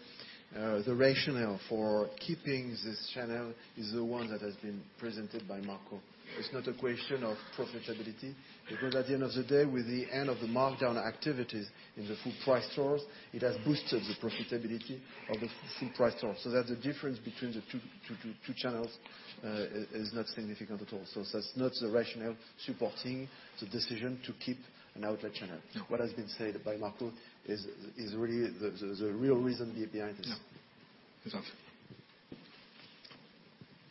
the rationale for keeping this channel is the one that has been presented by Marco. It's not a question of profitability, because at the end of the day, with the end of the markdown activities in the full price stores, it has boosted the profitability of the full price stores. The difference between the two channels is not significant at all. That's not the rationale supporting the decision to keep an outlet channel. What has been said by Marco is really the real reason behind this. Yeah. That's all.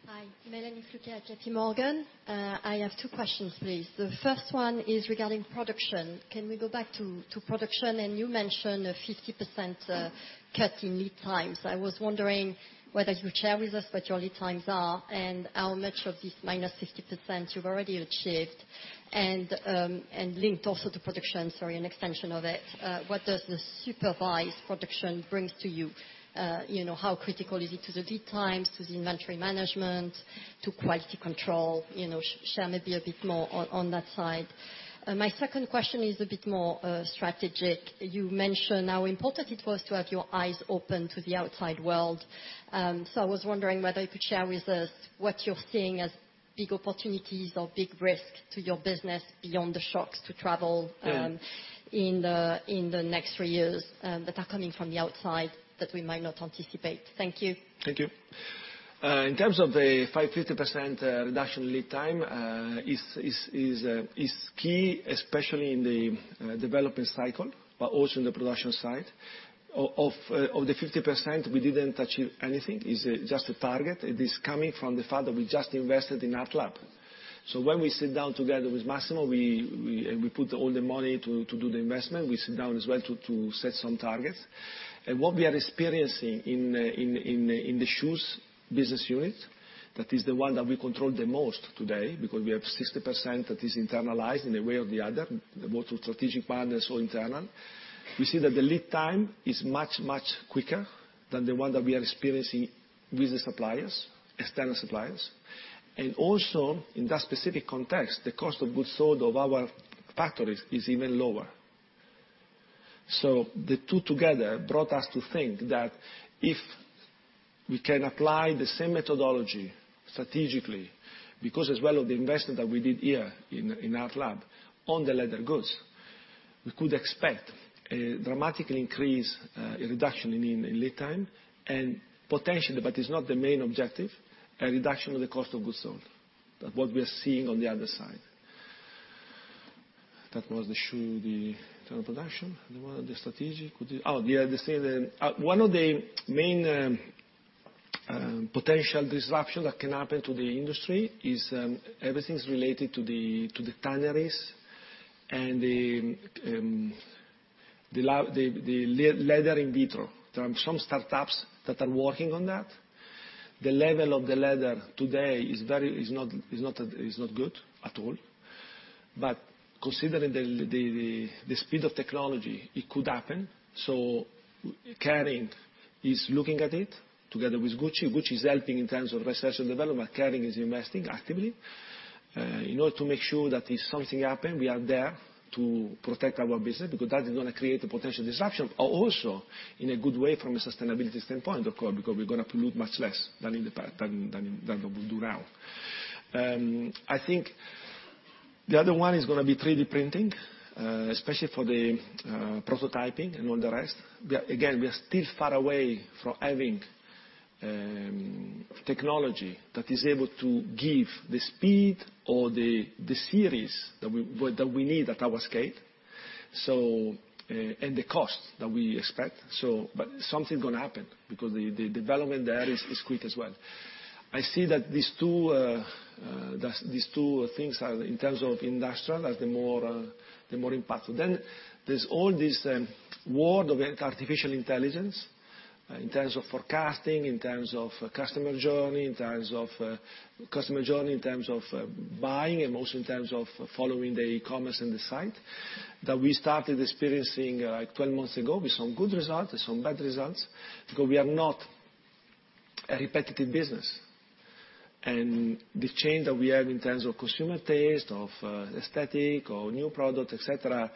Hi. Mélanie Flouquet at JP Morgan. I have two questions please. The first one is regarding production. Can we go back to production? You mentioned a 50% cut in lead times. I was wondering whether you'd share with us what your lead times are, and how much of this minus 50% you've already achieved? Linked also to production, sorry, an extension of it, what does the supervised production brings to you? How critical is it to the lead times, to the inventory management, to quality control? Share maybe a bit more on that side. My second question is a bit more strategic. You mentioned how important it was to have your eyes open to the outside world. I was wondering whether you could share with us what you're seeing as big opportunities or big risks to your business beyond the shocks to travel- Yeah in the next three years, that are coming from the outside that we might not anticipate. Thank you. Thank you. In terms of the 50% reduction lead time, it is key, especially in the development cycle, but also in the production side. Of the 50%, we didn't achieve anything. It's just a target. It is coming from the fact that we just invested in Artlab. When we sit down together with Massimo, we put all the money to do the investment. We sit down as well to set some targets. What we are experiencing in the shoes business unit, that is the one that we control the most today, because we have 60% that is internalized in a way or the other, both through strategic partners or internal. We see that the lead time is much, much quicker than the one that we are experiencing with the suppliers, external suppliers. In that specific context, the cost of goods sold of our factories is even lower. The two together brought us to think that if we can apply the same methodology strategically, because as well of the investment that we did here in ArtLab on the leather goods, we could expect a dramatic increase, a reduction in lead time and potentially, but it's not the main objective, a reduction in the cost of goods sold. That is what we're seeing on the other side. That was the shoe, the internal production. The one, the strategic. Oh, yeah. One of the main potential disruptions that can happen to the industry is everything related to the tanneries and the leather in vitro. There are some startups that are working on that. The level of the leather today is not good at all. Considering the speed of technology, it could happen. Kering is looking at it together with Gucci. Gucci is helping in terms of research and development. Kering is investing actively in order to make sure that if something happens, we are there to protect our business because that is going to create a potential disruption, also in a good way from a sustainability standpoint, of course, because we're going to pollute much less than what we do now. I think the other one is going to be 3D printing, especially for the prototyping and all the rest. Again, we are still far away from having technology that is able to give the speed or the series that we need at our scale and the cost that we expect. Something's going to happen because the development there is quick as well. I see that these two things are, in terms of industrial, are the more impactful. There's all this world of artificial intelligence in terms of forecasting, in terms of customer journey, in terms of customer journey in terms of buying and also in terms of following the e-commerce and the site, that we started experiencing 12 months ago with some good results and some bad results because we are not a repetitive business. The change that we have in terms of consumer taste, of aesthetic or new product, et cetera,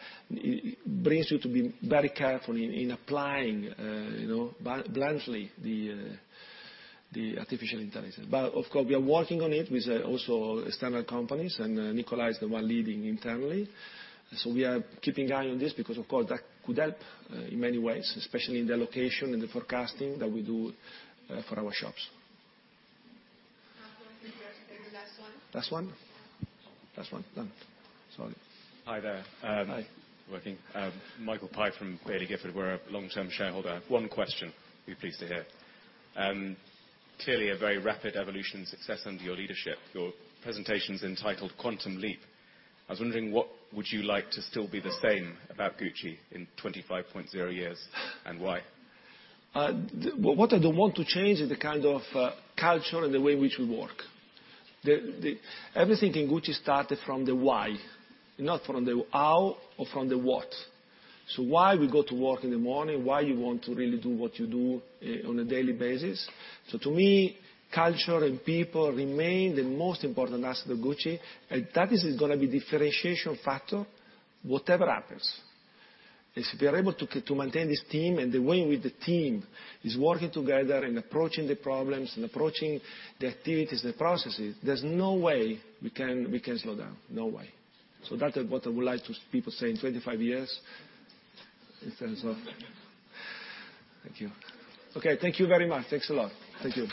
brings you to be very careful in applying bluntly the artificial intelligence. Of course, we are working on it with also external companies, and Nicola is the one leading internally. We are keeping an eye on this because, of course, that could help in many ways, especially in the location and the forecasting that we do for our shops. Last one. This will be the last one. Last one? Last one. Done. Sorry. Hi there. Hi. Working. Michael Pike from Baillie Gifford. We're a long-term shareholder. One question, you'll be pleased to hear. Clearly, a very rapid evolution and success under your leadership. Your presentation's entitled Quantum Leap. I was wondering what would you like to still be the same about Gucci in 25.0 years, and why? What I don't want to change is the kind of culture and the way in which we work. Everything in Gucci started from the why, not from the how or from the what. Why we go to work in the morning, why you want to really do what you do on a daily basis. To me, culture and people remain the most important aspect of Gucci, and that is going to be differentiation factor whatever happens. If we are able to maintain this team and the way with the team is working together and approaching the problems and approaching the activities and the processes, there's no way we can slow down. No way. That is what I would like people to say in 25 years in terms of Thank you. Okay. Thank you very much. Thanks a lot. Thank you.